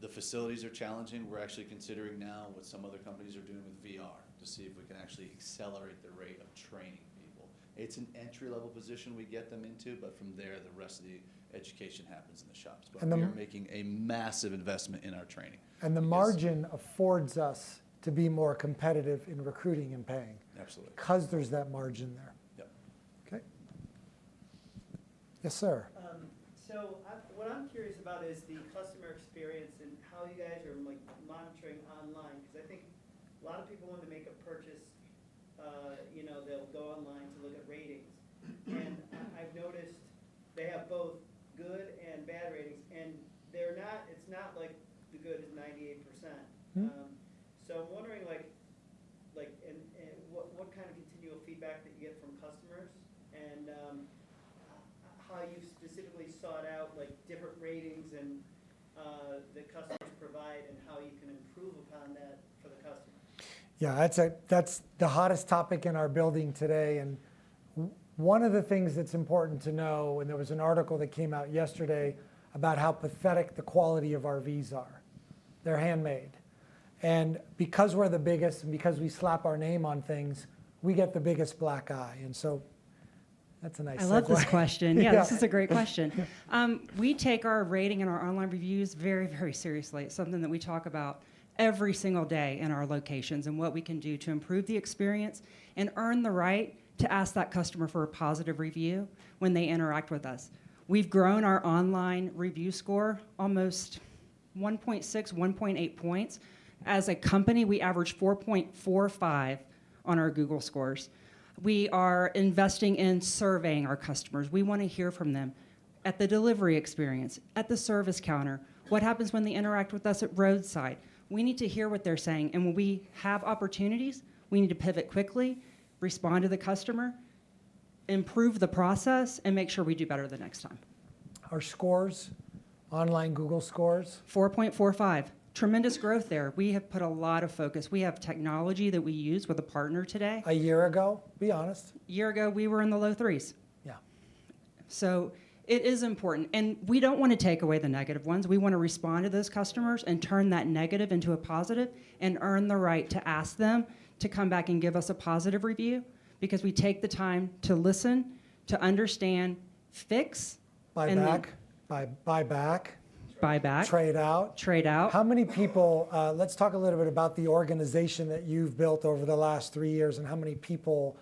The facilities are challenging. We're actually considering now what some other companies are doing with VR to see if we can actually accelerate the rate of training people. It's an entry level position we get them into, but from there, the rest of the education happens in the shops. We are making a massive investment in our training. Yes. The margin affords us to be more competitive in recruiting. Absolutely. Because there's that margin there. Yep. Okay. Yes, sir. What I'm curious about is the customer experience and how you guys are monitoring online, because I think a lot of people want to make a purchase, they'll go online to look at ratings. I've noticed they have both good and bad ratings, and it's not like the good is 98%. I'm wondering, what kind of continual feedback do you get from customers? How you've specifically sought out different ratings that customers provide, and how you can improve upon that for the customer. Yeah, that's the hottest topic in our building today, one of the things that's important to know, there was an article that came out yesterday about how pathetic the quality of RVs are. They're handmade. Because we're the biggest and because we slap our name on things, we get the biggest black eye. That's a nice segue. I love this question. Yeah, this is a great question. We take our rating and our online reviews very, very seriously. It's something that we talk about every single day in our locations and what we can do to improve the experience and earn the right to ask that customer for a positive review when they interact with us. We've grown our online review score almost 1.6 points, 1.8 points. As a company, we average 4.45 on our Google scores. We are investing in surveying our customers. We want to hear from them at the delivery experience, at the service counter, what happens when they interact with us at roadside. We need to hear what they're saying. When we have opportunities, we need to pivot quickly, respond to the customer, improve the process, and make sure we do better the next time. Our scores, online Google scores? 4.45%, tremendous growth there. We have put a lot of focus. We have technology that we use with a partner today. A year ago? Be honest. A year ago, we were in the low 3s. Yeah. It is important. We don't want to take away the negative ones. We want to respond to those customers and turn that negative into a positive and earn the right to ask them to come back and give us a positive review because we take the time to listen, to understand, fix. Buy back. Buy back. Trade out. Trade out. How many people, let's talk a little bit about the organization that you've built over the last three years, and how many people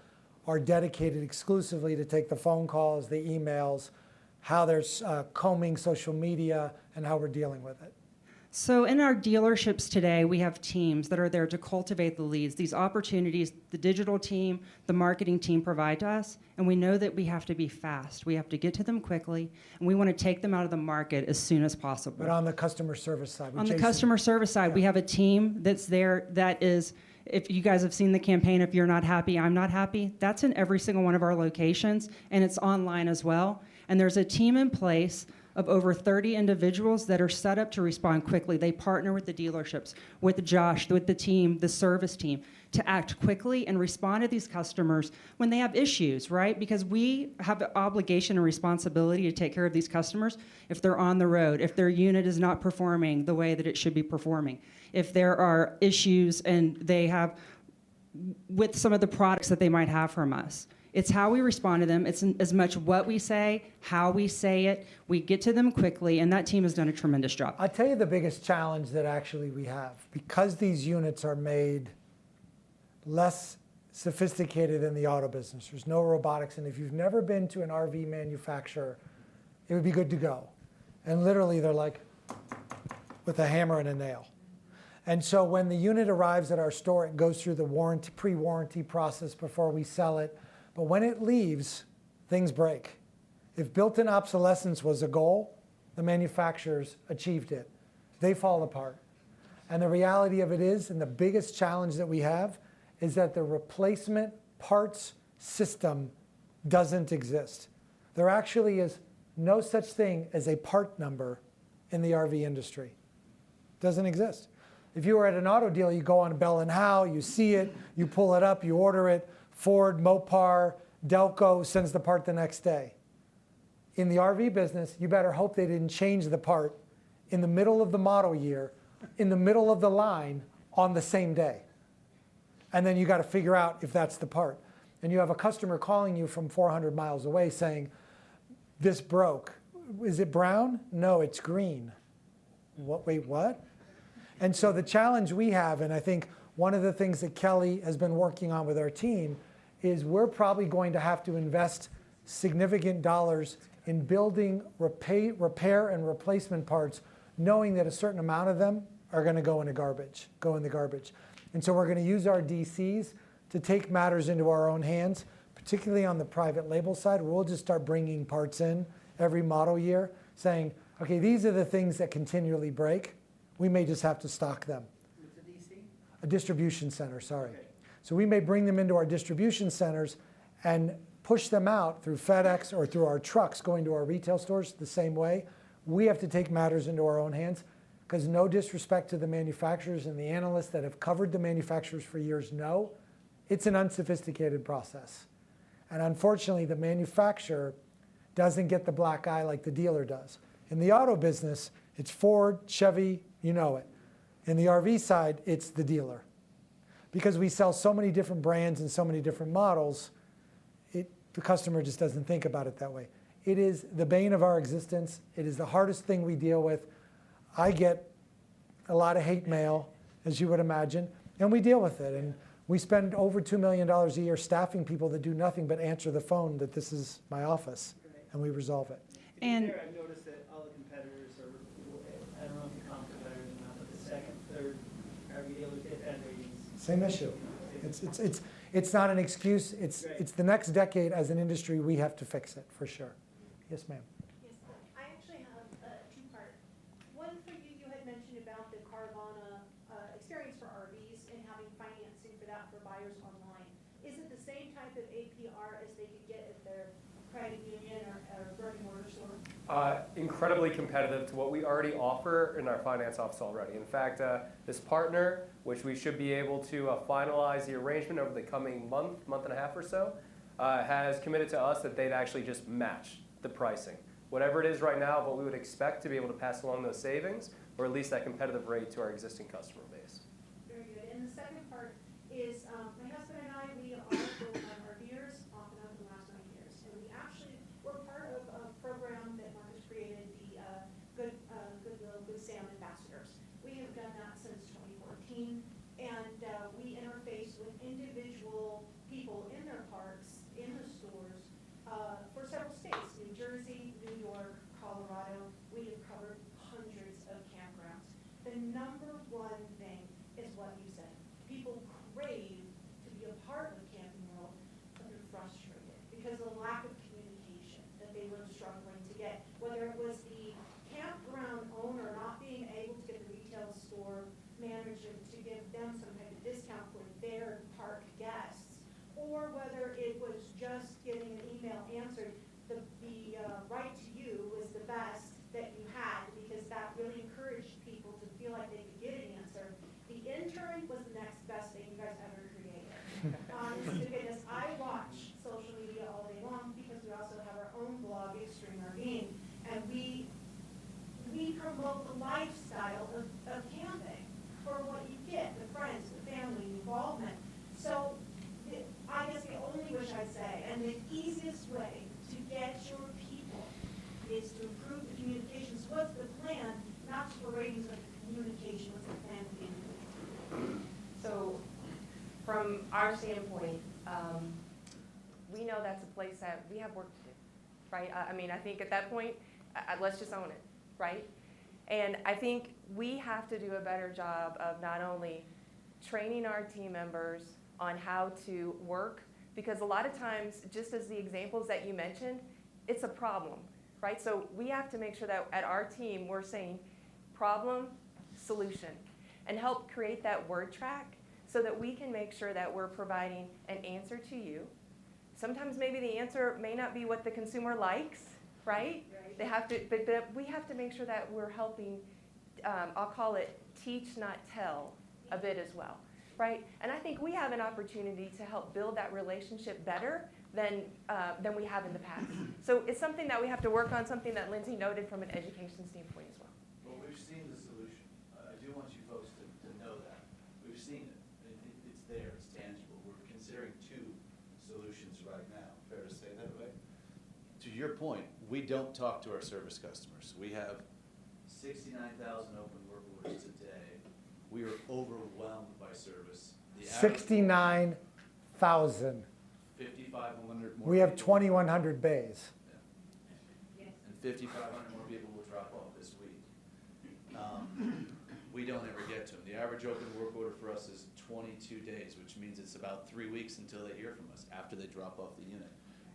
are dedicated exclusively to take the phone calls, the emails, how there's combing social media, and how we're dealing with it. In our dealerships today, we have teams that are there to cultivate the leads. These opportunities, the digital team, the marketing team provide to us, and we know that we have to be fast. We have to get to them quickly, and we want to take them out of the market as soon as possible. On the customer service side, with Jason. On the customer service side. Yeah. We have a team that's there, that is, if you guys have seen the campaign, "If you're not happy, I'm not happy," that's in every single one of our locations, and it's online as well, and there's a team in place of over 30 individuals that are set up to respond quickly. They partner with the dealerships, with Josh, with the team, the service team, to act quickly and respond to these customers when they have issues, right. We have the obligation and responsibility to take care of these customers if they're on the road, if their unit is not performing the way that it should be performing. If there are issues and they have. With some of the products that they might have from us. It's how we respond to them. It's as much what we say, how we say it. We get to them quickly, and that team has done a tremendous job. I tell you the biggest challenge that actually we have, because these units are made less sophisticated than the auto business, there's no robotics, if you've never been to an RV manufacturer, it would be good to go. Literally, they're like with a hammer and a nail. When the unit arrives at our store, it goes through the pre-warranty process before we sell it. When it leaves, things break. If built-in obsolescence was a goal, the manufacturers achieved it. They fall apart. The reality of it is, and the biggest challenge that we have, is that the replacement parts system doesn't exist. There actually is no such thing as a part number in the RV industry. Doesn't exist. If you are at an auto deal, you go on a Bell and Howell, you see it, you pull it up, you order it, Ford, Mopar, ACDelco sends the part the next day. In the RV business, you better hope they didn't change the part in the middle of the model year, in the middle of the line, on the same day. Then you got to figure out if that's the part. You have a customer calling you from 400 mi away saying, "This broke." "Is it brown?" "No, it's green." "What? Wait, what?" The challenge we have, and I think one of the things that Kelly has been working on with our team is we're probably going to have to invest significant dollars in building repair and replacement parts, knowing that a certain amount of them are going to go in the garbage. We're going to use our DCs to take matters into our own hands, particularly on the private label side. We'll just start bringing parts in every model year saying, "Okay, these are the things that continually break. We may just have to stock them. What's a DC? A distribution center, sorry. We may bring them into our distribution centers and push them out through FedEx or through our trucks going to our retail stores the same way. We have to take matters into our own hands because no disrespect to the manufacturers, and the analysts that have covered the manufacturers for years know it's an unsophisticated process. Unfortunately, the manufacturer doesn't get the black eye like the dealer does. In the auto business, it's Ford, Chevy, you know it. In the RV side, it's the dealer. We sell so many different brands and so many different models, the customer just doesn't think about it that way. It is the bane of our existence. It is the hardest thing we deal with. I get a lot of hate mail, as you would imagine, and we deal with it, and we spend over $2 million a year staffing people that do nothing but answer the phone that this is my office. We resolve it. I've noticed that all Incredibly competitive to what we already offer in our finance office already. In fact, this partner, which we should be able to finalize the arrangement over the coming month and a half or so, has committed to us that they'd actually just match the pricing. Whatever it is right now, what we would expect to be able to pass along those savings or at least that competitive rate to our existing customer base. so that we can make sure that we're providing an answer to you. Sometimes maybe the answer may not be what the consumer likes, right? Right. We have to make sure that we're helping, I'll call it teach not tell a bit as well, right. I think we have an opportunity to help build that relationship better than we have in the past. It's something that we have to work on, something that Lindsey noted from an education standpoint as well. Well, we've seen the solution. I do want you folks to know that. We've seen it. It's there, it's tangible. We're considering two solutions right now. Fair to say that, Ray? To your point, we don't talk to our service customers. We have 69,000 open work orders today. We are overwhelmed by service. 69,000 5,500 more people We have 2,100 bays Yeah. 5,500 more people will drop off this week. We don't ever get to them. The average open work order for us is 22 days, which means it's about three weeks until they hear from us after they drop off the unit.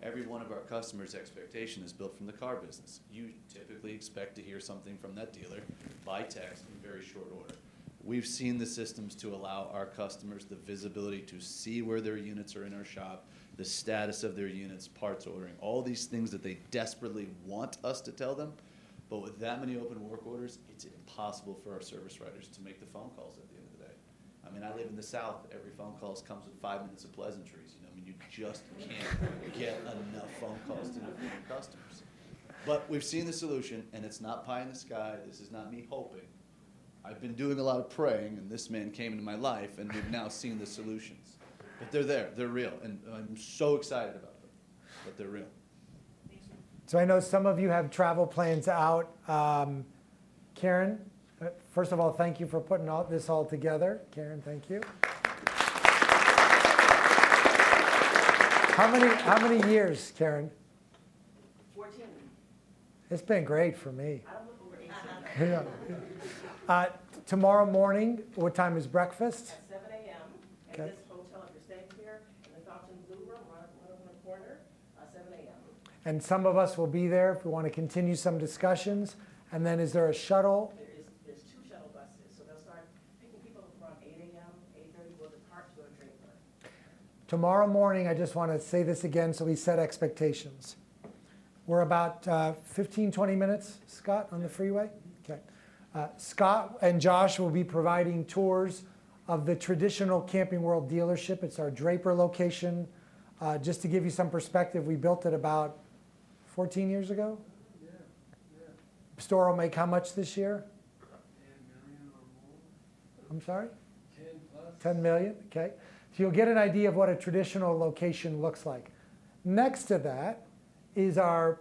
Every one of our customer's expectation is built from the car business. You typically expect to hear something from that dealer by text in very short order. We've seen the systems to allow our customers the visibility to see where their units are in our shop, the status of their units, parts ordering, all these things that they desperately want us to tell them, but with that many open work orders, it's impossible for our service writers to make the phone calls at the end of the day. I live in the South. Every phone call comes with five minutes of pleasantries. You just can't get enough phone calls to the customers. We've seen the solution, and it's not pie in the sky. This is not me hoping. I've been doing a lot of praying, and this man came into my life, and we've now seen the solutions. They're there, they're real, and I'm so excited about them. They're real. Thank you. I know some of you have travel plans out. Karin, first of all, thank you for putting this all together. Karin, thank you. How many years, Karin? 14. It's been great for me. I don't look over 18. Yeah. Tomorrow morning, what time is breakfast? At 7:00 A.M. Okay. At this hotel, if you're staying here, in the Fontainebleau Room right over in the corner. 7:00 A.M. Some of us will be there if we want to continue some discussions. Is there a shuttle? There's two shuttle buses. They'll start picking people up around 8:00 A.M., 8:30 A.M., we'll depart to our Draper. Tomorrow morning, I just want to say this again so we set expectations. We're about 15, 20 minutes, Scott, on the freeway? Okay. Scott and Josh will be providing tours of the traditional Camping World dealership. It's our Draper location. Just to give you some perspective, we built it about 14 years ago? Yeah. The store will make how much this year? $10 million or more. I'm sorry? $10 million? Okay. You'll get an idea of what a traditional location looks like. Next to that is our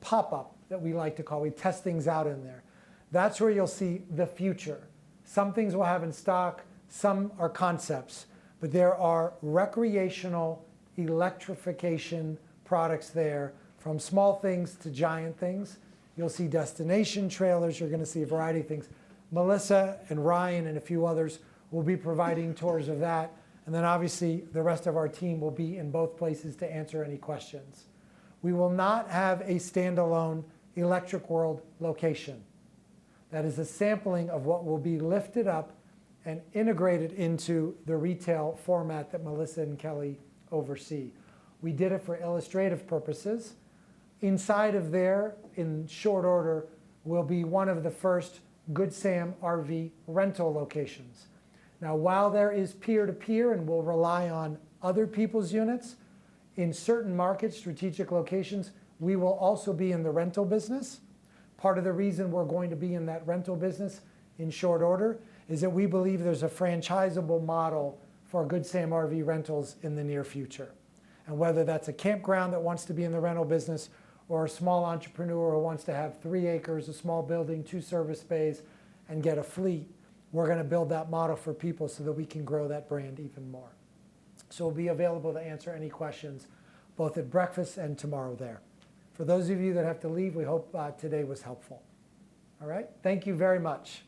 pop-up that we like to call. We test things out in there. That's where you'll see the future. Some things we'll have in stock, some are concepts. There are recreational electrification products there from small things to giant things. You'll see destination trailers, you're going to see a variety of things. Melissa and Ryan and a few others will be providing tours of that. Obviously the rest of our team will be in both places to answer any questions. We will not have a standalone Electric World location. That is a sampling of what will be lifted up and integrated into the retail format that Melissa and Kelly oversee. We did it for illustrative purposes. Inside of there, in short order, will be one of the first Good Sam RV Rentals locations. While there is peer-to-peer, and we'll rely on other people's units, in certain markets, strategic locations, we will also be in the rental business. Part of the reason we're going to be in that rental business in short order is that we believe there's a franchisable model for Good Sam RV Rentals in the near future. Whether that's a campground that wants to be in the rental business or a small entrepreneur who wants to have 3 acres, a small building, two service bays, and get a fleet, we're going to build that model for people so that we can grow that brand even more. We'll be available to answer any questions both at breakfast and tomorrow there. For those of you that have to leave, we hope today was helpful. All right? Thank you very much.